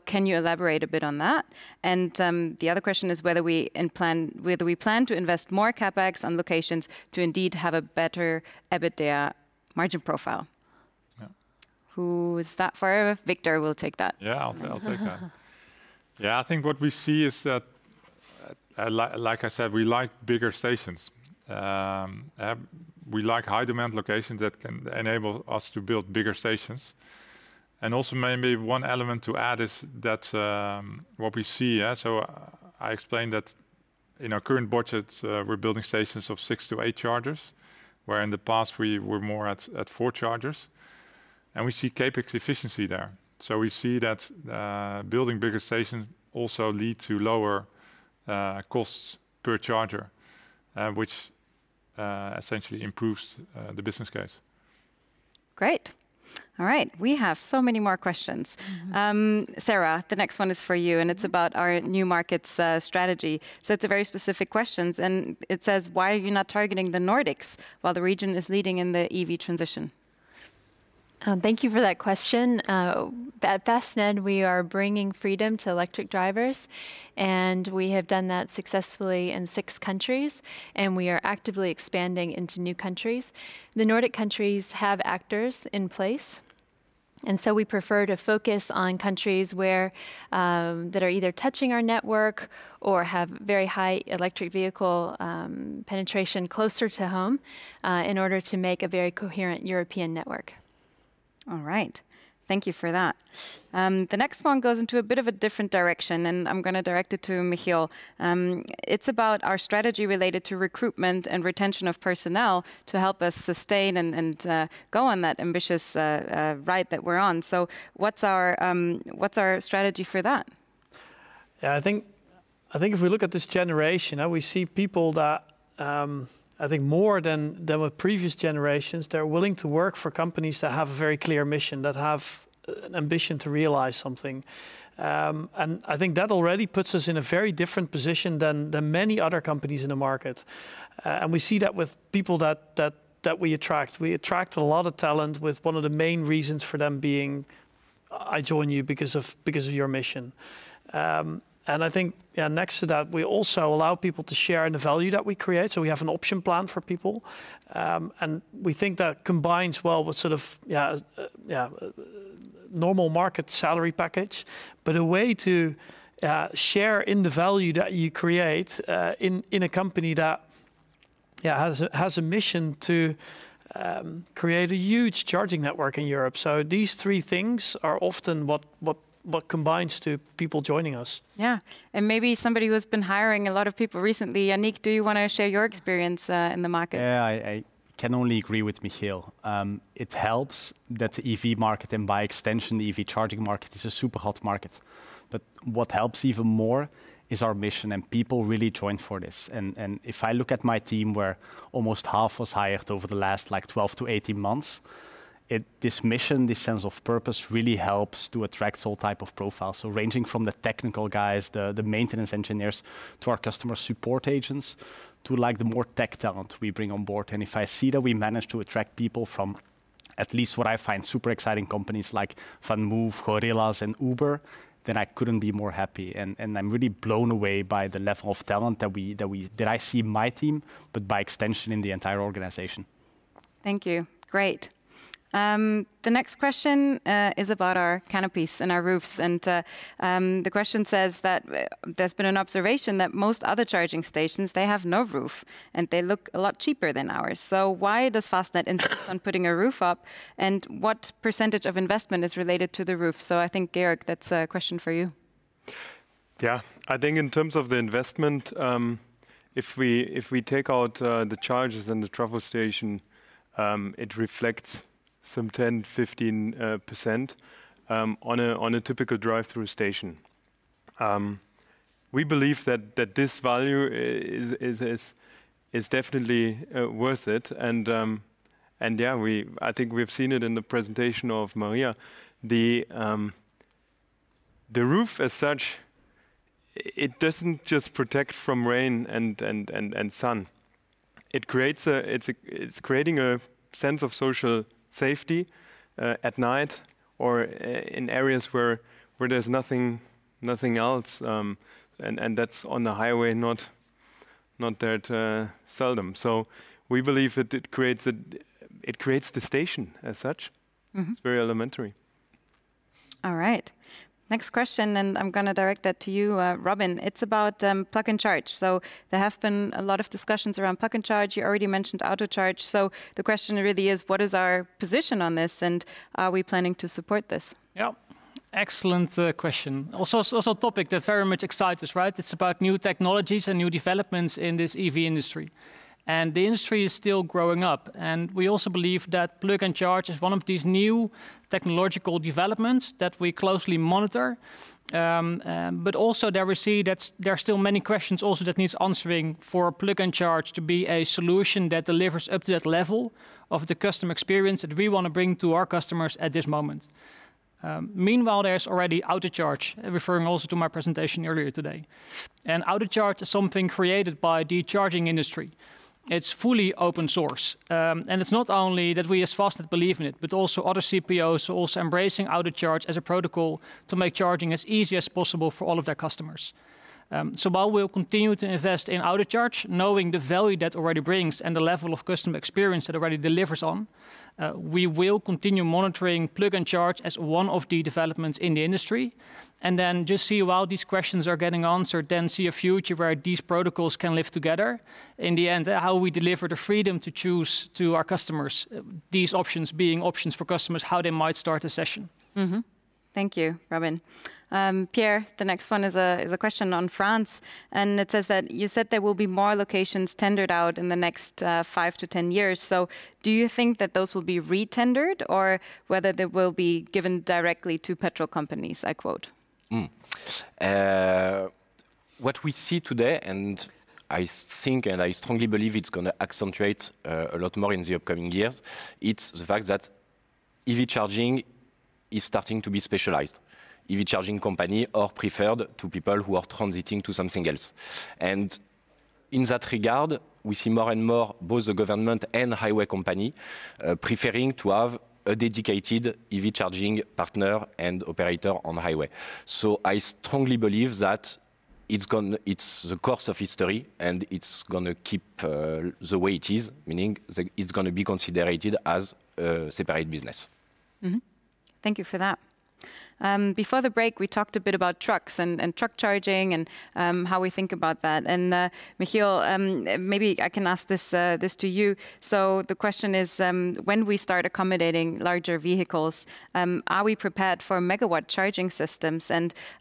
Can you elaborate a bit on that? The other question is whether we plan to invest more CapEx on locations to indeed have a better EBITDA margin profile. Who's that for? Victor will take that. Yeah, I'll take that. Yeah, I think what we see is that, like I said, we like bigger stations. We like high-demand locations that can enable us to build bigger stations. Also, maybe one element to add is that what we see, so I explained that in our current budget, we're building stations of six-eight chargers. Where in the past, we were more at four chargers. We see CapEx efficiency there. We see that building bigger stations also leads to lower costs per charger, which essentially improves the business case. Great. All right. We have so many more questions. Sarah, the next one is for you. It's about our new markets strategy. It's a very specific question. It says, why are you not targeting the Nordics while the region is leading in the EV transition? Thank you for that question. At Fastned, we are bringing freedom to electric drivers. We have done that successfully in six countries. We are actively expanding into new countries. The Nordic countries have actors in place. We prefer to focus on countries that are either touching our network or have very high electric vehicle penetration closer to home in order to make a very coherent European network. All right. Thank you for that. The next one goes into a bit of a different direction. I'm going to direct it to Michiel. It's about our strategy related to recruitment and retention of personnel to help us sustain and go on that ambitious ride that we're on. What's our strategy for that? Yeah, I think if we look at this generation, we see people that, I think, more than with previous generations, they're willing to work for companies that have a very clear mission, that have an ambition to realize something. I think that already puts us in a very different position than many other companies in the market. We see that with people that we attract. We attract a lot of talent with one of the main reasons for them being "I join you because of your mission." I think, yeah, next to that, we also allow people to share in the value that we create. We have an option plan for people. We think that combines well with sort of a normal market salary package. A way to share in the value that you create in a company that has a mission to create a huge charging network in Europe. These three things are often what combines two people joining us. Yeah. Maybe somebody who has been hiring a lot of people recently, Yannick, do you want to share your experience in the market? Yeah, I can only agree with Michiel. It helps that the EV market, and by extension, the EV charging market, is a super hot market. What helps even more is our mission. People really join for this. If I look at my team, where almost half was hired over the last 12-18 months, this mission, this sense of purpose, really helps to attract all types of profiles. Ranging from the technical guys, the maintenance engineers, to our customer support agents, to the more tech talent we bring on board. If I see that we manage to attract people from at least what I find super exciting companies like VanMoof, Gorillas, and Uber, then I couldn't be more happy. I'm really blown away by the level of talent that I see in my team, but by extension, in the entire organization. Thank you. Great. The next question is about our canopies and our roofs. The question says that there's been an observation that most other charging stations, they have no roof. They look a lot cheaper than ours. Why does Fastned insist on putting a roof up? What percentage of investment is related to the roof? I think, Georg, that's a question for you. Yeah, I think in terms of the investment, if we take out the charges and the Trafo station, it reflects some 10%-15% on a typical drive-through station. We believe that this value is definitely worth it. Yeah, I think we've seen it in the presentation of Maria. The roof, as such, it doesn't just protect from rain and sun. It's creating a sense of social safety at night or in areas where there's nothing else. That's on the highway, not that seldom. We believe it creates the station as such. It's very elementary. All right. Next question. I'm going to direct that to you, Robin. It's about Plug & Charge. There have been a lot of discussions around Plug & Charge. You already mentioned Autocharge. The question really is, what is our position on this? Are we planning to support this? Yeah. Excellent question. Also, a topic that very much excites us, right? It's about new technologies and new developments in this EV industry. The industry is still growing up. We also believe that Plug & Charge is one of these new technological developments that we closely monitor. There are still many questions also that need answering for Plug & Charge to be a solution that delivers up to that level of the customer experience that we want to bring to our customers at this moment. Meanwhile, there's already AutoCharge, referring also to my presentation earlier today. Autocharge is something created by the charging industry. It's fully open source. It's not only that we, as Fastned, believe in it, but also other CPOs are also embracing Autocharge as a protocol to make charging as easy as possible for all of their customers. While we'll continue to invest in Autocharge, knowing the value that already brings and the level of customer experience that already delivers on, we will continue monitoring Plug & Charge as one of the developments in the industry. Then just see, while these questions are getting answered, then see a future where these protocols can live together. In the end, how we deliver the freedom to choose to our customers, these options being options for customers, how they might start a session. Thank you, Robin. Pierre, the next one is a question on France. It says that you said there will be more locations tendered out in the next five-10 years. Do you think that those will be retendered? Or whether they will be given directly to petrol companies, I quote. What we see today, and I think and I strongly believe it's going to accentuate a lot more in the upcoming years, it's the fact that EV charging is starting to be specialized. EV charging companies are preferred to people who are transiting to something else. In that regard, we see more and more, both the government and highway companies, preferring to have a dedicated EV charging partner and operator on highway. I strongly believe that it's the course of history. It's going to keep the way it is, meaning it's going to be considered as a separate business. Thank you for that. Before the break, we talked a bit about trucks and truck charging and how we think about that. Michiel, maybe I can ask this to you. The question is, when we start accommodating larger vehicles, are we prepared for Megawatt Charging Systems?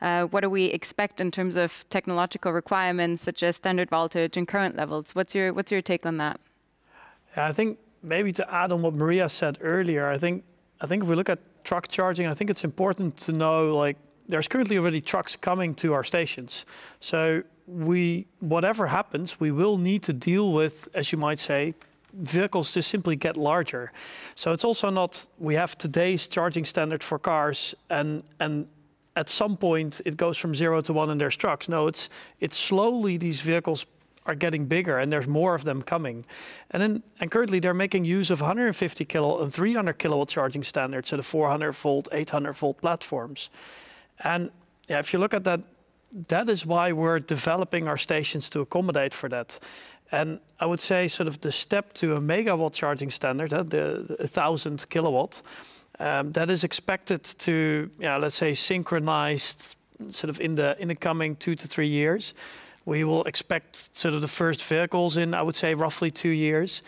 What do we expect in terms of technological requirements, such as standard voltage and current levels? What's your take on that? Yeah, I think maybe to add on what Maria said earlier, I think if we look at truck charging, I think it's important to know there's currently already trucks coming to our stations. Whatever happens, we will need to deal with, as you might say, vehicles to simply get larger. It's also not we have today's charging standard for cars. At some point, it goes from zero to one in their trucks. No, it's slowly these vehicles are getting bigger. There's more of them coming. Currently, they're making use of 150 kW and 300 kW charging standards to the 400-volt, 800-volt platforms. Yeah, if you look at that is why we're developing our stations to accommodate for that. I would say sort of the step to a megawatt charging standard, 1,000 kW, that is expected to, let's say, synchronize sort of in the coming two-three years. We will expect sort of the first vehicles in, I would say, roughly two years.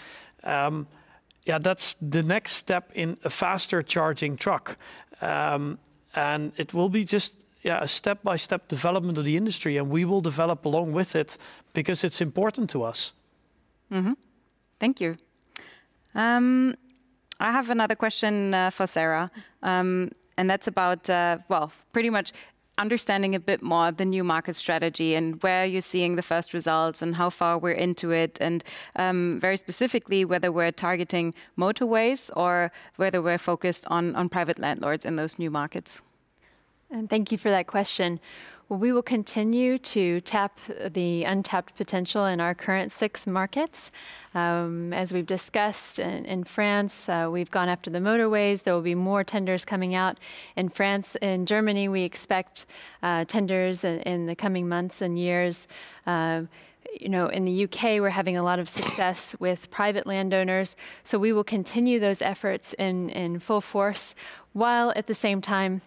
Yeah, that's the next step in a faster charging truck. It will be just a step-by-step development of the industry. We will develop along with it because it's important to us. Thank you. I have another question for Sarah. That's about, well, pretty much understanding a bit more of the new market strategy and where you're seeing the first results and how far we're into it. Very specifically, whether we're targeting motorways or whether we're focused on private landlords in those new markets. Thank you for that question. We will continue to tap the untapped potential in our current six markets. As we've discussed in France, we've gone after the motorways. There will be more tenders coming out in France. In Germany, we expect tenders in the coming months and years. In the UK, we're having a lot of success with private landowners. We will continue those efforts in full force, while at the same time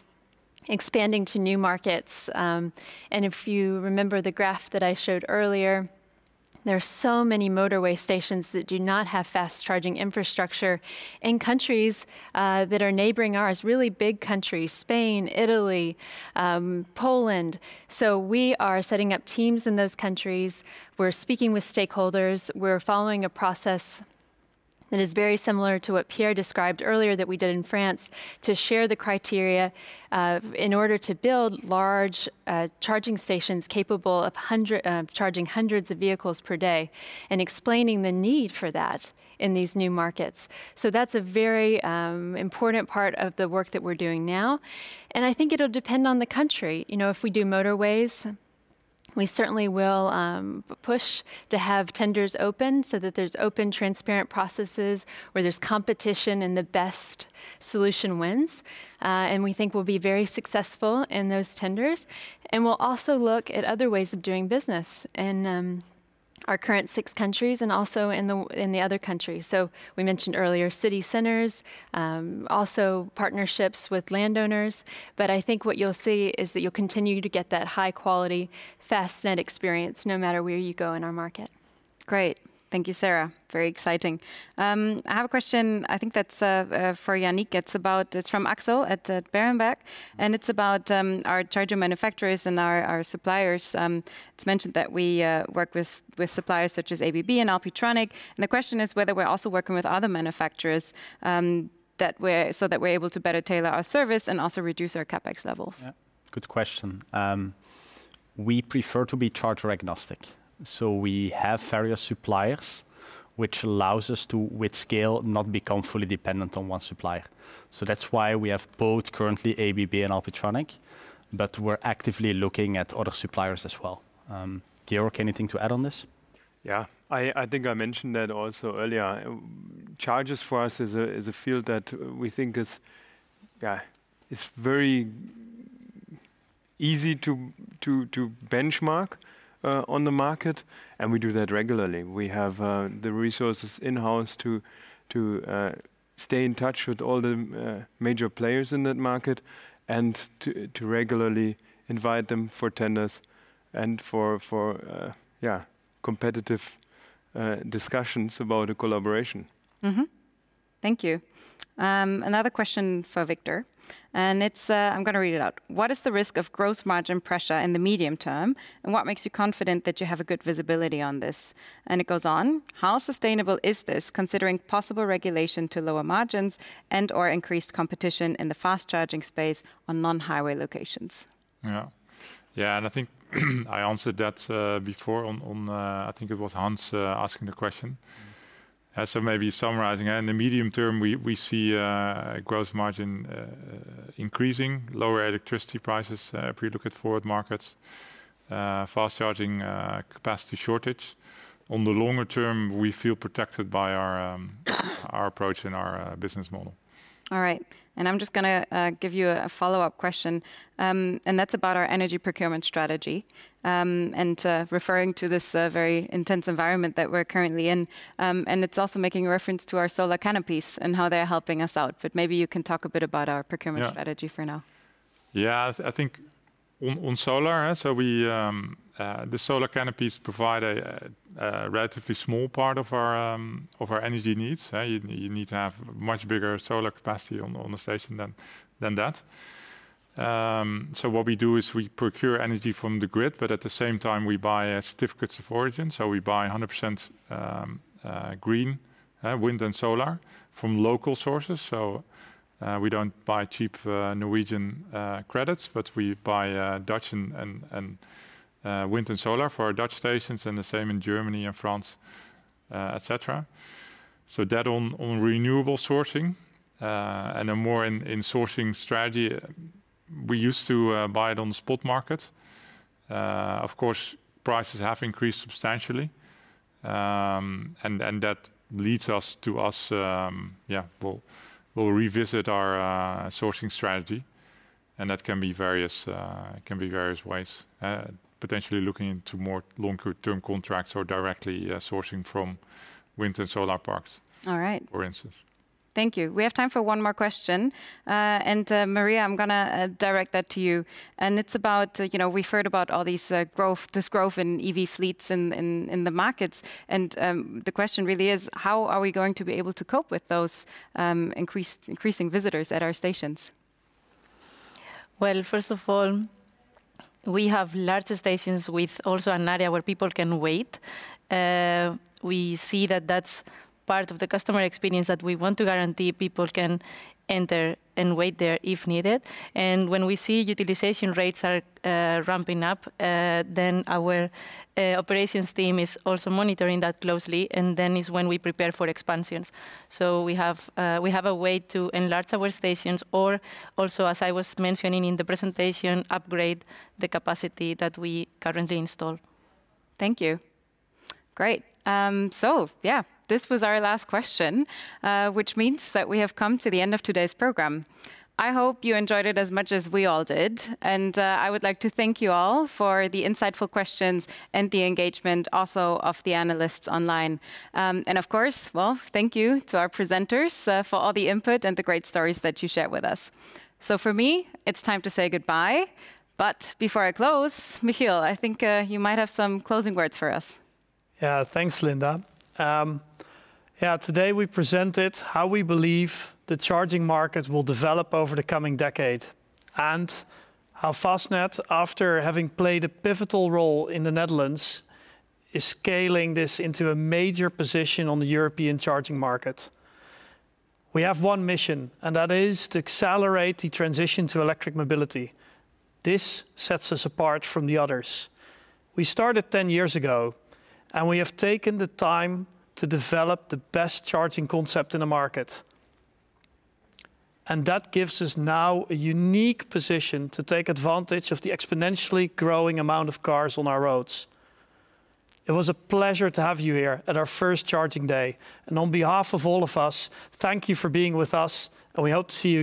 expanding to new markets. If you remember the graph that I showed earlier, there are so many motorway stations that do not have fast charging infrastructure in countries that are neighboring ours, really big countries, Spain, Italy, Poland. We are setting up teams in those countries. We're speaking with stakeholders. We're following a process that is very similar to what Pierre described earlier that we did in France to share the criteria in order to build large charging stations capable of charging hundreds of vehicles per day and explaining the need for that in these new markets. That's a very important part of the work that we're doing now. I think it'll depend on the country. If we do motorways, we certainly will push to have tenders open so that there's open, transparent processes where there's competition and the best solution wins. We think we'll be very successful in those tenders. We'll also look at other ways of doing business in our current six countries and also in the other countries. We mentioned earlier city centers, also partnerships with landowners. I think what you'll see is that you'll continue to get that high-quality Fastned experience no matter where you go in our market. Great. Thank you, Sarah. Very exciting. I have a question. I think that's for Yannick. It's from Axel at Berenberg. It's about our charger manufacturers and our suppliers. It's mentioned that we work with suppliers such as ABB and Alpitronic. The question is whether we're also working with other manufacturers so that we're able to better tailor our service and also reduce our CapEx levels. Yeah, good question. We prefer to be charger agnostic. We have various suppliers, which allows us to, with scale, not become fully dependent on one supplier. That's why we have both currently ABB and Alpitronic. We're actively looking at other suppliers as well. Georg, anything to add on this? Yeah, I think I mentioned that also earlier. Charging for us is a field that we think is very easy to benchmark on the market. We do that regularly. We have the resources in-house to stay in touch with all the major players in that market and to regularly invite them for tenders and for competitive discussions about a collaboration. Thank you. Another question for Victor. I'm going to read it out. What is the risk of gross margin pressure in the medium term? What makes you confident that you have a good visibility on this? It goes on. How sustainable is this, considering possible regulation to lower margins and/or increased competition in the fast charging space on non-highway locations? Yeah. Yeah, and I think I answered that before. I think it was Hans asking the question. Maybe summarizing. In the medium term, we see a gross margin increasing, lower electricity prices if we look at forward markets, fast charging capacity shortage. On the longer term, we feel protected by our approach and our business model. All right. I'm just going to give you a follow-up question. That's about our energy procurement strategy, and referring to this very intense environment that we're currently in. It's also making reference to our solar canopies and how they're helping us out. Maybe you can talk a bit about our procurement strategy for now. Yeah, I think on solar, the solar canopies provide a relatively small part of our energy needs. You need to have much bigger solar capacity on the station than that. What we do is we procure energy from the grid. At the same time, we buy Guarantees of Origin. We buy 100% green wind and solar from local sources. We don't buy cheap Norwegian credits. We buy Dutch wind and solar for our Dutch stations, and the same in Germany and France, et cetera. That on renewable sourcing and more in sourcing strategy, we used to buy it on the spot market. Of course, prices have increased substantially. That leads us to us, yeah, we'll revisit our sourcing strategy. That can be various ways, potentially looking into more long-term contracts or directly sourcing from wind and solar parks, for instance. All right. Thank you. We have time for one more question. Maria, I'm going to direct that to you. It's about we've heard about all this growth in EV fleets in the markets. The question really is, how are we going to be able to cope with those increasing visitors at our stations? Well, first of all, we have larger stations with also an area where people can wait. We see that that's part of the customer experience that we want to guarantee people can enter and wait there if needed. When we see utilization rates are ramping up, then our operations team is also monitoring that closely. Then is when we prepare for expansions. We have a way to enlarge our stations. Also, as I was mentioning in the presentation, upgrade the capacity that we currently install. Thank you. Great. Yeah, this was our last question, which means that we have come to the end of today's program. I hope you enjoyed it as much as we all did. I would like to thank you all for the insightful questions and the engagement also of the analysts online. Of course, well, thank you to our presenters for all the input and the great stories that you shared with us. For me, it's time to say goodbye. Before I close, Michiel, I think you might have some closing words for us. Yeah, thanks, Linda. Yeah, today we presented how we believe the charging market will develop over the coming decade and how Fastned, after having played a pivotal role in the Netherlands, is scaling this into a major position on the European charging market. We have one mission. That is to accelerate the transition to electric mobility. This sets us apart from the others. We started 10 years ago. We have taken the time to develop the best charging concept in the market. That gives us now a unique position to take advantage of the exponentially growing amount of cars on our roads. It was a pleasure to have you here at our first Charging Day. On behalf of all of us, thank you for being with us. We hope to see you.